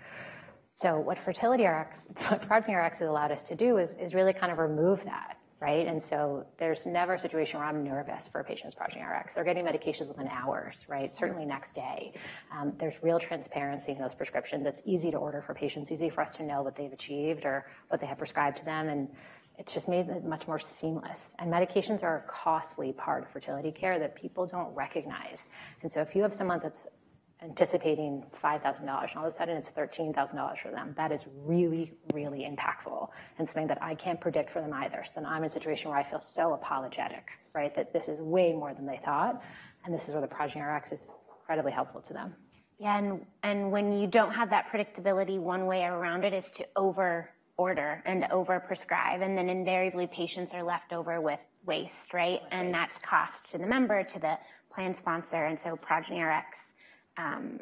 Speaker 13: So what Fertility Rx, what Progyny Rx has allowed us to do is really kind of remove that, right? And so there's never a situation where I'm nervous for a patient's Progyny Rx. They're getting medications within hours, right? Certainly, next day. There's real transparency in those prescriptions. It's easy to order for patients, easy for us to know what they've achieved or what they have prescribed to them, and it's just made it much more seamless. And medications are a costly part of fertility care that people don't recognize. And so if you have someone that's anticipating $5,000, and all of a sudden, it's $13,000 for them, that is really, really impactful and something that I can't predict for them either. So then I'm in a situation where I feel so apologetic, right? That this is way more than they thought, and this is where the Progyny Rx is incredibly helpful to them.
Speaker 11: Yeah, and when you don't have that predictability, one way around it is to over-order and over-prescribe, and then invariably, patients are left over with waste, right?
Speaker 13: Right.
Speaker 11: That's cost to the member, to the plan sponsor, and so Progyny Rx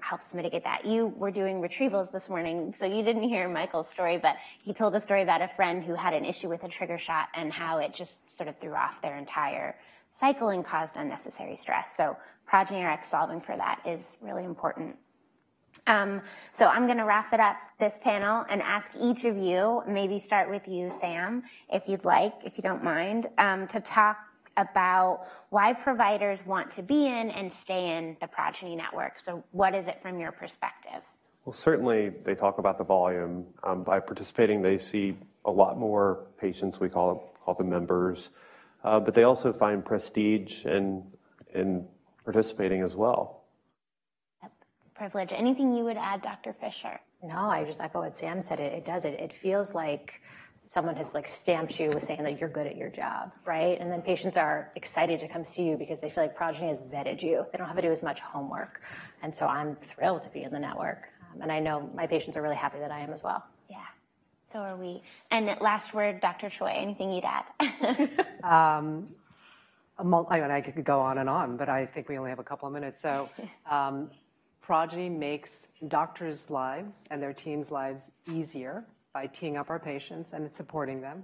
Speaker 11: helps mitigate that. You were doing retrievals this morning, so you didn't hear Michael's story, but he told a story about a friend who had an issue with a trigger shot and how it just sort of threw off their entire cycle and caused unnecessary stress. Progyny Rx solving for that is really important. I'm going to wrap it up, this panel, and ask each of you, maybe start with you, Sam, if you'd like, if you don't mind, to talk about why providers want to be in and stay in the Progyny network. What is it from your perspective?
Speaker 14: Well, certainly, they talk about the volume. By participating, they see a lot more patients we call members, but they also find prestige in participating as well.
Speaker 11: Yep, it's a privilege. Anything you would add, Dr. Fischer?
Speaker 13: No, I just echo what Sam said. It feels like someone has, like, stamped you as saying that you're good at your job, right? And then patients are excited to come see you because they feel like Progyny has vetted you. They don't have to do as much homework, and so I'm thrilled to be in the network, and I know my patients are really happy that I am as well.
Speaker 11: Yeah. So are we. Last word, Dr. Choi, anything you'd add?
Speaker 12: I could go on and on, but I think we only have a couple of minutes. So, Progyny makes doctors' lives and their teams' lives easier by teeing up our patients and supporting them.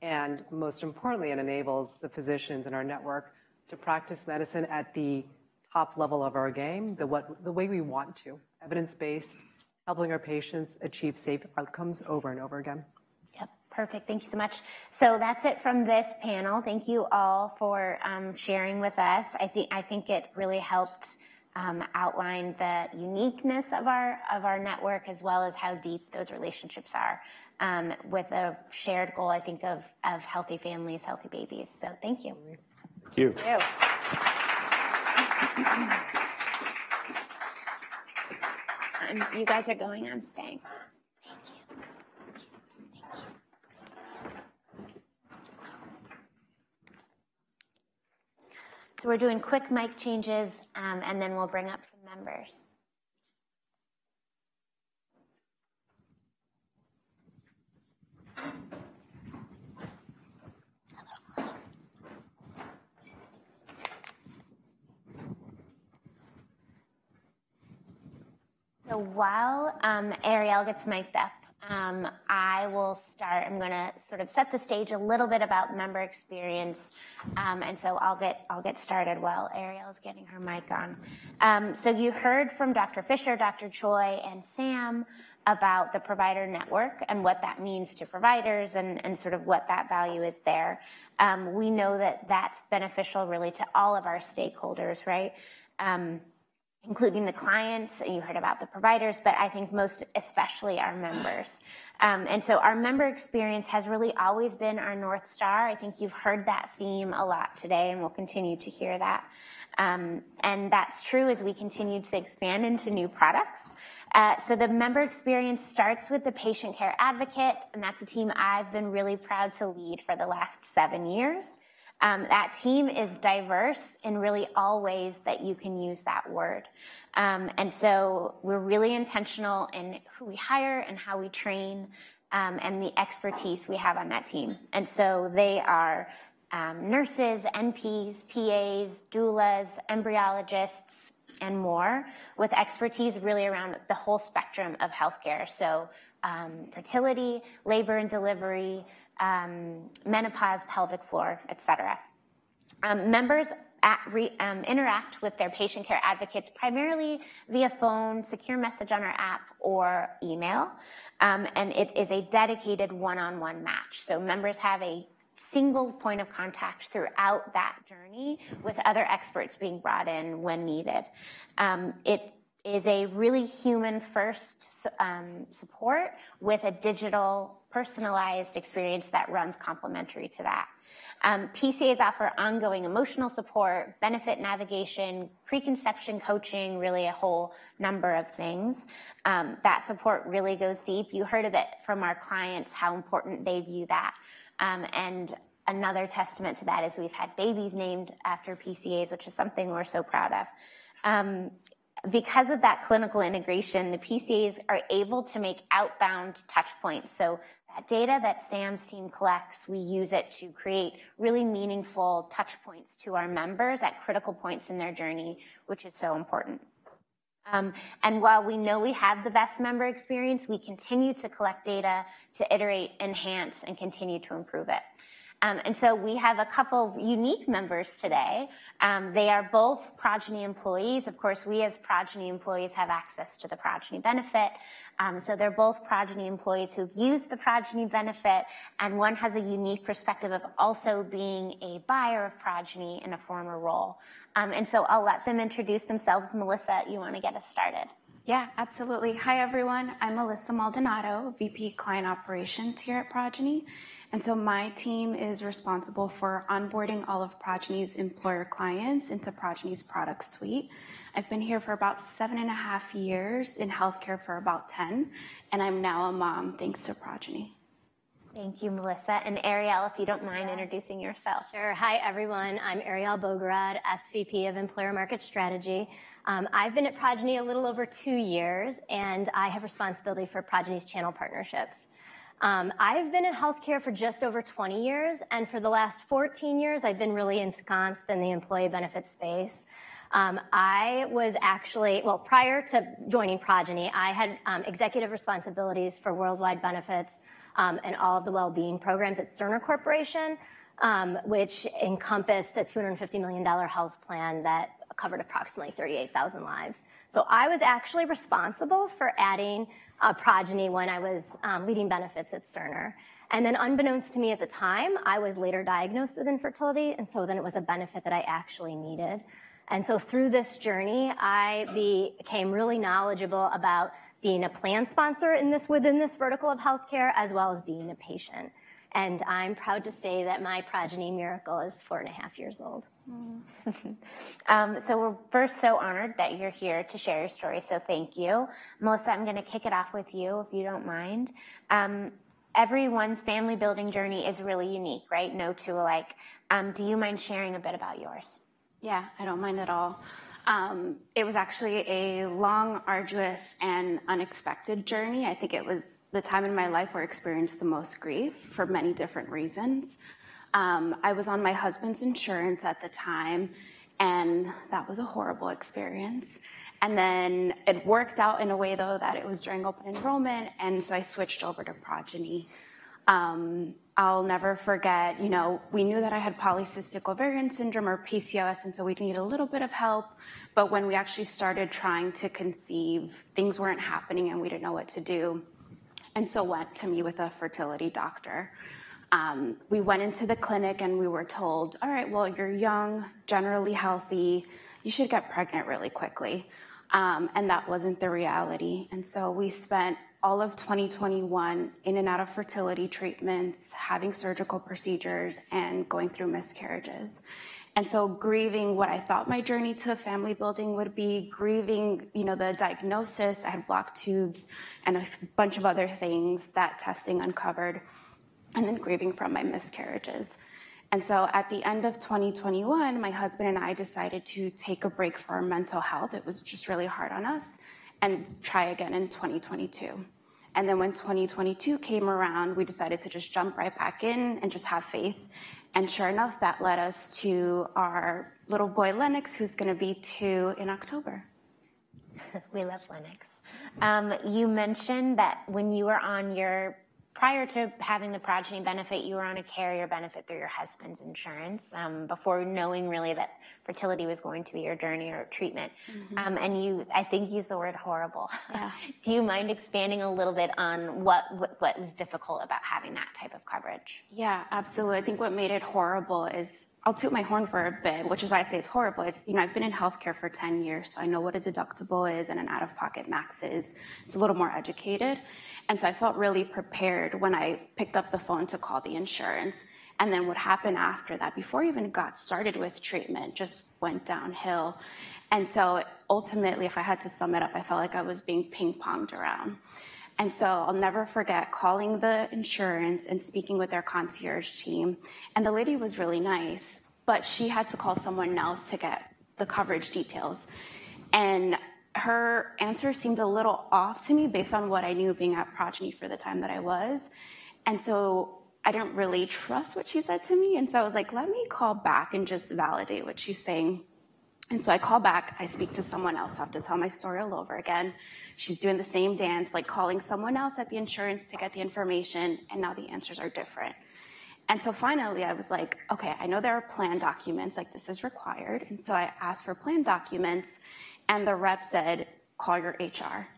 Speaker 12: And most importantly, it enables the physicians in our network to practice medicine at the top level of our game, the way we want to, evidence-based, helping our patients achieve safe outcomes over and over again.
Speaker 11: Yep. Perfect. Thank you so much. So that's it from this panel. Thank you all for sharing with us. I think, I think it really helped outline the uniqueness of our, of our network, as well as how deep those relationships are with a shared goal, I think, of healthy families, healthy babies. So thank you.
Speaker 14: Thank you.
Speaker 13: Thank you.
Speaker 11: And you guys are going, I'm staying. Thank you. Thank you. So we're doing quick mic changes, and then we'll bring up some members. So while Arielle gets mic'd up, I will start. I'm going to sort of set the stage a little bit about member experience, and so I'll get, I'll get started while Arielle's getting her mic on. So you heard from Dr. Fischer, Dr. Choi, and Sam about the provider network and what that means to providers and, and sort of what that value is there. We know that that's beneficial really to all of our stakeholders, right? Including the clients, and you heard about the providers, but I think most especially our members. And so our member experience has really always been our North Star. I think you've heard that theme a lot today, and we'll continue to hear that. And that's true as we continued to expand into new products. So the member experience starts with the Patient Care Advocate, and that's a team I've been really proud to lead for the last seven years. That team is diverse in really all ways that you can use that word. And so we're really intentional in who we hire and how we train, and the expertise we have on that team. And so they are nurses, NPs, PAs, doulas, embryologists, and more, with expertise really around the whole spectrum of healthcare. So fertility, labor and delivery, menopause, pelvic floor, et cetera. Members interact with their Patient Care Advocates primarily via phone, secure message on our app, or email. And it is a dedicated one-on-one match. So members have a single point of contact throughout that journey, with other experts being brought in when needed. It is a really human-first support with a digital, personalized experience that runs complementary to that. PCAs offer ongoing emotional support, benefit navigation, preconception coaching, really a whole number of things. That support really goes deep. You heard it from our clients, how important they view that. And another testament to that is we've had babies named after PCAs, which is something we're so proud of. Because of that clinical integration, the PCAs are able to make outbound touch points. So that data that Sam's team collects, we use it to create really meaningful touch points to our members at critical points in their journey, which is so important. And while we know we have the best member experience, we continue to collect data to iterate, enhance, and continue to improve it. And so we have a couple of unique members today. They are both Progyny employees. Of course, we, as Progyny employees, have access to the Progyny benefit. So they're both Progyny employees who've used the Progyny benefit, and one has a unique perspective of also being a buyer of Progyny in a former role. And so I'll let them introduce themselves. Melissa, you want to get us started?
Speaker 15: Yeah, absolutely. Hi, everyone. I'm Melissa Maldonado, VP Client Operations here at Progyny. So my team is responsible for onboarding all of Progyny's employer clients into Progyny's product suite. I've been here for about seven and a half years, in healthcare for about 10, and I'm now a mom, thanks to Progyny.
Speaker 11: Thank you, Melissa. And Arielle, if you don't mind introducing yourself.
Speaker 16: Sure. Hi, everyone. I'm Arielle Bogorad, SVP of Employer Market Strategy. I've been at Progyny a little over two years, and I have responsibility for Progyny's channel partnerships. I've been in healthcare for just over 20 years, and for the last 14 years, I've been really ensconced in the employee benefit space. I was actually prior to joining Progyny, I had executive responsibilities for worldwide benefits, and all of the well-being programs at Cerner Corporation, which encompassed a $250 million health plan that covered approximately 38,000 lives. So I was actually responsible for adding Progyny when I was leading benefits at Cerner. And then, unbeknownst to me at the time, I was later diagnosed with infertility, and so then it was a benefit that I actually needed. And so through this journey, I became really knowledgeable about being a plan sponsor within this vertical of healthcare, as well as being a patient. And I'm proud to say that my Progyny miracle is four and a half years old.
Speaker 11: So we're first so honored that you're here to share your story, so thank you. Melissa, I'm going to kick it off with you, if you don't mind. Everyone's family-building journey is really unique, right? No two alike. Do you mind sharing a bit about yours?
Speaker 15: Yeah, I don't mind at all. It was actually a long, arduous, and unexpected journey. I think it was the time in my life where I experienced the most grief for many different reasons. I was on my husband's insurance at the time, and that was a horrible experience. And then it worked out in a way, though, that it was during open enrollment, and so I switched over to Progyny. I'll never forget, you know, we knew that I had polycystic ovarian syndrome or PCOS, and so we'd need a little bit of help. But when we actually started trying to conceive, things weren't happening, and we didn't know what to do, and so went to meet with a fertility doctor. We went into the clinic, and we were told: "All right, well, you're young, generally healthy. You should get pregnant really quickly." And that wasn't the reality. And so we spent all of 2021 in and out of fertility treatments, having surgical procedures, and going through miscarriages. And so grieving what I thought my journey to family building would be, grieving, you know, the diagnosis. I had blocked tubes and a bunch of other things that testing uncovered, and then grieving from my miscarriages. And so at the end of 2021, my husband and I decided to take a break for our mental health, it was just really hard on us, and try again in 2022. And then when 2022 came around, we decided to just jump right back in and just have faith. And sure enough, that led us to our little boy, Lennox, who's going to be two in October.
Speaker 11: We love Lennox. You mentioned that when you were prior to having the Progyny benefit, you were on a carrier benefit through your husband's insurance, before knowing really that fertility was going to be your journey or treatment.
Speaker 15: Mm-hmm.
Speaker 11: You, I think, used the word horrible.
Speaker 15: Yeah.
Speaker 11: Do you mind expanding a little bit on what was difficult about having that type of coverage?
Speaker 15: Yeah, absolutely. I think what made it horrible is... I'll toot my horn for a bit, which is why I say it's horrible. It's, you know, I've been in healthcare for 10 years, so I know what a deductible is and an out-of-pocket max is. So a little more educated, and so I felt really prepared when I picked up the phone to call the insurance. And then what happened after that, before I even got started with treatment, just went downhill. And so ultimately, if I had to sum it up, I felt like I was being ping-ponged around. And so I'll never forget calling the insurance and speaking with their concierge team, and the lady was really nice, but she had to call someone else to get the coverage details. And her answer seemed a little off to me, based on what I knew, being at Progyny for the time that I was, and so I didn't really trust what she said to me, and so I was like: Let me call back and just validate what she's saying. And so I call back, I speak to someone else. I have to tell my story all over again. She's doing the same dance, like calling someone else at the insurance to get the information, and now the answers are different. And so finally, I was like: Okay, I know there are plan documents, like this is required. I asked for plan documents, and the rep said, "Call your HR."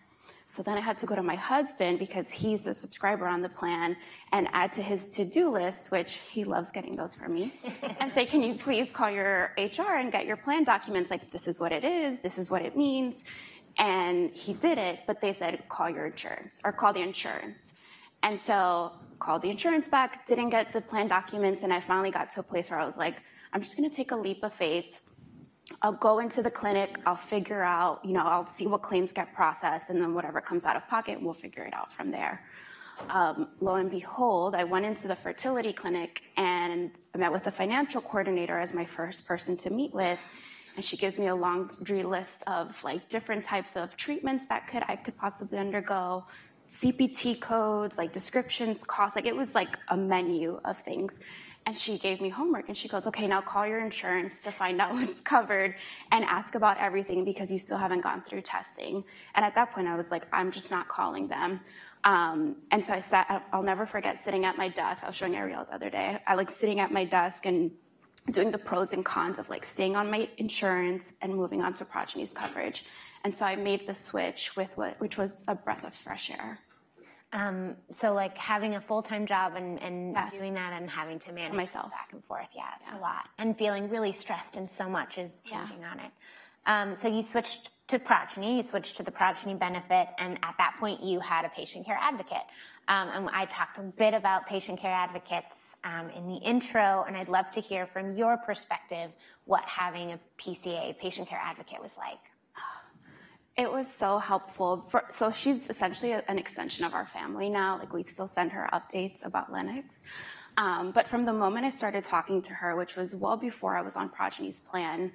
Speaker 15: So then I had to go to my husband because he's the subscriber on the plan, and add to his to-do list, which he loves getting those from me—and say, "Can you please call your HR and get your plan documents? Like, this is what it is, this is what it means." And he did it, but they said, "Call your insurance or call the insurance." And so called the insurance back, didn't get the plan documents, and I finally got to a place where I was like: I'm just going to take a leap of faith. I'll go into the clinic. I'll figure out, you know, I'll see what claims get processed, and then whatever comes out of pocket, we'll figure it out from there. Lo and behold, I went into the fertility clinic, and I met with the financial coordinator as my first person to meet with, and she gives me a long list of, like, different types of treatments that I could possibly undergo, CPT codes, like descriptions, costs, like, it was like a menu of things. And she gave me homework, and she goes, "Okay, now call your insurance to find out what's covered and ask about everything because you still haven't gone through testing." And at that point, I was like: I'm just not calling them. And so I'll never forget sitting at my desk. I was showing Arielle the other day. I like sitting at my desk and doing the pros and cons of, like, staying on my insurance and moving on to Progyny's coverage. And so I made the switch, which was a breath of fresh air.
Speaker 11: So, like, having a full-time job and
Speaker 15: Yes...
Speaker 11: doing that and having to manage-
Speaker 15: Myself
Speaker 11: back and forth. Yeah, it's a lot.
Speaker 15: Yeah.
Speaker 11: Feeling really stressed and so much is-
Speaker 15: Yeah
Speaker 11: -hanging on it. So you switched to Progyny. You switched to the Progyny benefit, and at that point, you had a Patient Care Advocate. And I talked a bit about Patient Care Advocates in the intro, and I'd love to hear from your perspective what having a PCA, Patient Care Advocate, was like.
Speaker 15: Oh, it was so helpful. So she's essentially an extension of our family now. Like, we still send her updates about Lennox. But from the moment I started talking to her, which was well before I was on Progyny's plan,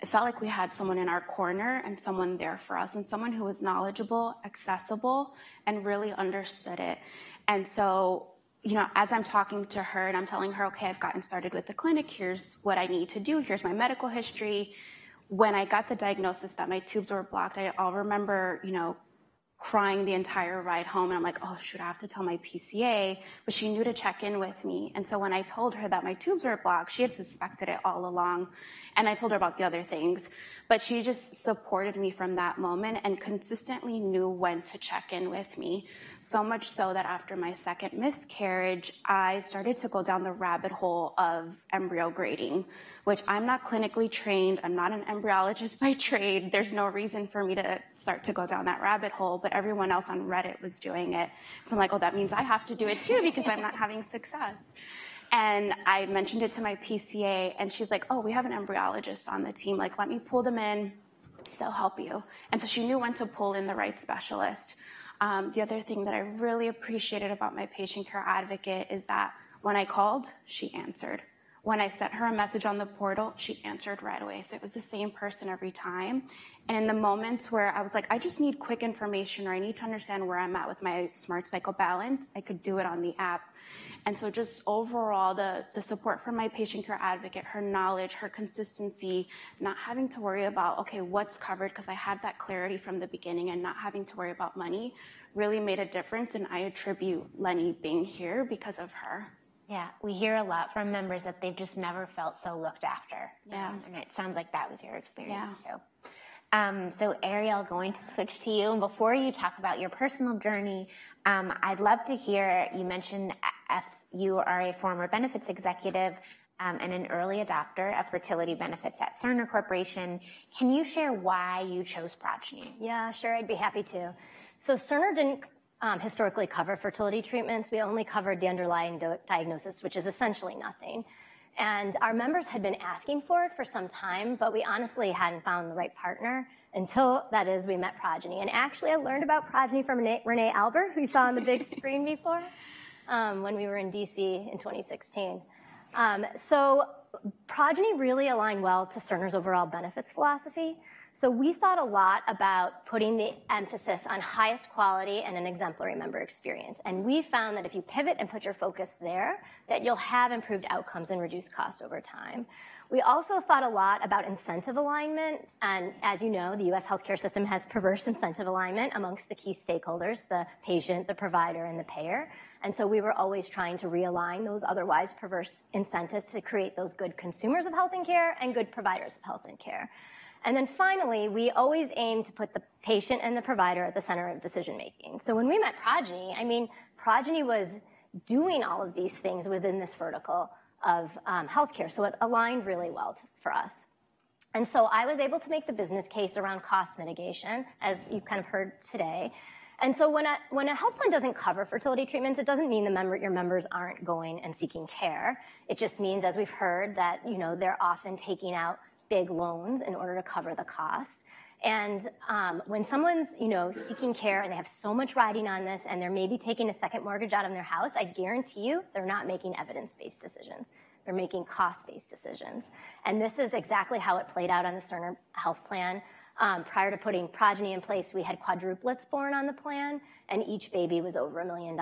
Speaker 15: it felt like we had someone in our corner and someone there for us, and someone who was knowledgeable, accessible, and really understood it. And so, you know, as I'm talking to her and I'm telling her: Okay, I've gotten started with the clinic, here's what I need to do, here's my medical history. When I got the diagnosis that my tubes were blocked, I remember, you know, crying the entire ride home, and I'm like: Oh, shoot, I have to tell my PCA. But she knew to check in with me, and so when I told her that my tubes were blocked, she had suspected it all along, and I told her about the other things. But she just supported me from that moment and consistently knew when to check in with me. So much so that after my second miscarriage, I started to go down the rabbit hole of embryo grading, which I'm not clinically trained. I'm not an embryologist by trade. There's no reason for me to start to go down that rabbit hole, but everyone else on Reddit was doing it. So I'm like: Well, that means I have to do it, too, because I'm not having success. And I mentioned it to my PCA, and she's like: "Oh, we have an embryologist on the team. Like, let me pull them in. They'll help you." And so she knew when to pull in the right specialist. The other thing that I really appreciated about my Patient Care Advocate is that when I called, she answered. When I sent her a message on the portal, she answered right away. So it was the same person every time. And in the moments where I was like: I just need quick information, or I need to understand where I'm at with my Smart Cycle balance, I could do it on the app. And so just overall, the support from my Patient Care Advocate, her knowledge, her consistency, not having to worry about, okay, what's covered? Because I had that clarity from the beginning, and not having to worry about money really made a difference, and I attribute Lenny being here because of her.
Speaker 11: Yeah. We hear a lot from members that they've just never felt so looked after.
Speaker 15: Yeah.
Speaker 11: It sounds like that was your experience, too.
Speaker 15: Yeah.
Speaker 11: So, Arielle, going to switch to you. Before you talk about your personal journey, I'd love to hear... You mentioned, you are a former benefits executive, and an early adopter of fertility benefits at Cerner Corporation. Can you share why you chose Progyny?
Speaker 16: Yeah, sure. I'd be happy to. So Cerner didn't historically cover fertility treatments. We only covered the underlying diagnosis, which is essentially nothing. And our members had been asking for it for some time, but we honestly hadn't found the right partner until, that is, we met Progyny. And actually, I learned about Progyny from Renee Albert, who you saw on the big screen before, when we were in DC in 2016. So Progyny really aligned well to Cerner's overall benefits philosophy. So we thought a lot about putting the emphasis on highest quality and an exemplary member experience. And we found that if you pivot and put your focus there, that you'll have improved outcomes and reduced costs over time. We also thought a lot about incentive alignment, and as you know, the U.S. healthcare system has perverse incentive alignment amongst the key stakeholders, the patient, the provider, and the payer. And so we were always trying to realign those otherwise perverse incentives to create those good consumers of health and care and good providers of health and care. And then finally, we always aim to put the patient and the provider at the center of decision-making. So when we met Progyny, I mean, Progyny was doing all of these things within this vertical of healthcare, so it aligned really well for us... and so I was able to make the business case around cost mitigation, as you've kind of heard today. And so when a health plan doesn't cover fertility treatments, it doesn't mean the member, your members aren't going and seeking care. It just means, as we've heard, that, you know, they're often taking out big loans in order to cover the cost. And when someone's, you know, seeking care, and they have so much riding on this, and they're maybe taking a second mortgage out on their house, I guarantee you, they're not making evidence-based decisions. They're making cost-based decisions. And this is exactly how it played out on the Cerner Health Plan. Prior to putting Progyny in place, we had quadruplets born on the plan, and each baby was over $1 million.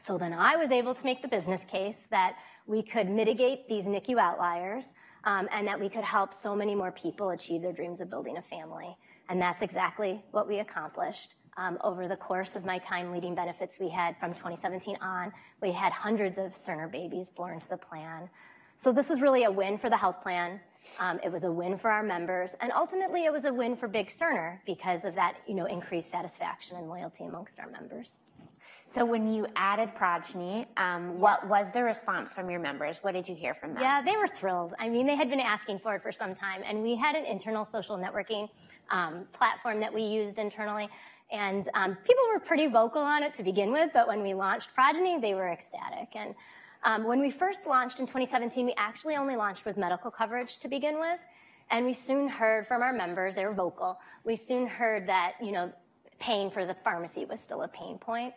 Speaker 16: So then I was able to make the business case that we could mitigate these NICU outliers, and that we could help so many more people achieve their dreams of building a family, and that's exactly what we accomplished. Over the course of my time leading benefits we had from 2017 on, we had hundreds of Cerner babies born to the plan. So this was really a win for the health plan, it was a win for our members, and ultimately, it was a win for big Cerner because of that, you know, increased satisfaction and loyalty among our members.
Speaker 11: When you added Progyny,
Speaker 16: Yeah.
Speaker 11: What was the response from your members? What did you hear from them?
Speaker 16: Yeah, they were thrilled. I mean, they had been asking for it for some time, and we had an internal social networking platform that we used internally. And people were pretty vocal on it to begin with, but when we launched Progyny, they were ecstatic. And when we first launched in 2017, we actually only launched with medical coverage to begin with, and we soon heard from our members, they were vocal. We soon heard that, you know, paying for the pharmacy was still a pain point,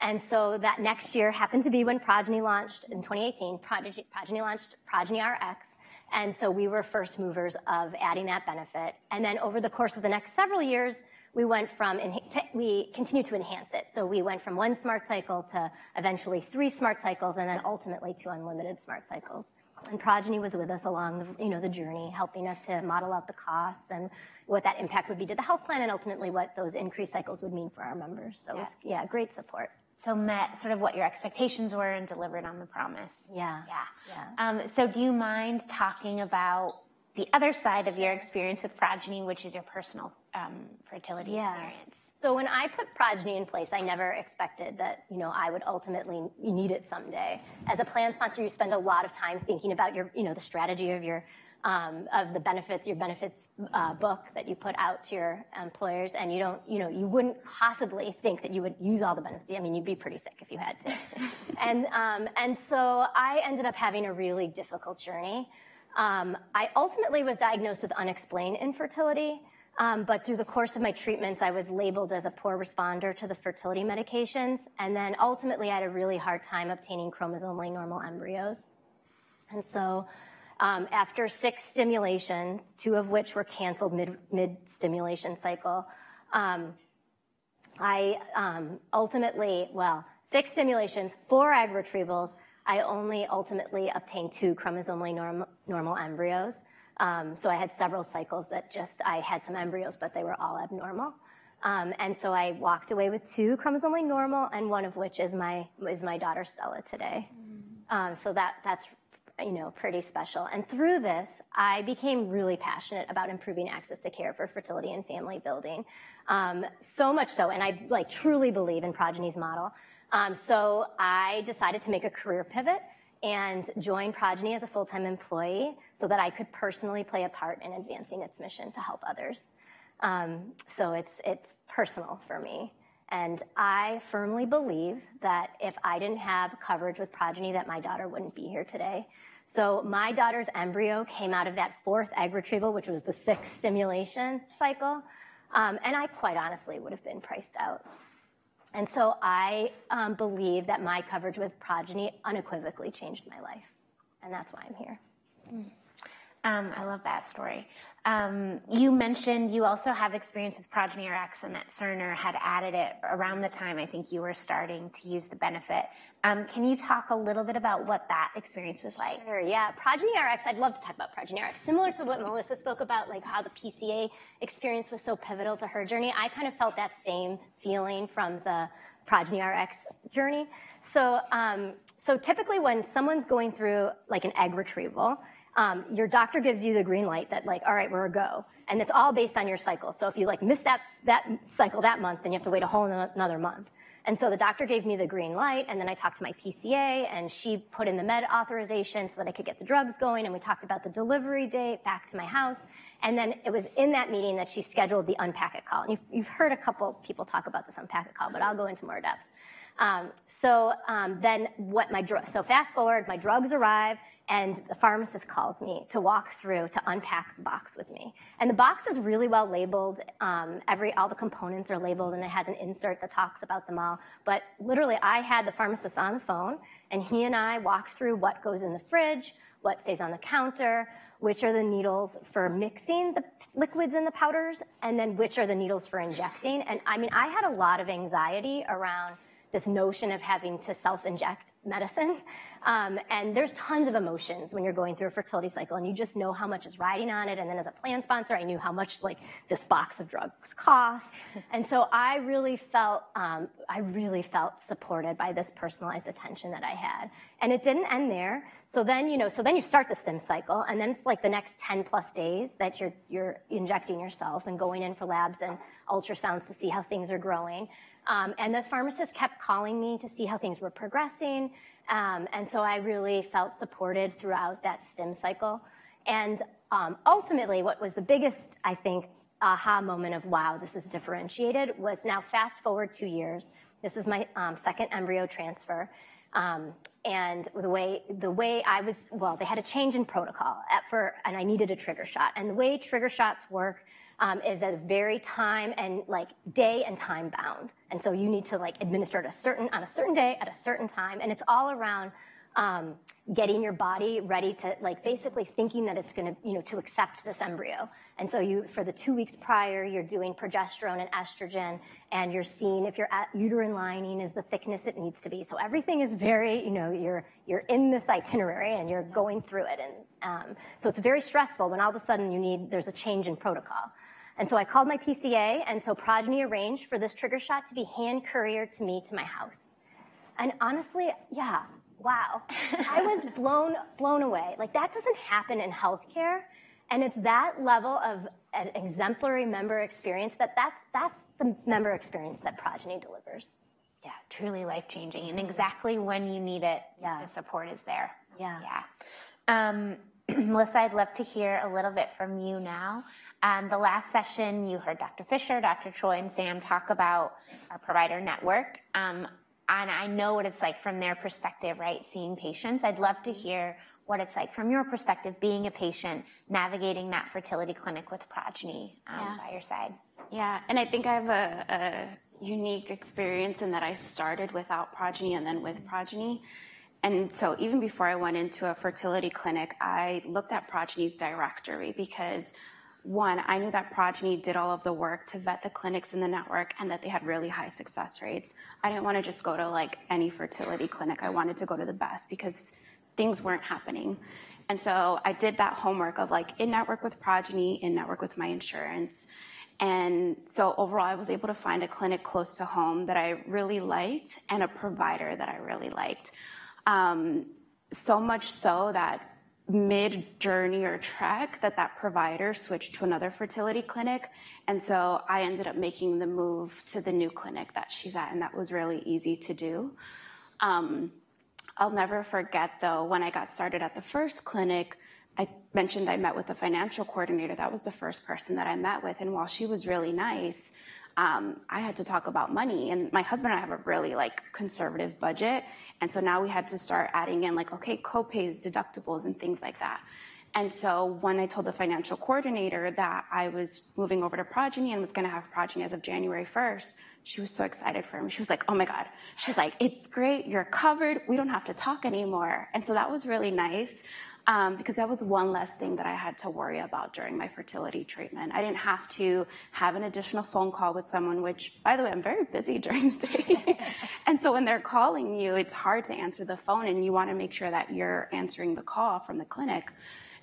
Speaker 16: and so that next year happened to be when Progyny launched in 2018. Progyny launched Progyny Rx, and so we were first movers of adding that benefit. And then, over the course of the next several years, we continued to enhance it. We went from one Smart Cycle to eventually three Smart Cycles and then ultimately to unlimited Smart Cycles. Progyny was with us along the, you know, the journey, helping us to model out the costs and what that impact would be to the health plan and ultimately what those increased cycles would mean for our members.
Speaker 11: Yeah.
Speaker 16: Yeah, great support.
Speaker 11: So it met sort of what your expectations were and delivered on the promise.
Speaker 16: Yeah.
Speaker 11: Yeah.
Speaker 16: Yeah.
Speaker 11: So do you mind talking about the other side-
Speaker 16: Sure...
Speaker 11: of your experience with Progyny, which is your personal, fertility experience?
Speaker 16: Yeah. So when I put Progyny in place, I never expected that, you know, I would ultimately need it someday. As a plan sponsor, you spend a lot of time thinking about your, you know, the strategy of your benefits book that you put out to your employers, and you don't, you know, you wouldn't possibly think that you would use all the benefits. I mean, you'd be pretty sick if you had to. So I ended up having a really difficult journey. I ultimately was diagnosed with unexplained infertility. But through the course of my treatments, I was labeled as a poor responder to the fertility medications, and then ultimately, I had a really hard time obtaining chromosomally normal embryos. So after six stimulations, two of which were canceled mid-stimulation cycle, I ultimately... Well, six stimulations, four egg retrievals. I only ultimately obtained two chromosomally normal embryos. So I had several cycles that just, I had some embryos, but they were all abnormal. And so I walked away with two chromosomally normal, and one of which is my, is my daughter, Stella, today.
Speaker 11: Mm-hmm.
Speaker 16: So that, that's, you know, pretty special. And through this, I became really passionate about improving access to care for fertility and family building. So much so, and I, like, truly believe in Progyny's model. So I decided to make a career pivot and join Progyny as a full-time employee so that I could personally play a part in advancing its mission to help others. So it's, it's personal for me, and I firmly believe that if I didn't have coverage with Progyny, that my daughter wouldn't be here today. So my daughter's embryo came out of that fourth egg retrieval, which was the sixth stimulation cycle, and I quite honestly would have been priced out. And so I, believe that my coverage with Progyny unequivocally changed my life, and that's why I'm here.
Speaker 11: Mm-hmm. I love that story. You mentioned you also have experience with Progyny Rx and that Cerner had added it around the time I think you were starting to use the benefit. Can you talk a little bit about what that experience was like?
Speaker 16: Sure, yeah. Progyny Rx, I'd love to talk about Progyny Rx. Similar to what Melissa spoke about, like, how the PCA experience was so pivotal to her journey, I kind of felt that same feeling from the Progyny Rx journey. So, so typically, when someone's going through, like, an egg retrieval, your doctor gives you the green light that like: All right, we're a go. And it's all based on your cycle. So if you, like, miss that cycle that month, then you have to wait a whole another month. And so the doctor gave me the green light, and then I talked to my PCA, and she put in the med authorization so that I could get the drugs going, and we talked about the delivery date back to my house. And then it was in that meeting that she scheduled the Unpack It call. And you've, you've heard a couple people talk about this Unpack It call, but I'll go into more depth. So fast forward, my drugs arrive, and the pharmacist calls me to walk through to unpack the box with me. And the box is really well labeled. All the components are labeled, and it has an insert that talks about them all. But literally, I had the pharmacist on the phone, and he and I walked through what goes in the fridge, what stays on the counter, which are the needles for mixing the liquids and the powders, and then which are the needles for injecting. And, I mean, I had a lot of anxiety around this notion of having to self-inject medicine. And there's tons of emotions when you're going through a fertility cycle, and you just know how much is riding on it, and then as a plan sponsor, I knew how much, like, this box of drugs cost. And so I really felt, I really felt supported by this personalized attention that I had. And it didn't end there. So then, you know, so then you start the stim cycle, and then it's like the next 10+ days that you're injecting yourself and going in for labs and ultrasounds to see how things are growing. And the pharmacist kept calling me to see how things were progressing. And so I really felt supported throughout that stim cycle. And ultimately, what was the biggest, I think, aha moment of, wow, this is differentiated, was now fast-forward two years. This is my second embryo transfer. Well, they had a change in protocol. And I needed a trigger shot. And the way trigger shots work is that very time and like day and time-bound. And so you need to, like, administer on a certain day, at a certain time, and it's all around getting your body ready to, like, basically thinking that it's gonna, you know, to accept this embryo. And so you, for the two weeks prior, you're doing progesterone and estrogen, and you're seeing if your uterine lining is the thickness it needs to be. So everything is very. You know, you're in this itinerary, and you're going through it. And so it's very stressful when all of a sudden you need, there's a change in protocol. And so I called my PCA, and so Progyny arranged for this trigger shot to be hand-couriered to me, to my house... and honestly, yeah. Wow! I was blown, blown away. Like, that doesn't happen in healthcare, and it's that level of an exemplary member experience, that that's, that's the member experience that Progyny delivers.
Speaker 11: Yeah, truly life-changing and exactly when you need it-
Speaker 16: Yeah.
Speaker 11: The support is there.
Speaker 16: Yeah.
Speaker 11: Yeah. Melissa, I'd love to hear a little bit from you now. The last session, you heard Dr. Fischer, Dr. Choi, and Sam talk about our provider network. And I know what it's like from their perspective, right, seeing patients. I'd love to hear what it's like from your perspective, being a patient, navigating that fertility clinic with Progyny-
Speaker 15: Yeah...
Speaker 11: by your side.
Speaker 15: Yeah, and I think I have a unique experience in that I started without Progyny and then with Progyny. So even before I went into a fertility clinic, I looked at Progyny's directory because, one, I knew that Progyny did all of the work to vet the clinics in the network and that they had really high success rates. I didn't want to just go to, like, any fertility clinic. I wanted to go to the best because things weren't happening. So I did that homework of, like, in-network with Progyny, in-network with my insurance. So overall, I was able to find a clinic close to home that I really liked and a provider that I really liked. So much so that mid-journey or track, that provider switched to another fertility clinic, and so I ended up making the move to the new clinic that she's at, and that was really easy to do. I'll never forget, though, when I got started at the first clinic. I mentioned I met with a financial coordinator. That was the first person that I met with, and while she was really nice, I had to talk about money, and my husband and I have a really, like, conservative budget. And so now we had to start adding in, like, okay, co-pays, deductibles, and things like that. And so when I told the financial coordinator that I was moving over to Progyny and was going to have Progyny as of January first, she was so excited for me. She was like, "Oh, my God." She's like: "It's great. You're covered. We don't have to talk anymore." And so that was really nice, because that was one less thing that I had to worry about during my fertility treatment. I didn't have to have an additional phone call with someone, which, by the way, I'm very busy during the day. And so when they're calling you, it's hard to answer the phone, and you want to make sure that you're answering the call from the clinic.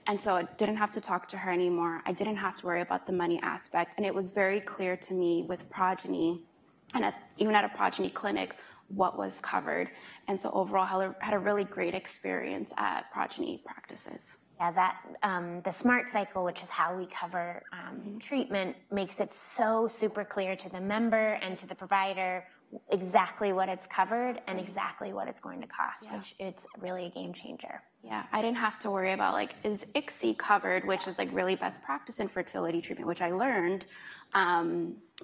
Speaker 15: And so I didn't have to talk to her anymore. I didn't have to worry about the money aspect, and it was very clear to me with Progyny and at—even at a Progyny clinic, what was covered. And so overall, I had a really great experience at Progyny practices.
Speaker 11: Yeah, that, the Smart Cycle, which is how we cover,
Speaker 15: Mm-hmm.
Speaker 11: ...treatment, makes it so super clear to the member and to the provider exactly what it's covered and exactly what it's going to cost.
Speaker 15: Yeah.
Speaker 11: Which it's really a game changer.
Speaker 15: Yeah. I didn't have to worry about, like, is ICSI covered?
Speaker 11: Yeah.
Speaker 15: Which was, like, really best practice in fertility treatment, which I learned.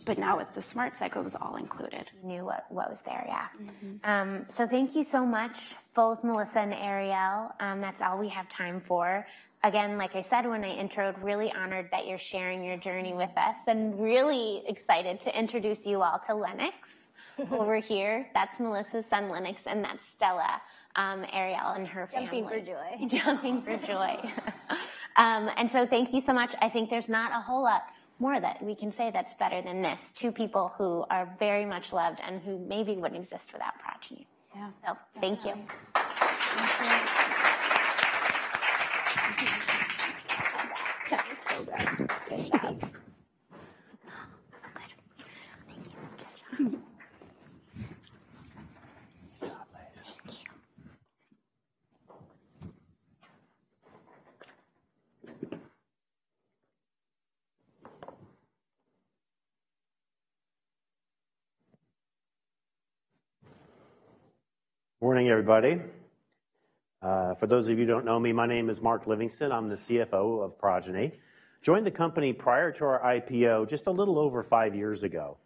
Speaker 15: But now with the Smart Cycle, it was all included.
Speaker 11: You knew what, what was there. Yeah.
Speaker 15: Mm-hmm.
Speaker 11: So thank you so much, both Melissa and Arielle. That's all we have time for. Again, like I said, when I introed, really honored that you're sharing your journey with us and really excited to introduce you all to Lennox. Over here, that's Melissa's son, Lennox, and that's Stella, Arielle and her family.
Speaker 16: Jumping for joy.
Speaker 11: Jumping for joy. So thank you so much. I think there's not a whole lot more that we can say that's better than this. Two people who are very much loved and who maybe wouldn't exist without Progyny.
Speaker 16: Yeah.
Speaker 11: Thank you.
Speaker 16: Thank you. That was so good.
Speaker 11: Thanks.
Speaker 16: Good. Thank you. Good job.
Speaker 11: Nice job, guys.
Speaker 16: Thank you.
Speaker 17: Morning, everybody. For those of you who don't know me, my name is Mark Livingston. I'm the CFO of Progyny. Joined the company prior to our IPO, just a little over five years ago.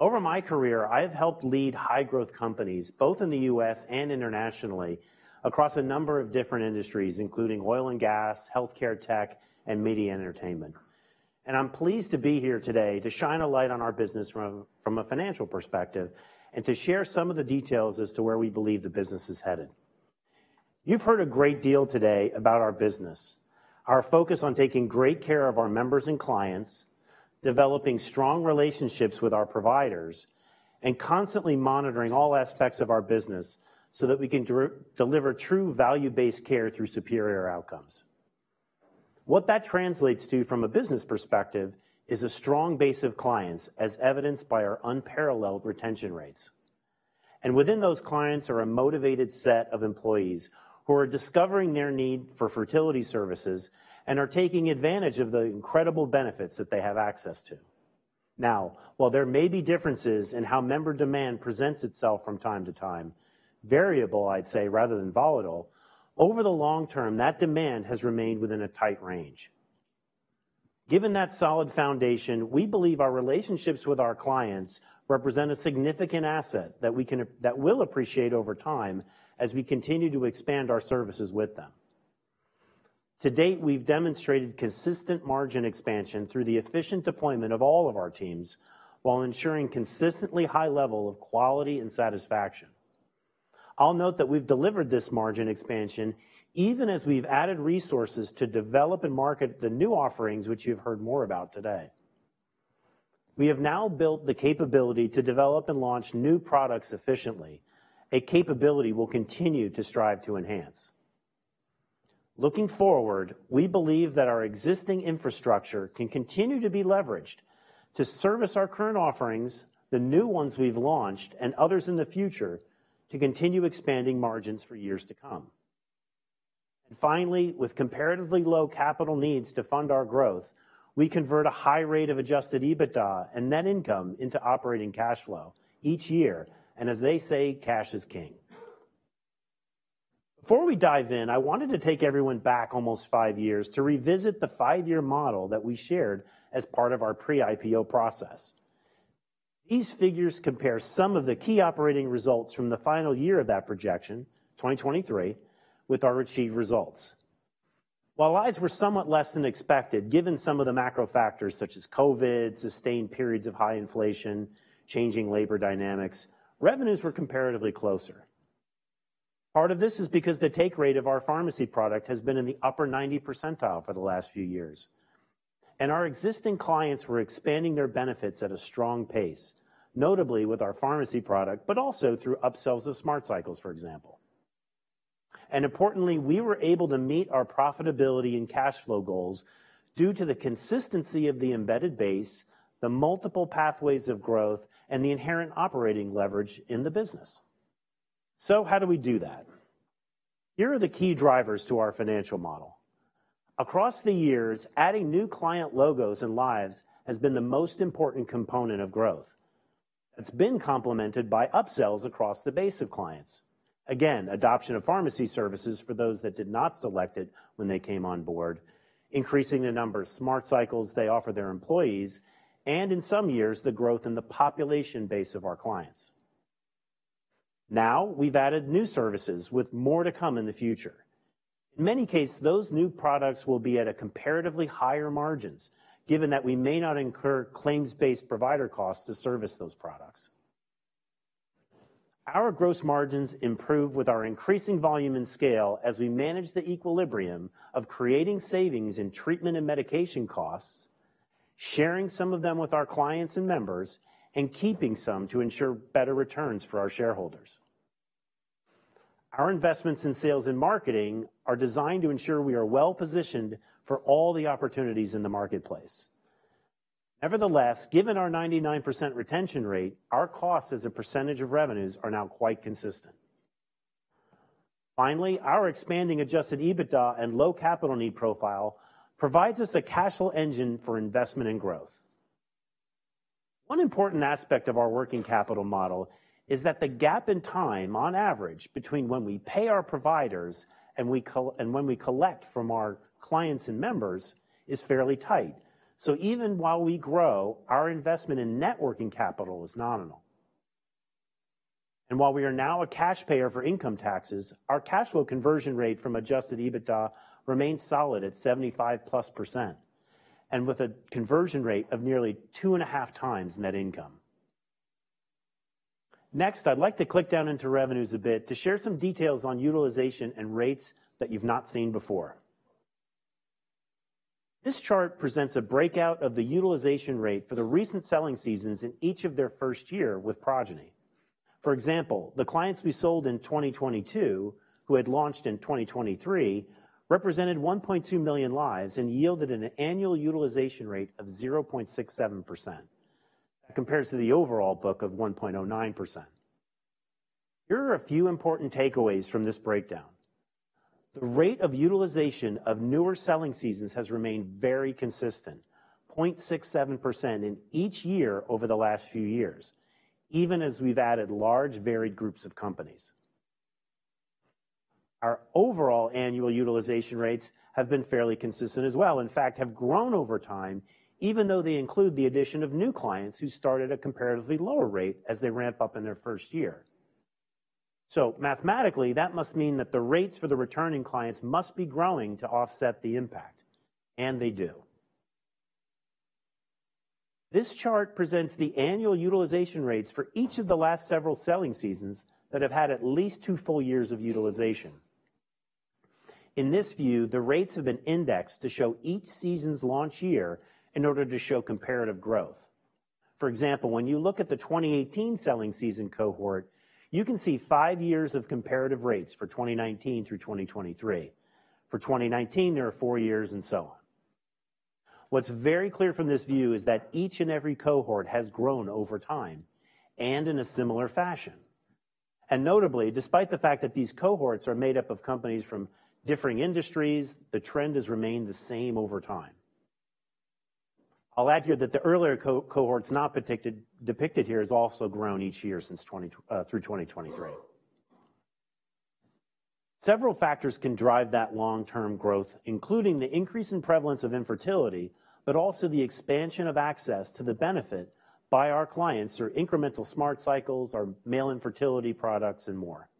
Speaker 17: Over my career, I've helped lead high-growth companies, both in the U.S. and internationally, across a number of different industries, including oil and gas, healthcare, tech, and media and entertainment. And I'm pleased to be here today to shine a light on our business from, from a financial perspective, and to share some of the details as to where we believe the business is headed. You've heard a great deal today about our business, our focus on taking great care of our members and clients, developing strong relationships with our providers, and constantly monitoring all aspects of our business so that we can deliver true value-based care through superior outcomes. What that translates to from a business perspective is a strong base of clients, as evidenced by our unparalleled retention rates. Within those clients are a motivated set of employees who are discovering their need for fertility services and are taking advantage of the incredible benefits that they have access to. Now, while there may be differences in how member demand presents itself from time to time, variable, I'd say, rather than volatile, over the long term, that demand has remained within a tight range. Given that solid foundation, we believe our relationships with our clients represent a significant asset that will appreciate over time as we continue to expand our services with them. To date, we've demonstrated consistent margin expansion through the efficient deployment of all of our teams, while ensuring consistently high level of quality and satisfaction. I'll note that we've delivered this margin expansion even as we've added resources to develop and market the new offerings, which you've heard more about today. We have now built the capability to develop and launch new products efficiently, a capability we'll continue to strive to enhance.... Looking forward, we believe that our existing infrastructure can continue to be leveraged to service our current offerings, the new ones we've launched, and others in the future to continue expanding margins for years to come. And finally, with comparatively low capital needs to fund our growth, we convert a high rate of Adjusted EBITDA and net income into operating cash flow each year, and as they say, cash is king. Before we dive in, I wanted to take everyone back almost 5 years to revisit the 5-year model that we shared as part of our pre-IPO process. These figures compare some of the key operating results from the final year of that projection, 2023, with our achieved results. While lives were somewhat less than expected, given some of the macro factors such as COVID, sustained periods of high inflation, changing labor dynamics, revenues were comparatively closer. Part of this is because the take rate of our pharmacy product has been in the upper 90th percentile for the last few years, and our existing clients were expanding their benefits at a strong pace, notably with our pharmacy product, but also through upsells of Smart Cycles, for example. And importantly, we were able to meet our profitability and cash flow goals due to the consistency of the embedded base, the multiple pathways of growth, and the inherent operating leverage in the business. So how do we do that? Here are the key drivers to our financial model. Across the years, adding new client logos and lives has been the most important component of growth. It's been complemented by upsells across the base of clients. Again, adoption of pharmacy services for those that did not select it when they came on board, increasing the number of Smart Cycles they offer their employees, and in some years, the growth in the population base of our clients. Now, we've added new services with more to come in the future. In many cases, those new products will be at comparatively higher margins, given that we may not incur claims-based provider costs to service those products. Our gross margins improve with our increasing volume and scale as we manage the equilibrium of creating savings in treatment and medication costs, sharing some of them with our clients and members, and keeping some to ensure better returns for our shareholders. Our investments in sales and marketing are designed to ensure we are well-positioned for all the opportunities in the marketplace. Nevertheless, given our 99% retention rate, our costs as a percentage of revenues are now quite consistent. Finally, our expanding Adjusted EBITDA and low capital need profile provides us a cash flow engine for investment and growth. One important aspect of our working capital model is that the gap in time, on average, between when we pay our providers and we collect from our clients and members, is fairly tight. So even while we grow, our investment in net working capital is nominal. And while we are now a cash payer for income taxes, our cash flow conversion rate from Adjusted EBITDA remains solid at 75%+, and with a conversion rate of nearly 2.5x net income. Next, I'd like to click down into revenues a bit to share some details on utilization and rates that you've not seen before. This chart presents a breakout of the utilization rate for the recent selling seasons in each of their first year with Progyny. For example, the clients we sold in 2022, who had launched in 2023, represented 1.2 million lives and yielded an annual utilization rate of 0.67%. That compares to the overall book of 1.09%. Here are a few important takeaways from this breakdown. The rate of utilization of newer selling seasons has remained very consistent, 0.67% in each year over the last few years, even as we've added large, varied groups of companies. Our overall annual utilization rates have been fairly consistent as well, in fact, have grown over time, even though they include the addition of new clients who started a comparatively lower rate as they ramp up in their first year. So mathematically, that must mean that the rates for the returning clients must be growing to offset the impact, and they do. This chart presents the annual utilization rates for each of the last several selling seasons that have had at least two full years of utilization. In this view, the rates have been indexed to show each season's launch year in order to show comparative growth. For example, when you look at the 2018 selling season cohort, you can see five years of comparative rates for 2019 through 2023. For 2019, there are four years, and so on. What's very clear from this view is that each and every cohort has grown over time and in a similar fashion. Notably, despite the fact that these cohorts are made up of companies from differing industries, the trend has remained the same over time. I'll add here that the earlier cohorts not depicted here have also grown each year since 2020 through 2023. Several factors can drive that long-term growth, including the increase in prevalence of infertility, but also the expansion of access to the benefit by our clients through incremental Smart Cycles, our male infertility products, and more.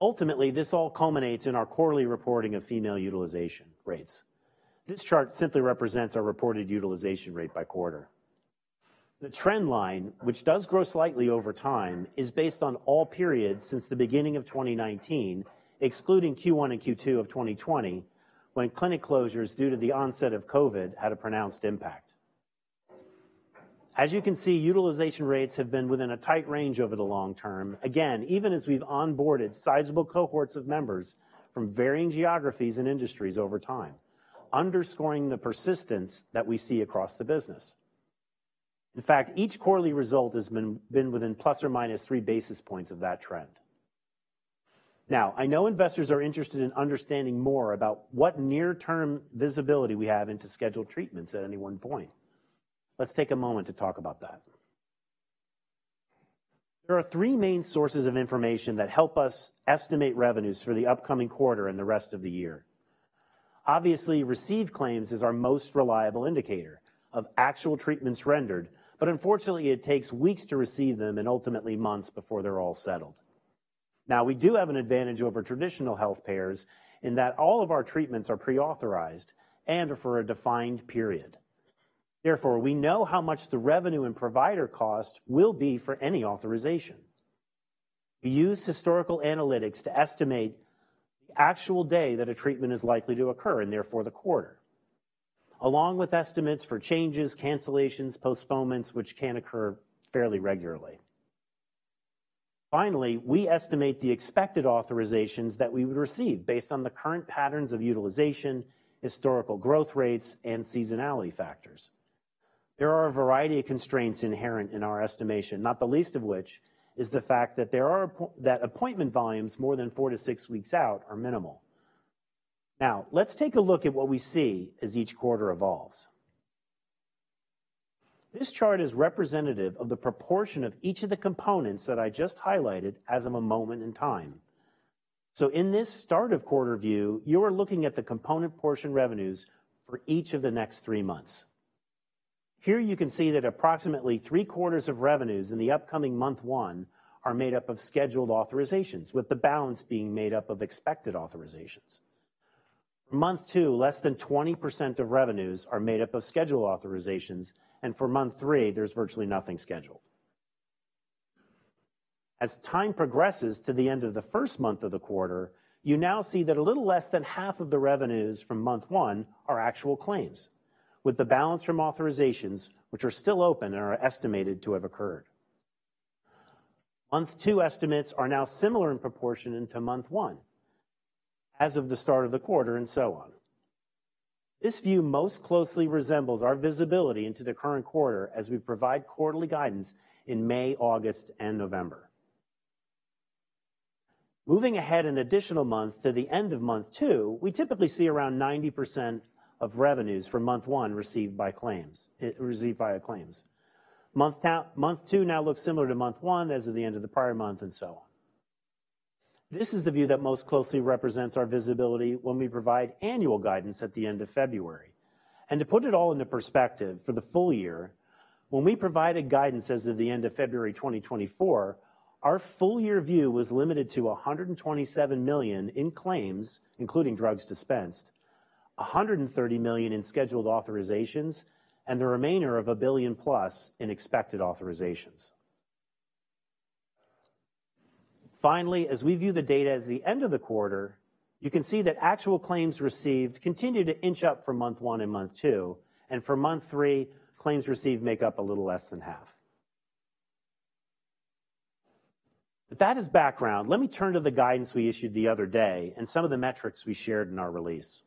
Speaker 17: Ultimately, this all culminates in our quarterly reporting of female utilization rates. This chart simply represents our reported utilization rate by quarter. The trend line, which does grow slightly over time, is based on all periods since the beginning of 2019, excluding Q1 and Q2 of 2020, when clinic closures, due to the onset of COVID, had a pronounced impact. As you can see, utilization rates have been within a tight range over the long term. Again, even as we've onboarded sizable cohorts of members from varying geographies and industries over time, underscoring the persistence that we see across the business. In fact, each quarterly result has been within ±3 basis points of that trend. Now, I know investors are interested in understanding more about what near-term visibility we have into scheduled treatments at any one point. Let's take a moment to talk about that. There are three main sources of information that help us estimate revenues for the upcoming quarter and the rest of the year. Obviously, received claims is our most reliable indicator of actual treatments rendered, but unfortunately, it takes weeks to receive them and ultimately months before they're all settled. Now, we do have an advantage over traditional health payers in that all of our treatments are pre-authorized and are for a defined period. Therefore, we know how much the revenue and provider cost will be for any authorization. We use historical analytics to estimate the actual day that a treatment is likely to occur, and therefore, the quarter. Along with estimates for changes, cancellations, postponements, which can occur fairly regularly. Finally, we estimate the expected authorizations that we would receive based on the current patterns of utilization, historical growth rates, and seasonality factors. There are a variety of constraints inherent in our estimation, not the least of which is the fact that there are that appointment volumes more than four to six weeks out are minimal. Now, let's take a look at what we see as each quarter evolves. This chart is representative of the proportion of each of the components that I just highlighted as of a moment in time. So in this start of quarter view, you are looking at the component portion revenues for each of the next three months. Here you can see that approximately three-quarters of revenues in the upcoming month one are made up of scheduled authorizations, with the balance being made up of expected authorizations. Month two, less than 20% of revenues are made up of scheduled authorizations, and for month three, there's virtually nothing scheduled. As time progresses to the end of the first month of the quarter, you now see that a little less than half of the revenues from month one are actual claims, with the balance from authorizations, which are still open and are estimated to have occurred. Month two estimates are now similar in proportion to month one, as of the start of the quarter, and so on. This view most closely resembles our visibility into the current quarter as we provide quarterly guidance in May, August, and November. Moving ahead an additional month to the end of month two, we typically see around 90% of revenues from month one received by claims, received via claims. Month two now looks similar to month one, as of the end of the prior month, and so on. This is the view that most closely represents our visibility when we provide annual guidance at the end of February. To put it all into perspective for the full year, when we provided guidance as of the end of February 2024, our full year view was limited to $127 million in claims, including drugs dispensed, $130 million in scheduled authorizations, and the remainder of $1 billion plus in expected authorizations. Finally, as we view the data as the end of the quarter, you can see that actual claims received continue to inch up for month one and month two, and for month three, claims received make up a little less than half. That is background. Let me turn to the guidance we issued the other day and some of the metrics we shared in our release.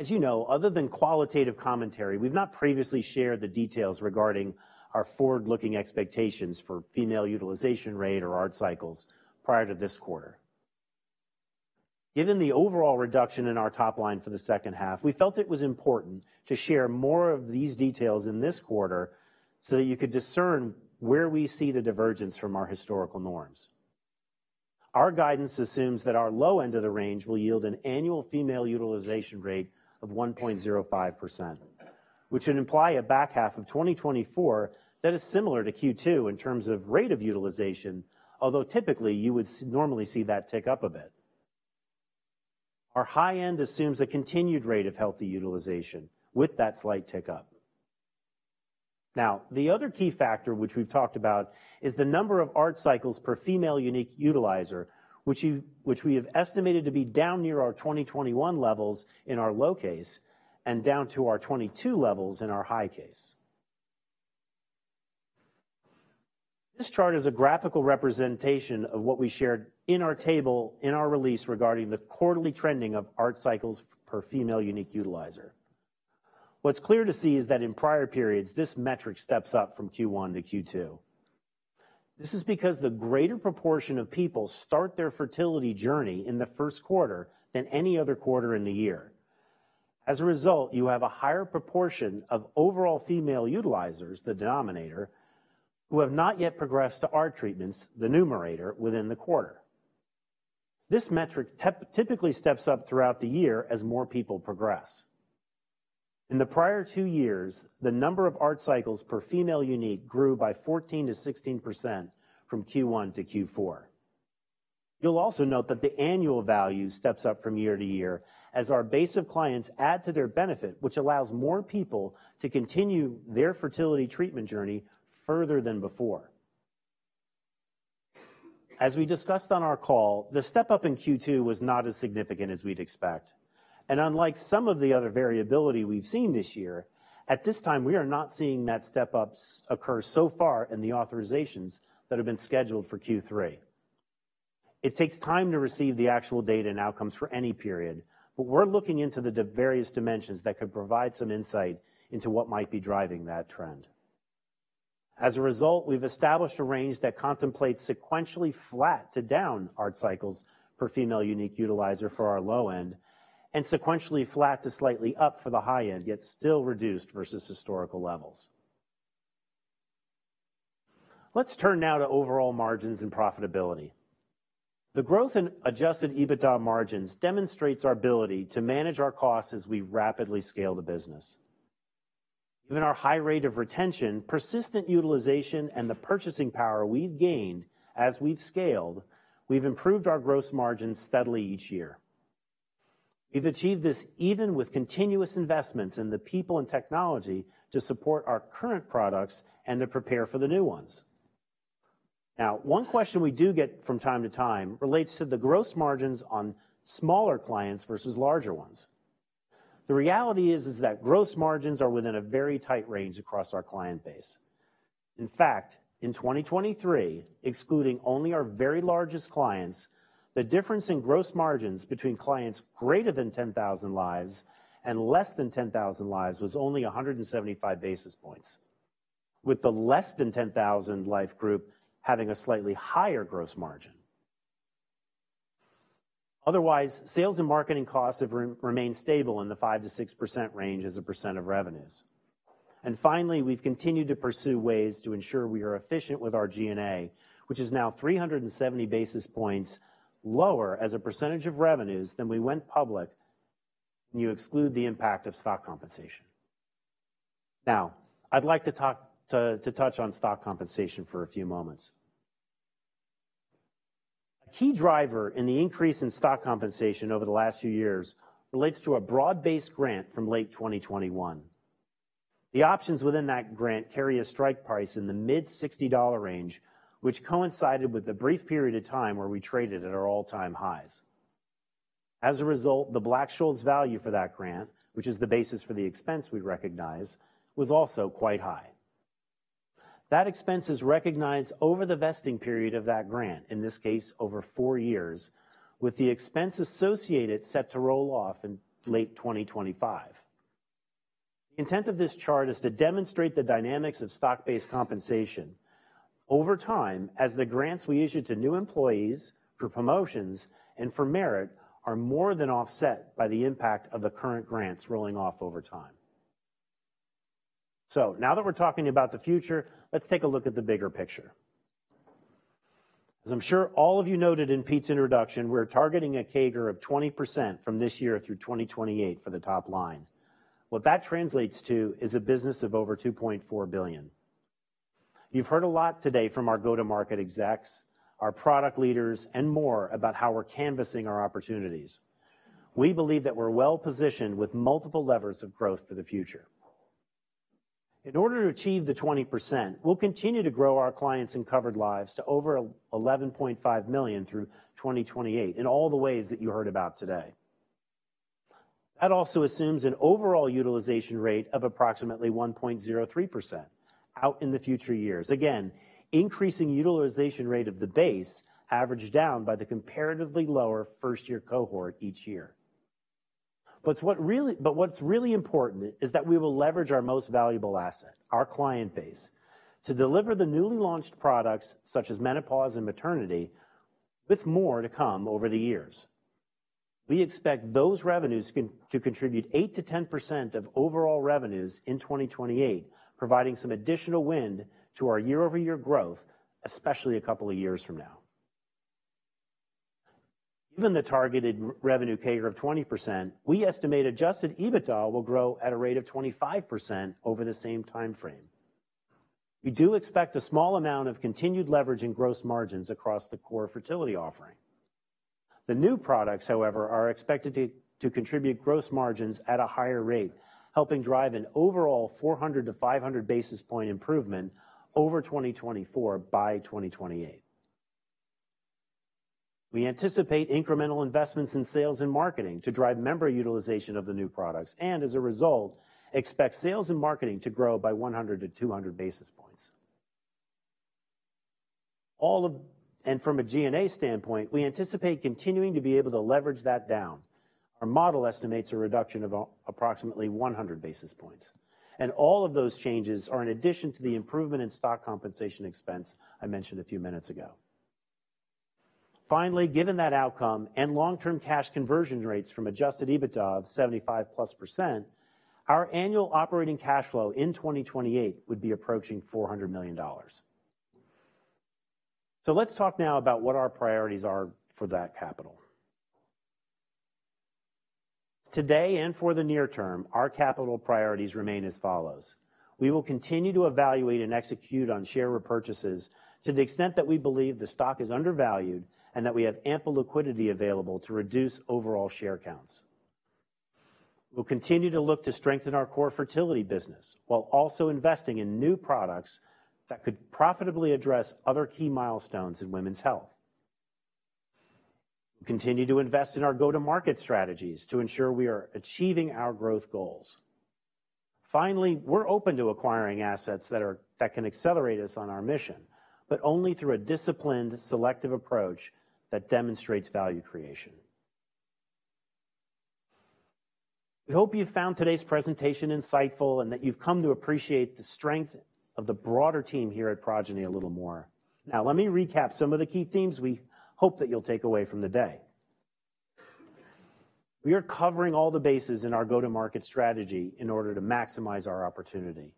Speaker 17: As you know, other than qualitative commentary, we've not previously shared the details regarding our forward-looking expectations for female utilization rate or ART cycles prior to this quarter. Given the overall reduction in our top line for the second half, we felt it was important to share more of these details in this quarter, so that you could discern where we see the divergence from our historical norms. Our guidance assumes that our low end of the range will yield an annual female utilization rate of 1.05%, which would imply a back half of 2024 that is similar to Q2 in terms of rate of utilization, although typically, you would normally see that tick up a bit. Our high end assumes a continued rate of healthy utilization with that slight tick up. Now, the other key factor, which we've talked about, is the number of ART cycles per female unique utilizer, which we have estimated to be down near our 2021 levels in our low case and down to our 2022 levels in our high case. This chart is a graphical representation of what we shared in our table in our release regarding the quarterly trending of ART cycles per female unique utilizer. What's clear to see is that in prior periods, this metric steps up from Q1 to Q2. This is because the greater proportion of people start their fertility journey in the first quarter than any other quarter in the year. As a result, you have a higher proportion of overall female utilizers, the denominator, who have not yet progressed to ART treatments, the numerator, within the quarter. This metric typically steps up throughout the year as more people progress. In the prior two years, the number of ART cycles per female unique grew by 14%-16% from Q1 to Q4. You'll also note that the annual value steps up from year to year as our base of clients add to their benefit, which allows more people to continue their fertility treatment journey further than before. As we discussed on our call, the step-up in Q2 was not as significant as we'd expect, and unlike some of the other variability we've seen this year, at this time, we are not seeing that step-ups occur so far in the authorizations that have been scheduled for Q3. It takes time to receive the actual data and outcomes for any period, but we're looking into the various dimensions that could provide some insight into what might be driving that trend. As a result, we've established a range that contemplates sequentially flat to down ART cycles per female unique utilizer for our low end, and sequentially flat to slightly up for the high end, yet still reduced versus historical levels. Let's turn now to overall margins and profitability. The growth in Adjusted EBITDA margins demonstrates our ability to manage our costs as we rapidly scale the business. Given our high rate of retention, persistent utilization, and the purchasing power we've gained as we've scaled, we've improved our gross margins steadily each year. We've achieved this even with continuous investments in the people and technology to support our current products and to prepare for the new ones. Now, one question we do get from time to time relates to the gross margins on smaller clients versus larger ones. The reality is, is that gross margins are within a very tight range across our client base. In fact, in 2023, excluding only our very largest clients, the difference in gross margins between clients greater than 10,000 lives and less than 10,000 lives was only 175 basis points, with the less than 10,000 life group having a slightly higher gross margin. Otherwise, sales and marketing costs have remained stable in the 5%-6% range as a percent of revenues. And finally, we've continued to pursue ways to ensure we are efficient with our G&A, which is now 370 basis points lower as a percentage of revenues than we went public, when you exclude the impact of stock compensation. Now, I'd like to touch on stock compensation for a few moments. A key driver in the increase in stock compensation over the last few years relates to a broad-based grant from late 2021. The options within that grant carry a strike price in the mid-$60 range, which coincided with the brief period of time where we traded at our all-time highs. As a result, the Black-Scholes value for that grant, which is the basis for the expense we recognize, was also quite high. That expense is recognized over the vesting period of that grant, in this case, over four years, with the expense associated set to roll off in late 2025. The intent of this chart is to demonstrate the dynamics of stock-based compensation over time as the grants we issue to new employees for promotions and for merit are more than offset by the impact of the current grants rolling off over time. So now that we're talking about the future, let's take a look at the bigger picture. As I'm sure all of you noted in Pete's introduction, we're targeting a CAGR of 20% from this year through 2028 for the top line. What that translates to is a business of over $2.4 billion. You've heard a lot today from our go-to-market execs, our product leaders, and more about how we're canvassing our opportunities. We believe that we're well-positioned with multiple levers of growth for the future. In order to achieve the 20%, we'll continue to grow our clients and covered lives to over 11.5 million through 2028 in all the ways that you heard about today. That also assumes an overall utilization rate of approximately 1.03% out in the future years. Again, increasing utilization rate of the base averaged down by the comparatively lower first-year cohort each year. But what really-- but what's really important is that we will leverage our most valuable asset, our client base, to deliver the newly launched products, such as menopause and maternity, with more to come over the years. We expect those revenues con... to contribute 8%-10% of overall revenues in 2028, providing some additional wind to our year-over-year growth, especially a couple of years from now. Given the targeted revenue CAGR of 20%, we estimate Adjusted EBITDA will grow at a rate of 25% over the same time frame. We do expect a small amount of continued leverage in gross margins across the core fertility offering. The new products, however, are expected to contribute gross margins at a higher rate, helping drive an overall 400 basis point-500 basis point improvement over 2024 by 2028. We anticipate incremental investments in sales and marketing to drive member utilization of the new products, and as a result, expect sales and marketing to grow by 100 basis points-200 basis points. All of... From a G&A standpoint, we anticipate continuing to be able to leverage that down. Our model estimates a reduction of approximately 100 basis points, and all of those changes are in addition to the improvement in stock compensation expense I mentioned a few minutes ago. Finally, given that outcome and long-term cash conversion rates from Adjusted EBITDA of 75%+, our annual operating cash flow in 2028 would be approaching $400 million. So let's talk now about what our priorities are for that capital. Today and for the near term, our capital priorities remain as follows: We will continue to evaluate and execute on share repurchases to the extent that we believe the stock is undervalued and that we have ample liquidity available to reduce overall share counts. We'll continue to look to strengthen our core fertility business, while also investing in new products that could profitably address other key milestones in women's health. We'll continue to invest in our go-to-market strategies to ensure we are achieving our growth goals. Finally, we're open to acquiring assets that can accelerate us on our mission, but only through a disciplined, selective approach that demonstrates value creation. We hope you found today's presentation insightful, and that you've come to appreciate the strength of the broader team here at Progyny a little more. Now, let me recap some of the key themes we hope that you'll take away from the day. We are covering all the bases in our go-to-market strategy in order to maximize our opportunity.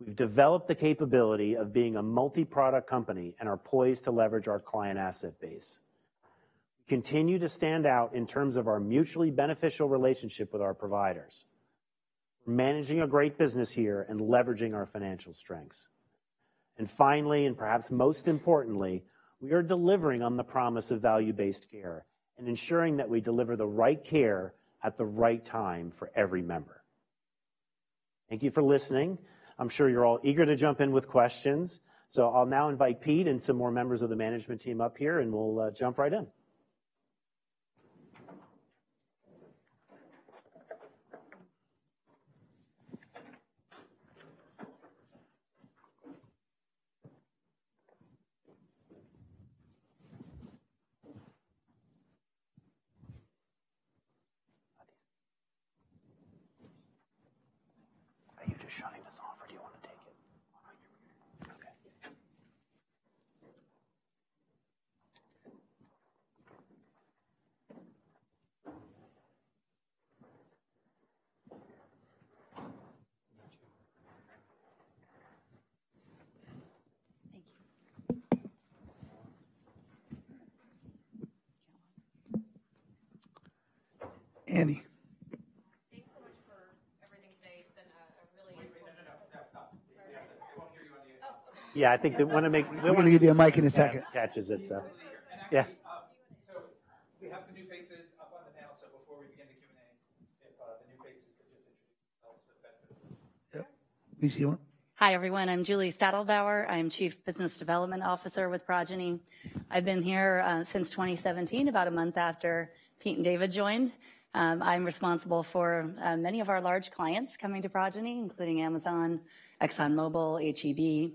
Speaker 17: We've developed the capability of being a multi-product company and are poised to leverage our client asset base. We continue to stand out in terms of our mutually beneficial relationship with our providers. We're managing a great business here and leveraging our financial strengths. And finally, and perhaps most importantly, we are delivering on the promise of value-based care and ensuring that we deliver the right care at the right time for every member. Thank you for listening. I'm sure you're all eager to jump in with questions, so I'll now invite Pete and some more members of the management team up here, and we'll jump right in.
Speaker 1: Are these... Are you just shutting this off, or do you want to take it? so we have some new faces up on the panel. So before we begin the Q&A, if the new faces could just introduce themselves for the benefit. Yep. Please go on.
Speaker 18: Hi, everyone. I'm Julie Stadlbauer. I'm Chief Business Development Officer with Progyny. I've been here since 2017, about a month after Pete and David joined. I'm responsible for many of our large clients coming to Progyny, including Amazon, ExxonMobil, H-E-B.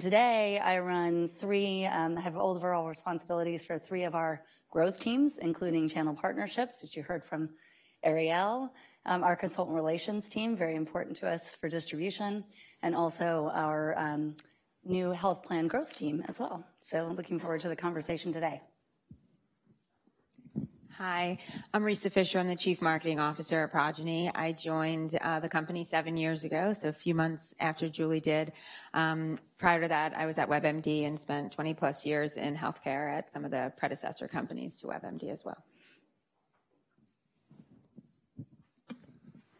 Speaker 18: Today, I run three. I have overall responsibilities for three of our growth teams, including channel partnerships, which you heard from Arielle. Our consultant relations team, very important to us for distribution, and also our new health plan growth team as well. Looking forward to the conversation today.
Speaker 19: Hi, I'm Risa Fisher. I'm the Chief Marketing Officer at Progyny. I joined the company 7 years ago, so a few months after Julie did. Prior to that, I was at WebMD and spent 20+ years in healthcare at some of the predecessor companies to WebMD as well.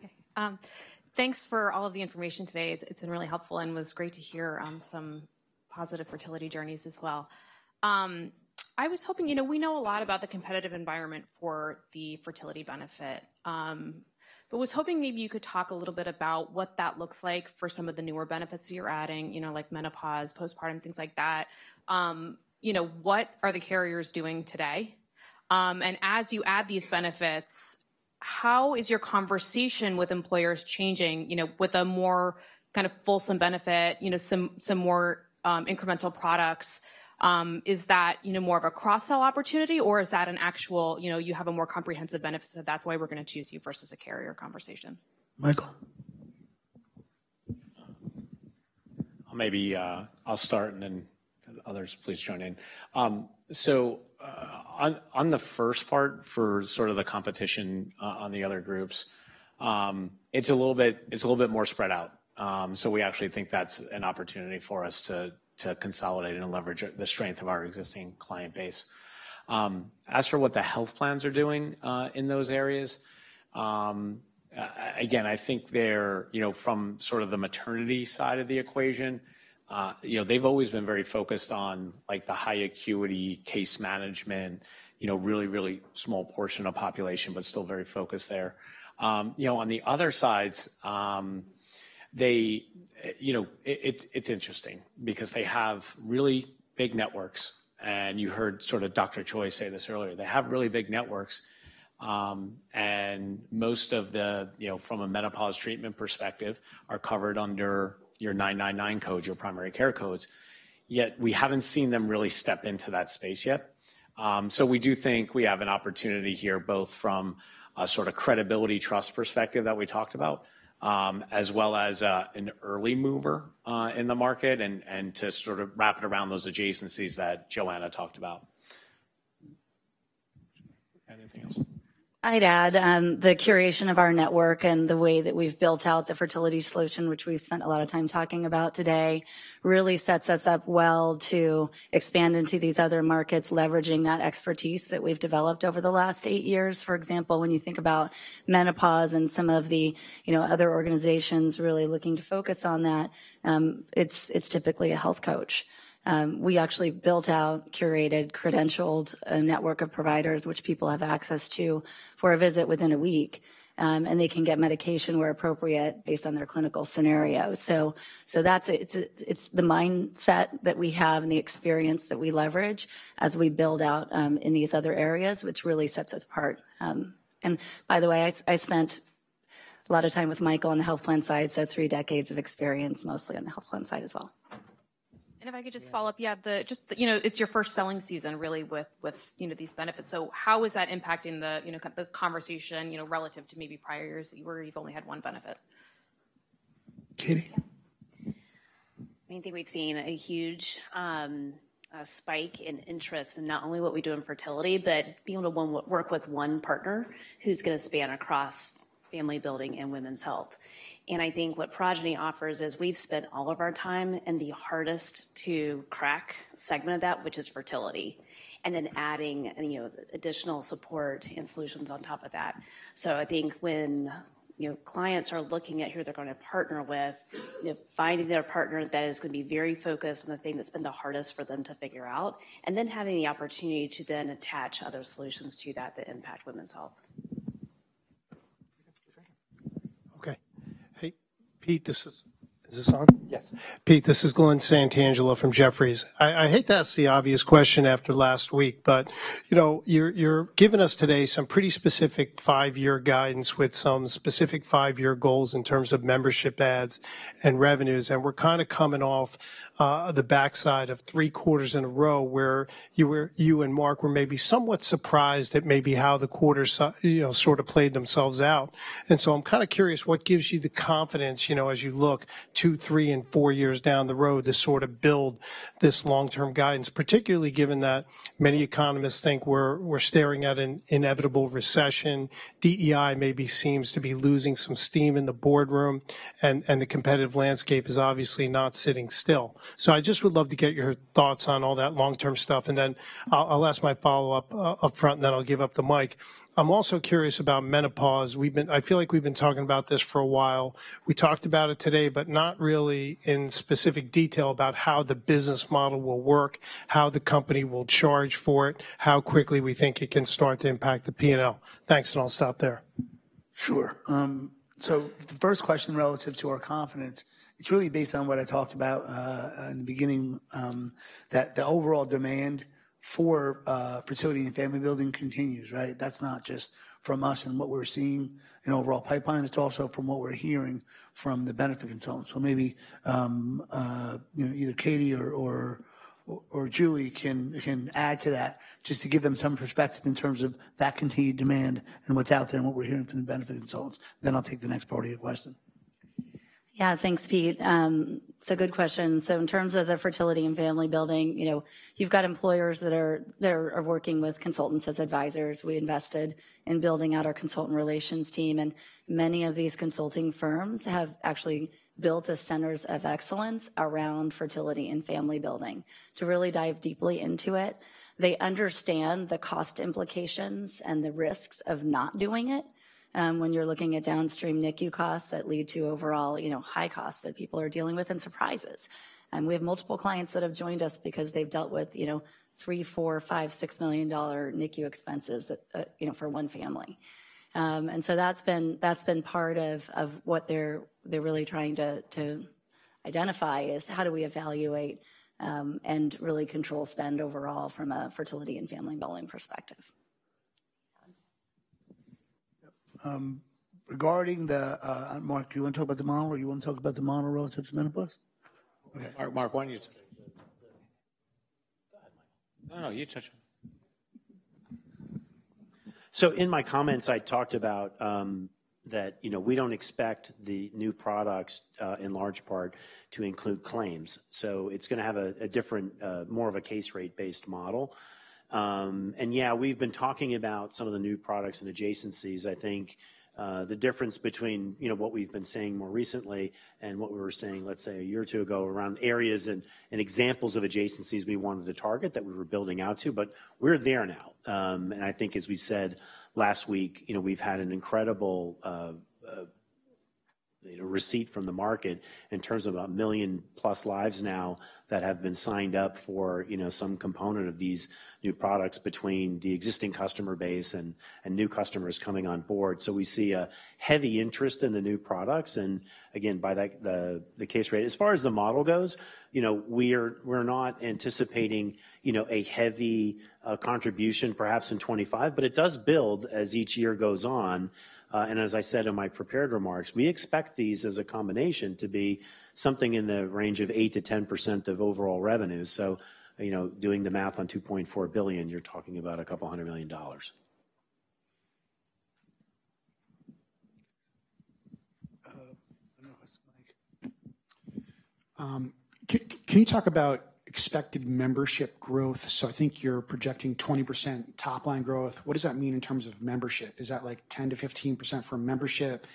Speaker 20: Okay, thanks for all of the information today. It's been really helpful, and it was great to hear some positive fertility journeys as well. I was hoping... You know, we know a lot about the competitive environment for the fertility benefit, but was hoping maybe you could talk a little bit about what that looks like for some of the newer benefits you're adding, you know, like menopause, postpartum, things like that. You know, what are the carriers doing today? And as you add these benefits, how is your conversation with employers changing, you know, with a more kind of fulsome benefit, you know, some, some more incremental products? Is that, you know, more of a cross-sell opportunity, or is that an actual, you know, you have a more comprehensive benefit, so that's why we're going to choose you versus a carrier conversation?
Speaker 1: Michael?
Speaker 3: Maybe, I'll start, and then others, please join in. So, on the first part, for sort of the competition on the other groups, it's a little bit, it's a little bit more spread out. So we actually think that's an opportunity for us to consolidate and leverage the strength of our existing client base. As for what the health plans are doing in those areas, again, I think they're, you know, from sort of the maternity side of the equation, you know, they've always been very focused on, like, the high acuity case management, you know, really, really small portion of population, but still very focused there. You know, on the other sides, they, you know... It's interesting because they have really big networks, and you heard sort of Dr. Choi say this earlier. They have really big networks, and most of the, you know, from a menopause treatment perspective, are covered under your 99 codes, your primary care codes. Yet, we haven't seen them really step into that space yet. So we do think we have an opportunity here, both from a sort of credibility, trust perspective that we talked about, as well as an early mover in the market, and to sort of wrap it around those adjacencies that Joanna talked about. Anything else?
Speaker 19: I'd add, the curation of our network and the way that we've built out the fertility solution, which we've spent a lot of time talking about today-... really sets us up well to expand into these other markets, leveraging that expertise that we've developed over the last eight years. For example, when you think about menopause and some of the, you know, other organizations really looking to focus on that, it's, it's typically a health coach. We actually built out, curated, credentialed a network of providers, which people have access to for a visit within a week, and they can get medication where appropriate based on their clinical scenario. So that's it. It's the mindset that we have and the experience that we leverage as we build out in these other areas, which really sets us apart. By the way, I spent a lot of time with Michael on the health plan side, so three decades of experience, mostly on the health plan side as well.
Speaker 20: If I could just follow up, yeah, just, you know, it's your first selling season really, with these benefits. So how is that impacting the, you know, the conversation, you know, relative to maybe prior years, where you've only had one benefit?
Speaker 1: Katie?
Speaker 4: I think we've seen a huge spike in interest in not only what we do in fertility, but being able to work with one partner who's going to span across family building and women's health. And I think what Progyny offers is we've spent all of our time in the hardest-to-crack segment of that, which is fertility, and then adding, you know, additional support and solutions on top of that. So I think when, you know, clients are looking at who they're going to partner with, you know, finding their partner, that is going to be very focused on the thing that's been the hardest for them to figure out, and then having the opportunity to then attach other solutions to that, that impact women's health.
Speaker 21: Okay. Hey, Pete, this is... Is this on?
Speaker 1: Yes.
Speaker 21: Pete, this is Glenn Santangelo from Jefferies. I hate to ask the obvious question after last week, but, you know, you're giving us today some pretty specific five-year guidance with some specific five-year goals in terms of membership adds and revenues. And we're kind of coming off the backside of three quarters in a row where you and Mark were maybe somewhat surprised at maybe how the quarters, you know, sort of played themselves out. And so I'm kind of curious, what gives you the confidence, you know, as you look two, three, and four years down the road to sort of build this long-term guidance, particularly given that many economists think we're staring at an inevitable recession, DEI maybe seems to be losing some steam in the boardroom, and the competitive landscape is obviously not sitting still. So I just would love to get your thoughts on all that long-term stuff, and then I'll ask my follow-up upfront, and then I'll give up the mic. I'm also curious about menopause. We've been. I feel like we've been talking about this for a while. We talked about it today, but not really in specific detail about how the business model will work, how the company will charge for it, how quickly we think it can start to impact the P&L. Thanks, and I'll stop there.
Speaker 2: Sure. So the first question relative to our confidence, it's really based on what I talked about in the beginning, that the overall demand for fertility and family building continues, right? That's not just from us and what we're seeing in overall pipeline, it's also from what we're hearing from the benefit consultants. So maybe, you know, either Katie or Julie can add to that just to give them some perspective in terms of that continued demand and what's out there and what we're hearing from the benefit consultants. Then I'll take the next part of your question.
Speaker 18: Yeah. Thanks, Pete. It's a good question. So in terms of the fertility and family building, you know, you've got employers that are working with consultants as advisors. We invested in building out our consultant relations team, and many of these consulting firms have actually built as centers of excellence around fertility and family building to really dive deeply into it. They understand the cost implications and the risks of not doing it, when you're looking at downstream NICU costs that lead to overall, you know, high costs that people are dealing with and surprises. And we have multiple clients that have joined us because they've dealt with, you know, $3 million, $4 million, $5 million, $6 million NICU expenses that, you know, for one family. And so that's been part of what they're really trying to identify, is how do we evaluate and really control spend overall from a fertility and family building perspective?
Speaker 2: Yep. Regarding the, Mark, do you want to talk about the model, or you want to talk about the model relative to menopause?
Speaker 3: Mark, why don't you -
Speaker 17: Go ahead, Michael.
Speaker 3: No, no, you touch it.
Speaker 17: So in my comments, I talked about, that, you know, we don't expect the new products, in large part, to include claims. So it's going to have a, a different, more of a case rate-based model. And yeah, we've been talking about some of the new products and adjacencies. I think, the difference between, you know, what we've been saying more recently and what we were saying, let's say, a year or two ago around areas and, and examples of adjacencies we wanted to target that we were building out to, but we're there now. And I think, as we said last week, you know, we've had an incredible, you know, receipt from the market in terms of 1 million-plus lives now that have been signed up for, you know, some component of these new products between the existing customer base and new customers coming on board. So we see a heavy interest in the new products, and again, by like the case rate. As far as the model goes, you know, we're not anticipating, you know, a heavy contribution perhaps in 25, but it does build as each year goes on. And as I said in my prepared remarks, we expect these as a combination to be something in the range of 8%-10% of overall revenue. So, you know, doing the math on $2.4 billion, you're talking about a couple of $100 million.
Speaker 21: Can you talk about expected membership growth? So I think you're projecting 20% top-line growth. What does that mean in terms of membership? Is that, like, 10%-15% for membership?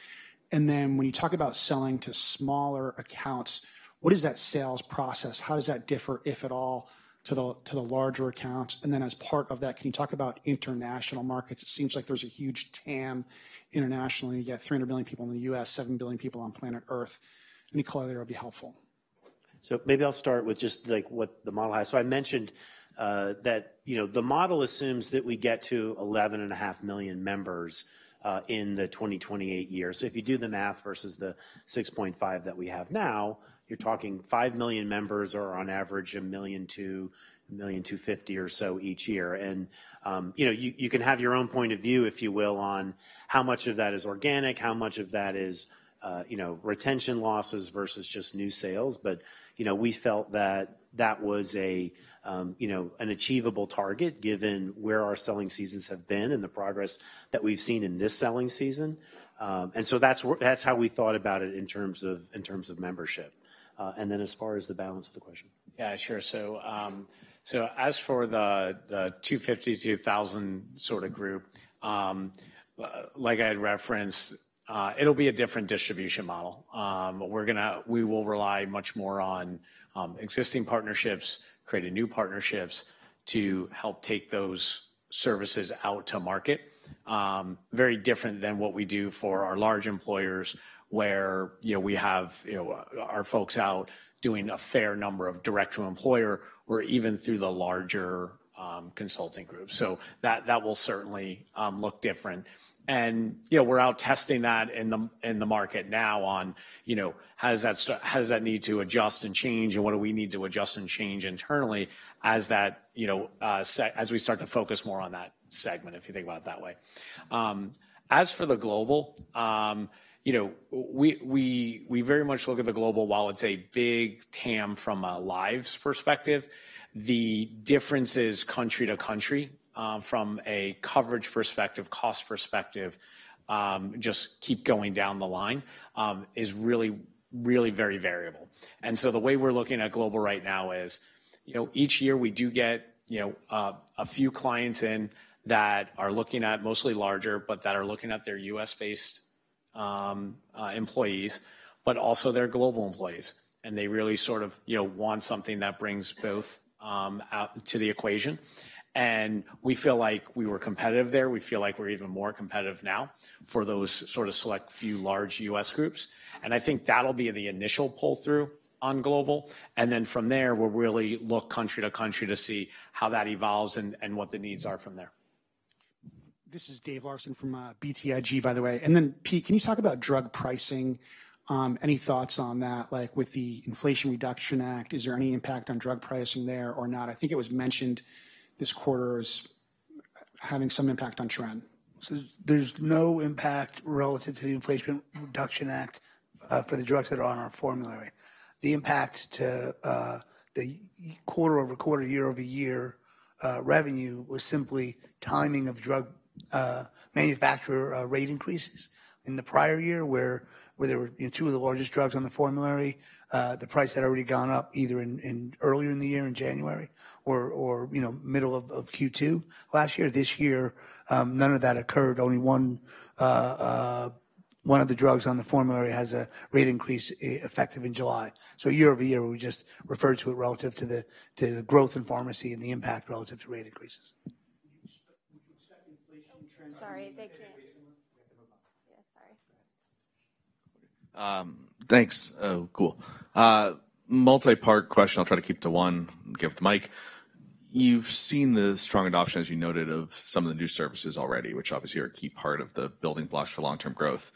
Speaker 21: And then when you talk about selling to smaller accounts, what is that sales process? How does that differ, if at all, to the larger accounts? And then as part of that, can you talk about international markets? It seems like there's a huge TAM internationally. You got 300 million people in the U.S., 7 billion people on planet Earth. Any color there would be helpful.
Speaker 17: So maybe I'll start with just, like, what the model has. So I mentioned that, you know, the model assumes that we get to 11.5 million members in 2028. If you do the math versus the 6.5 that we have now, you're talking five million members, or on average, 1.2 million, 1.25 million or so each year. And you know, you can have your own point of view, if you will, on how much of that is organic, how much of that is, you know, retention losses versus just new sales. But you know, we felt that that was a you know, an achievable target, given where our selling seasons have been and the progress that we've seen in this selling season. And so that's how we thought about it in terms of membership. And then as far as the balance of the question.
Speaker 3: Yeah, sure. So, so as for the, the 250, 2,000 sort of group, like I had referenced, it'll be a different distribution model. But we're gonna-- we will rely much more on, existing partnerships, creating new partnerships to help take those services out to market. Very different than what we do for our large employers, where, you know, we have, you know, our folks out doing a fair number of direct to employer or even through the larger, consulting groups. So that, that will certainly, look different. You know, we're out testing that in the market now on, you know, how does that need to adjust and change, and what do we need to adjust and change internally as that, you know, as we start to focus more on that segment, if you think about it that way. As for the global, you know, we very much look at the global. While it's a big TAM from a lives perspective, the differences country to country, from a coverage perspective, cost perspective, just keep going down the line, is really, really very variable. And so the way we're looking at global right now is, you know, each year we do get, you know, a few clients in that are looking at mostly larger, but that are looking at their U.S.-based employees, but also their global employees. And they really sort of, you know, want something that brings both out to the equation, and we feel like we were competitive there. We feel like we're even more competitive now for those sort of select few large U.S. groups, and I think that'll be the initial pull-through on global. And then from there, we'll really look country to country to see how that evolves and what the needs are from there.
Speaker 22: This is David Larsen from BTIG, by the way. And then, Pete, can you talk about drug pricing? Any thoughts on that, like, with the Inflation Reduction Act, is there any impact on drug pricing there or not? I think it was mentioned this quarter as having some impact on trend.
Speaker 2: So there's no impact relative to the Inflation Reduction Act, for the drugs that are on our formulary. The impact to, the quarter-over-quarter, year-over-year, revenue was simply timing of drug, manufacturer, rate increases. In the prior year, where, where there were, you know, two of the largest drugs on the formulary, the price had already gone up, either in, in-- earlier in the year, in January, or, or, you know, middle of, of Q2. Last year, this year, none of that occurred. Only one, one of the drugs on the formulary has a rate increase, effective in July. So year over year, we just referred to it relative to the, to the growth in pharmacy and the impact relative to rate increases.
Speaker 22: Would you expect inflation trend-
Speaker 13: Sorry, they can't... Yeah, sorry.
Speaker 23: Thanks. Cool. Multi-part question. I'll try to keep to one and give up the mic. You've seen the strong adoption, as you noted, of some of the new services already, which obviously are a key part of the building blocks for long-term growth.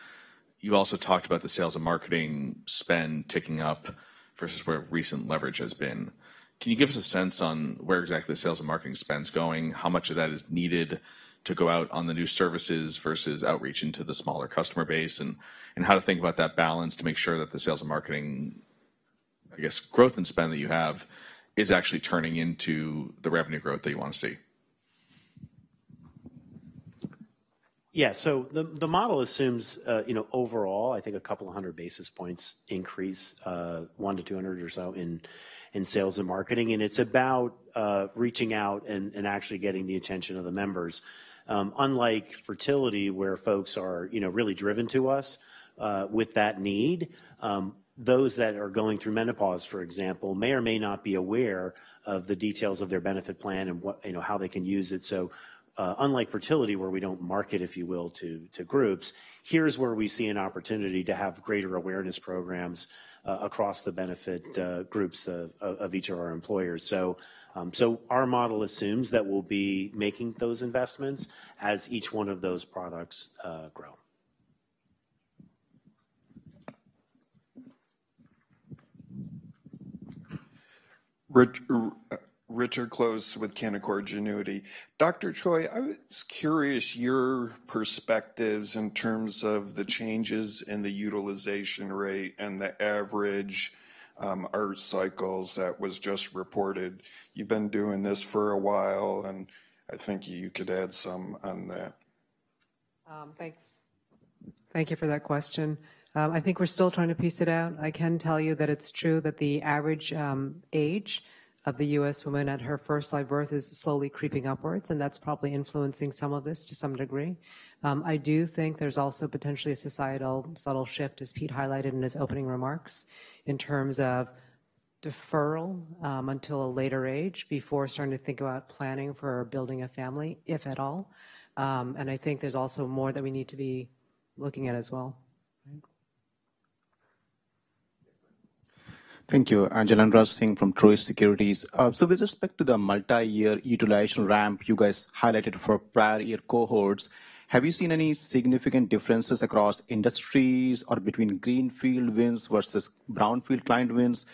Speaker 23: You also talked about the sales and marketing spend ticking up versus where recent leverage has been. Can you give us a sense on where exactly the sales and marketing spend's going, how much of that is needed to go out on the new services versus outreach into the smaller customer base, and how to think about that balance to make sure that the sales and marketing, I guess, growth and spend that you have is actually turning into the revenue growth that you want to see?
Speaker 17: Yeah. So the model assumes, you know, overall, I think a couple of hundred basis points increase, 100 basis points-200 basis points or so in sales and marketing, and it's about reaching out and actually getting the attention of the members. Unlike fertility, where folks are, you know, really driven to us with that need, those that are going through menopause, for example, may or may not be aware of the details of their benefit plan and what you know, how they can use it. So, unlike fertility, where we don't market, if you will, to groups, here's where we see an opportunity to have greater awareness programs across the benefit groups of each of our employers. So, our model assumes that we'll be making those investments as each one of those products grow. Richard Close with Canaccord Genuity. Dr. Choi, I was curious your perspectives in terms of the changes in the utilization rate and the average ART cycles that was just reported. You've been doing this for a while, and I think you could add some on that.
Speaker 12: Thanks. Thank you for that question. I think we're still trying to piece it out. I can tell you that it's true that the average age of the U.S. woman at her first live birth is slowly creeping upwards, and that's probably influencing some of this to some degree. I do think there's also potentially a societal subtle shift, as Pete highlighted in his opening remarks, in terms of deferral until a later age before starting to think about planning for building a family, if at all. And I think there's also more that we need to be looking at as well.
Speaker 24: Thank you. Jailendra Singh from Truist Securities. So with respect to the multi-year utilization ramp you guys highlighted for prior year cohorts, have you seen any significant differences across industries or between greenfield wins versus brownfield client wins?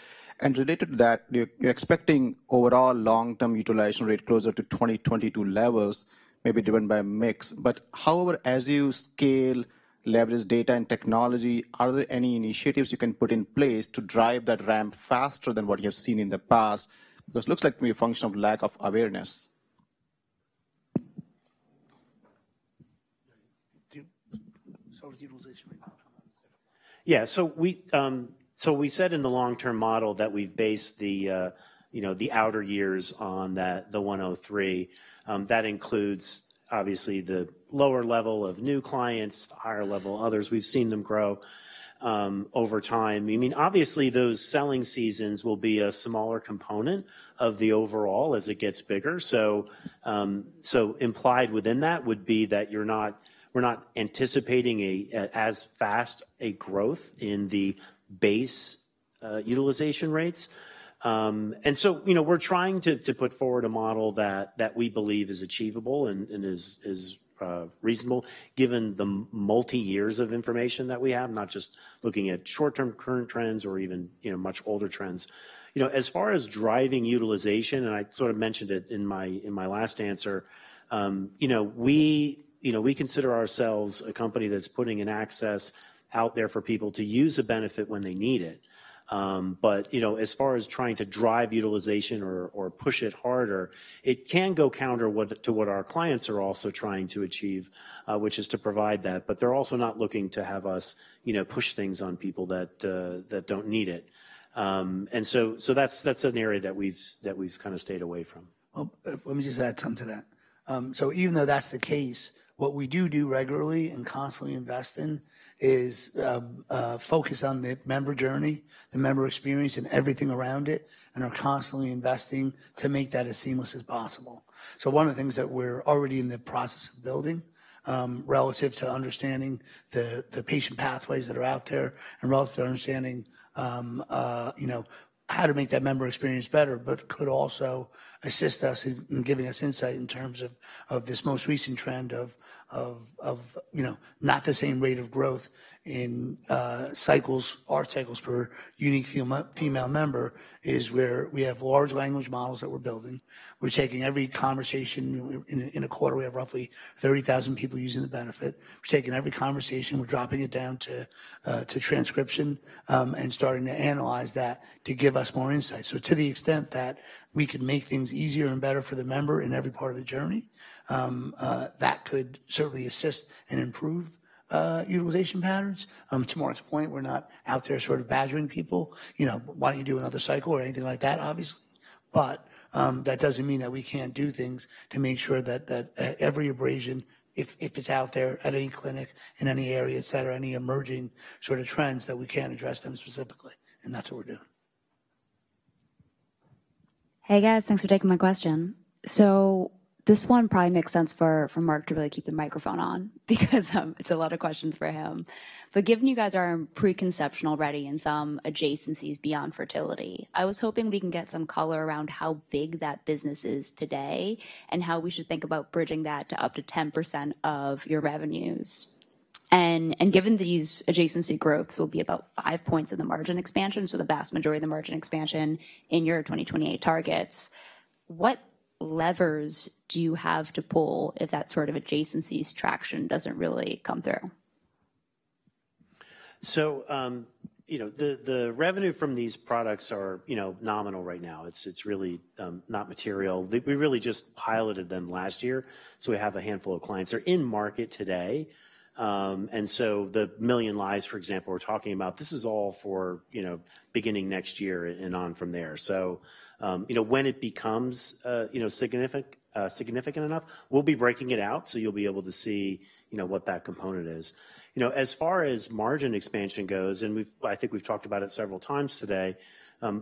Speaker 24: And related to that, you're, you're expecting overall long-term utilization rate closer to 2022 levels, maybe driven by a mix. But however, as you scale, leverage data and technology, are there any initiatives you can put in place to drive that ramp faster than what you have seen in the past? Because it looks like maybe a function of lack of awareness.
Speaker 2: So utilization.
Speaker 17: Yeah, so we said in the long-term model that we've based the, you know, the outer years on that, the 1.03, that includes obviously the lower level of new clients, the higher level others. We've seen them grow over time. I mean, obviously those selling seasons will be a smaller component of the overall as it gets bigger. So, implied within that would be that you're not-- we're not anticipating as fast a growth in the base, utilization rates. And so, you know, we're trying to put forward a model that we believe is achievable and is reasonable, given the multi years of information that we have, not just looking at short-term current trends or even, you know, much older trends. You know, as far as driving utilization, and I sort of mentioned it in my last answer, you know, we consider ourselves a company that's putting an access out there for people to use a benefit when they need it. But, you know, as far as trying to drive utilization or push it harder, it can go counter to what our clients are also trying to achieve, which is to provide that. But they're also not looking to have us, you know, push things on people that don't need it. And so, that's an area that we've kind of stayed away from.
Speaker 2: Well, let me just add something to that. So even though that's the case, what we do do regularly and constantly invest in is a focus on the member journey, the member experience, and everything around it, and are constantly investing to make that as seamless as possible. So one of the things that we're already in the process of building, relative to understanding the patient pathways that are out there and relative to understanding, you know, how to make that member experience better, but could also assist us in giving us insight in terms of this most recent trend of, you know, not the same rate of growth in cycles, our cycles per unique female member, is where we have large language models that we're building. We're taking every conversation. In a quarter, we have roughly 30,000 people using the benefit. We're taking every conversation, we're dropping it down to transcription, and starting to analyze that to give us more insight. So to the extent that we can make things easier and better for the member in every part of the journey, that could certainly assist and improve utilization patterns. To Mark's point, we're not out there sort of badgering people, you know, "Why don't you do another cycle?" Or anything like that, obviously. But, that doesn't mean that we can't do things to make sure that, that every abrasion, if, if it's out there at any clinic, in any area, etc., any emerging sort of trends, that we can address them specifically, and that's what we're doing.
Speaker 25: Hey, guys. Thanks for taking my question. So this one probably makes sense for Mark to really keep the microphone on because it's a lot of questions for him. But given you guys are preconception already in some adjacencies beyond fertility, I was hoping we can get some color around how big that business is today and how we should think about bridging that to up to 10% of your revenues. And given these adjacency growths will be about five points in the margin expansion, so the vast majority of the margin expansion in your 2028 targets, what levers do you have to pull if that sort of adjacencies traction doesn't really come through?
Speaker 17: So, you know, the revenue from these products are, you know, nominal right now. It's, it's really, not material. We, we really just piloted them last year, so we have a handful of clients. They're in market today. And so the 1 million lives, for example, we're talking about, this is all for, you know, beginning next year and on from there. So, you know, when it becomes, you know, significant, significant enough, we'll be breaking it out, so you'll be able to see, you know, what that component is. You know, as far as margin expansion goes, and we've, I think we've talked about it several times today,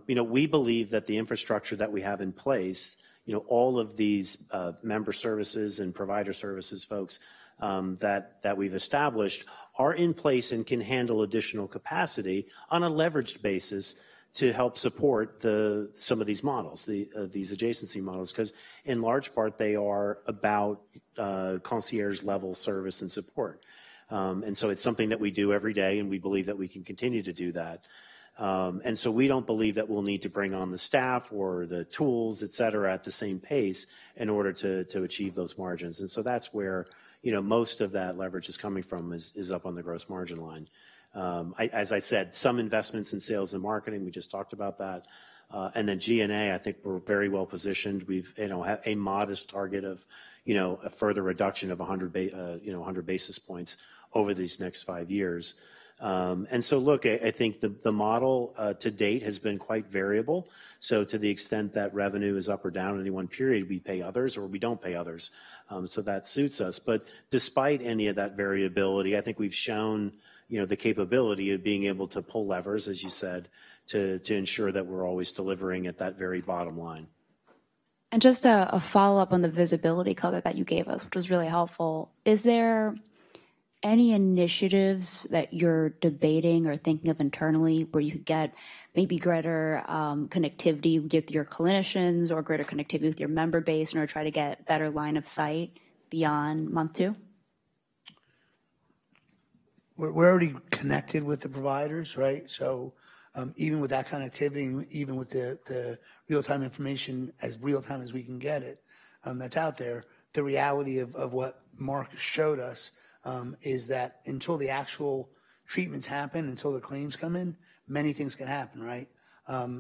Speaker 17: you know, we believe that the infrastructure that we have in place, you know, all of these member services and provider services folks that we've established are in place and can handle additional capacity on a leveraged basis to help support some of these models, these adjacency models, 'cause in large part they are about concierge-level service and support. And so it's something that we do every day, and we believe that we can continue to do that. And so we don't believe that we'll need to bring on the staff or the tools, et cetera, at the same pace in order to achieve those margins. And so that's where, you know, most of that leverage is coming from, up on the gross margin line. As I said, some investments in sales and marketing, we just talked about that. And then G&A, I think we're very well positioned. We've, you know, a modest target of, you know, a further reduction of 100 basis points over these next five years. And so look, I think the model to date has been quite variable. So to the extent that revenue is up or down any one period, we pay others or we don't pay others. So that suits us. But despite any of that variability, I think we've shown, you know, the capability of being able to pull levers, as you said, to ensure that we're always delivering at that very bottom line.
Speaker 25: And just a follow-up on the visibility comment that you gave us, which was really helpful. Is there any initiatives that you're debating or thinking of internally where you could get maybe greater connectivity with your clinicians or greater connectivity with your member base in order to try to get better line of sight beyond month two?
Speaker 2: We're already connected with the providers, right? So, even with that connectivity and even with the real-time information, as real time as we can get it, that's out there, the reality of what Mark showed us, is that until the actual treatments happen, until the claims come in, many things can happen, right?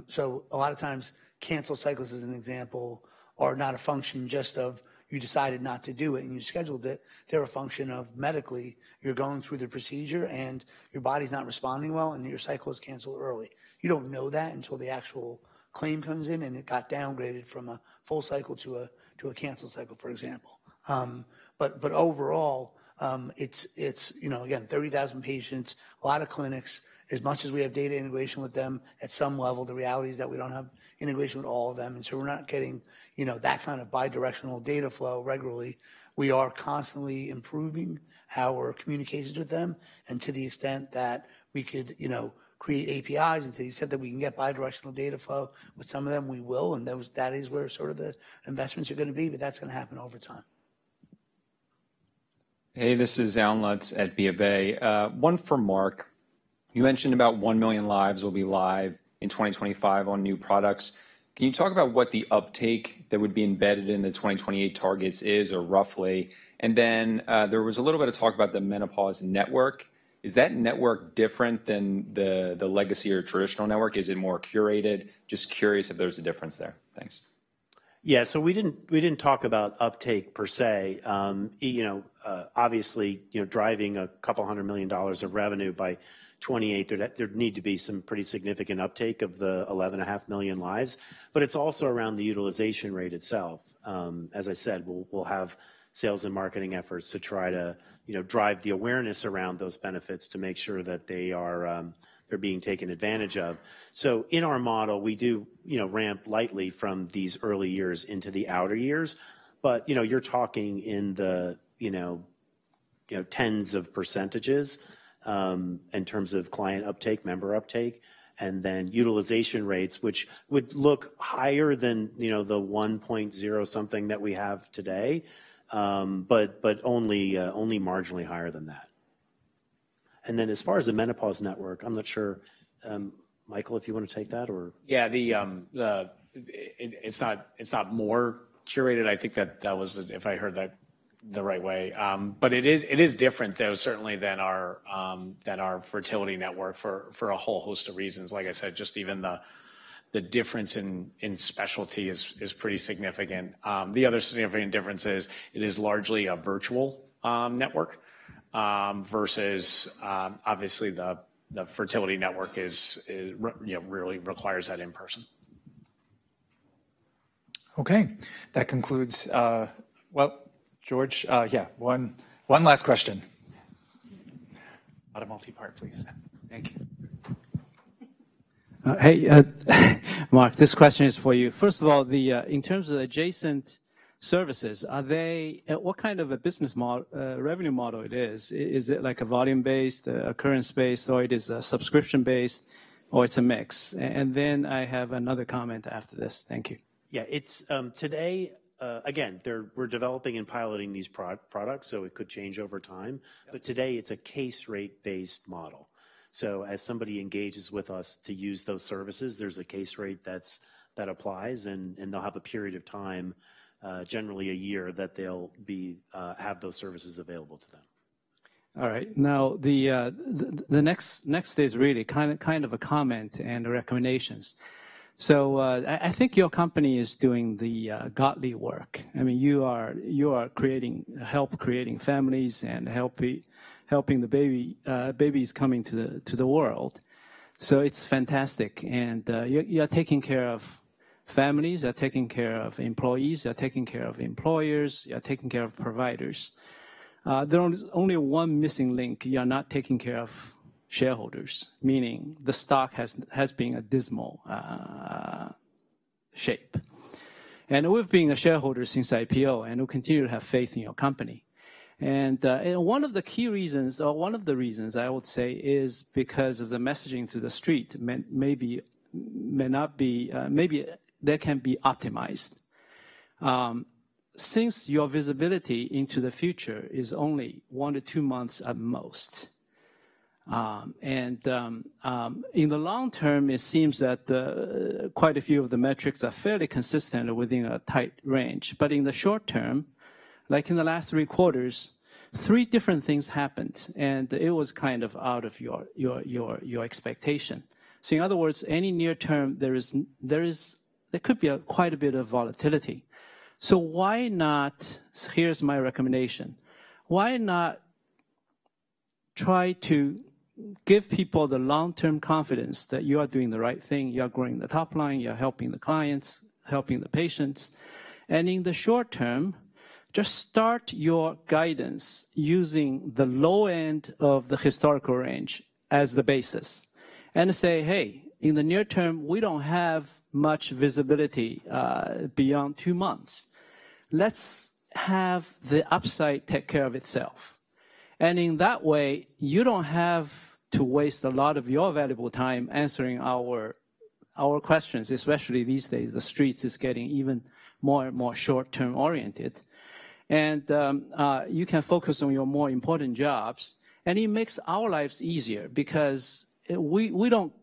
Speaker 2: So a lot of times, canceled cycles, as an example, are not a function just of you decided not to do it, and you scheduled it. They're a function of medically, you're going through the procedure, and your body's not responding well, and your cycle is canceled early. You don't know that until the actual claim comes in, and it got downgraded from a full cycle to a canceled cycle, for example. But overall, it's, you know, again, 30,000 patients, a lot of clinics. As much as we have data integration with them, at some level, the reality is that we don't have integration with all of them, and so we're not getting, you know, that kind of bidirectional data flow regularly. We are constantly improving how we're communicating with them, and to the extent that we could, you know, create APIs, and so you said that we can get bidirectional data flow with some of them, we will, and that is where sort of the investments are gonna be, but that's gonna happen over time.
Speaker 24: Hey, this is Allen Lutz at BofA. One for Mark. You mentioned about 1 million lives will be live in 2025 on new products. Can you talk about what the uptake that would be embedded in the 2028 targets is, or roughly? And then, there was a little bit of talk about the menopause network. Is that network different than the legacy or traditional network? Is it more curated? Just curious if there's a difference there. Thanks.
Speaker 17: Yeah, so we didn't, we didn't talk about uptake per se. You know, obviously, you know, driving $200 million of revenue by 2028, there, there'd need to be some pretty significant uptake of the 11.5 million lives, but it's also around the utilization rate itself. As I said, we'll, we'll have sales and marketing efforts to try to, you know, drive the awareness around those benefits to make sure that they are, they're being taken advantage of. So in our model, we do, you know, ramp lightly from these early years into the outer years. But, you know, you're talking, you know, tens of %, in terms of client uptake, member uptake, and then utilization rates, which would look higher than, you know, the 1.0 something that we have today, but only marginally higher than that. And then, as far as the menopause network, I'm not sure, Michael, if you want to take that or-
Speaker 3: Yeah, it's not more curated. I think that was, if I heard that the right way. But it is different, though, certainly than our fertility network for a whole host of reasons. Like I said, just even the difference in specialty is pretty significant. The other significant difference is it is largely a virtual network versus obviously the fertility network really requires that in person.
Speaker 1: Okay. That concludes... Well, George, yeah, one last question. Not a multipart, please. Thank you.
Speaker 26: Hey, Mark, this question is for you. First of all, in terms of the adjacent services, are they what kind of a business revenue model it is? Is it like a volume-based, occurrence-based, or it is a subscription-based, or it's a mix? And then I have another comment after this. Thank you.
Speaker 17: Yeah, it's today, again, we're developing and piloting these products, so it could change over time.
Speaker 26: Yeah.
Speaker 17: But today, it's a case rate-based model. So as somebody engages with us to use those services, there's a case rate that applies, and they'll have a period of time, generally a year, that they'll have those services available to them.
Speaker 26: All right. Now, the next is really kind of a comment and recommendations. So, I think your company is doing the godly work. I mean, you are creating help creating families and helping the baby babies coming to the world. So it's fantastic, and you're taking care of families, you're taking care of employees, you're taking care of employers, you're taking care of providers. There is only one missing link. You are not taking care of shareholders, meaning the stock has been a dismal shape. And we've been a shareholder since IPO, and we continue to have faith in your company. One of the key reasons, or one of the reasons I would say, is because of the messaging to the street. Maybe that can be optimized. Since your visibility into the future is only one to two months at most, in the long term, it seems that quite a few of the metrics are fairly consistent within a tight range. But in the short term, like in the last three quarters, three different things happened, and it was kind of out of your expectation. So in other words, any near term, there could be quite a bit of volatility. So why not... Here's my recommendation: Why not try to give people the long-term confidence that you are doing the right thing, you are growing the top line, you're helping the clients, helping the patients, and in the short term... Just start your guidance using the low end of the historical range as the basis, and say: "Hey, in the near term, we don't have much visibility beyond two months. Let's have the upside take care of itself." And in that way, you don't have to waste a lot of your valuable time answering our questions, especially these days. The streets is getting even more and more short-term oriented. And you can focus on your more important jobs, and it makes our lives easier because we don't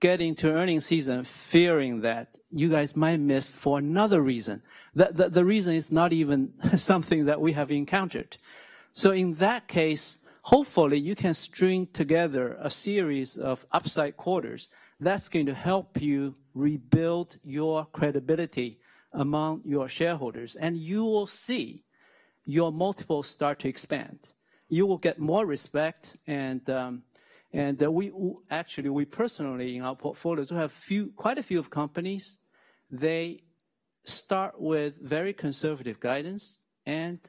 Speaker 26: get into earning season fearing that you guys might miss for another reason. The reason is not even something that we have encountered. So in that case, hopefully, you can string together a series of upside quarters that's going to help you rebuild your credibility among your shareholders, and you will see your multiples start to expand. You will get more respect and actually, we personally, in our portfolios, we have quite a few companies, they start with very conservative guidance, and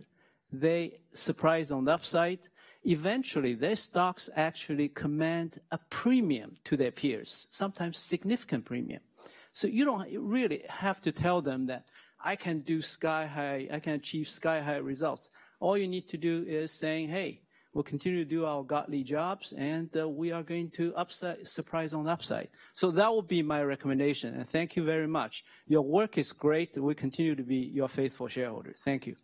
Speaker 26: they surprise on the upside. Eventually, their stocks actually command a premium to their peers, sometimes significant premium. So you don't really have to tell them that, "I can achieve sky-high results." All you need to do is saying: "Hey, we'll continue to do our godly jobs, and we are going to upside, surprise on the upside." So that would be my recommendation, and thank you very much. Your work is great, and we continue to be your faithful shareholder. Thank you.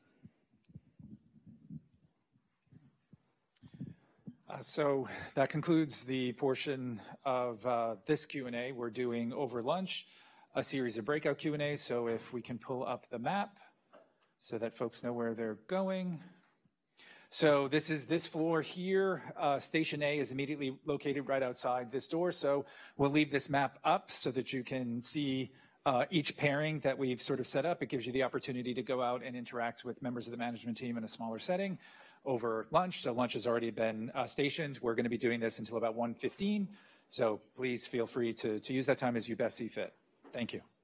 Speaker 1: So that concludes the portion of this Q&A. We're doing over lunch a series of breakout Q&As, so if we can pull up the map so that folks know where they're going. So this is this floor here. Station A is immediately located right outside this door, so we'll leave this map up so that you can see each pairing that we've sort of set up. It gives you the opportunity to go out and interact with members of the management team in a smaller setting over lunch. So lunch has already been stationed. We're gonna be doing this until about 1:15 P.M., so please feel free to use that time as you best see fit. Thank you.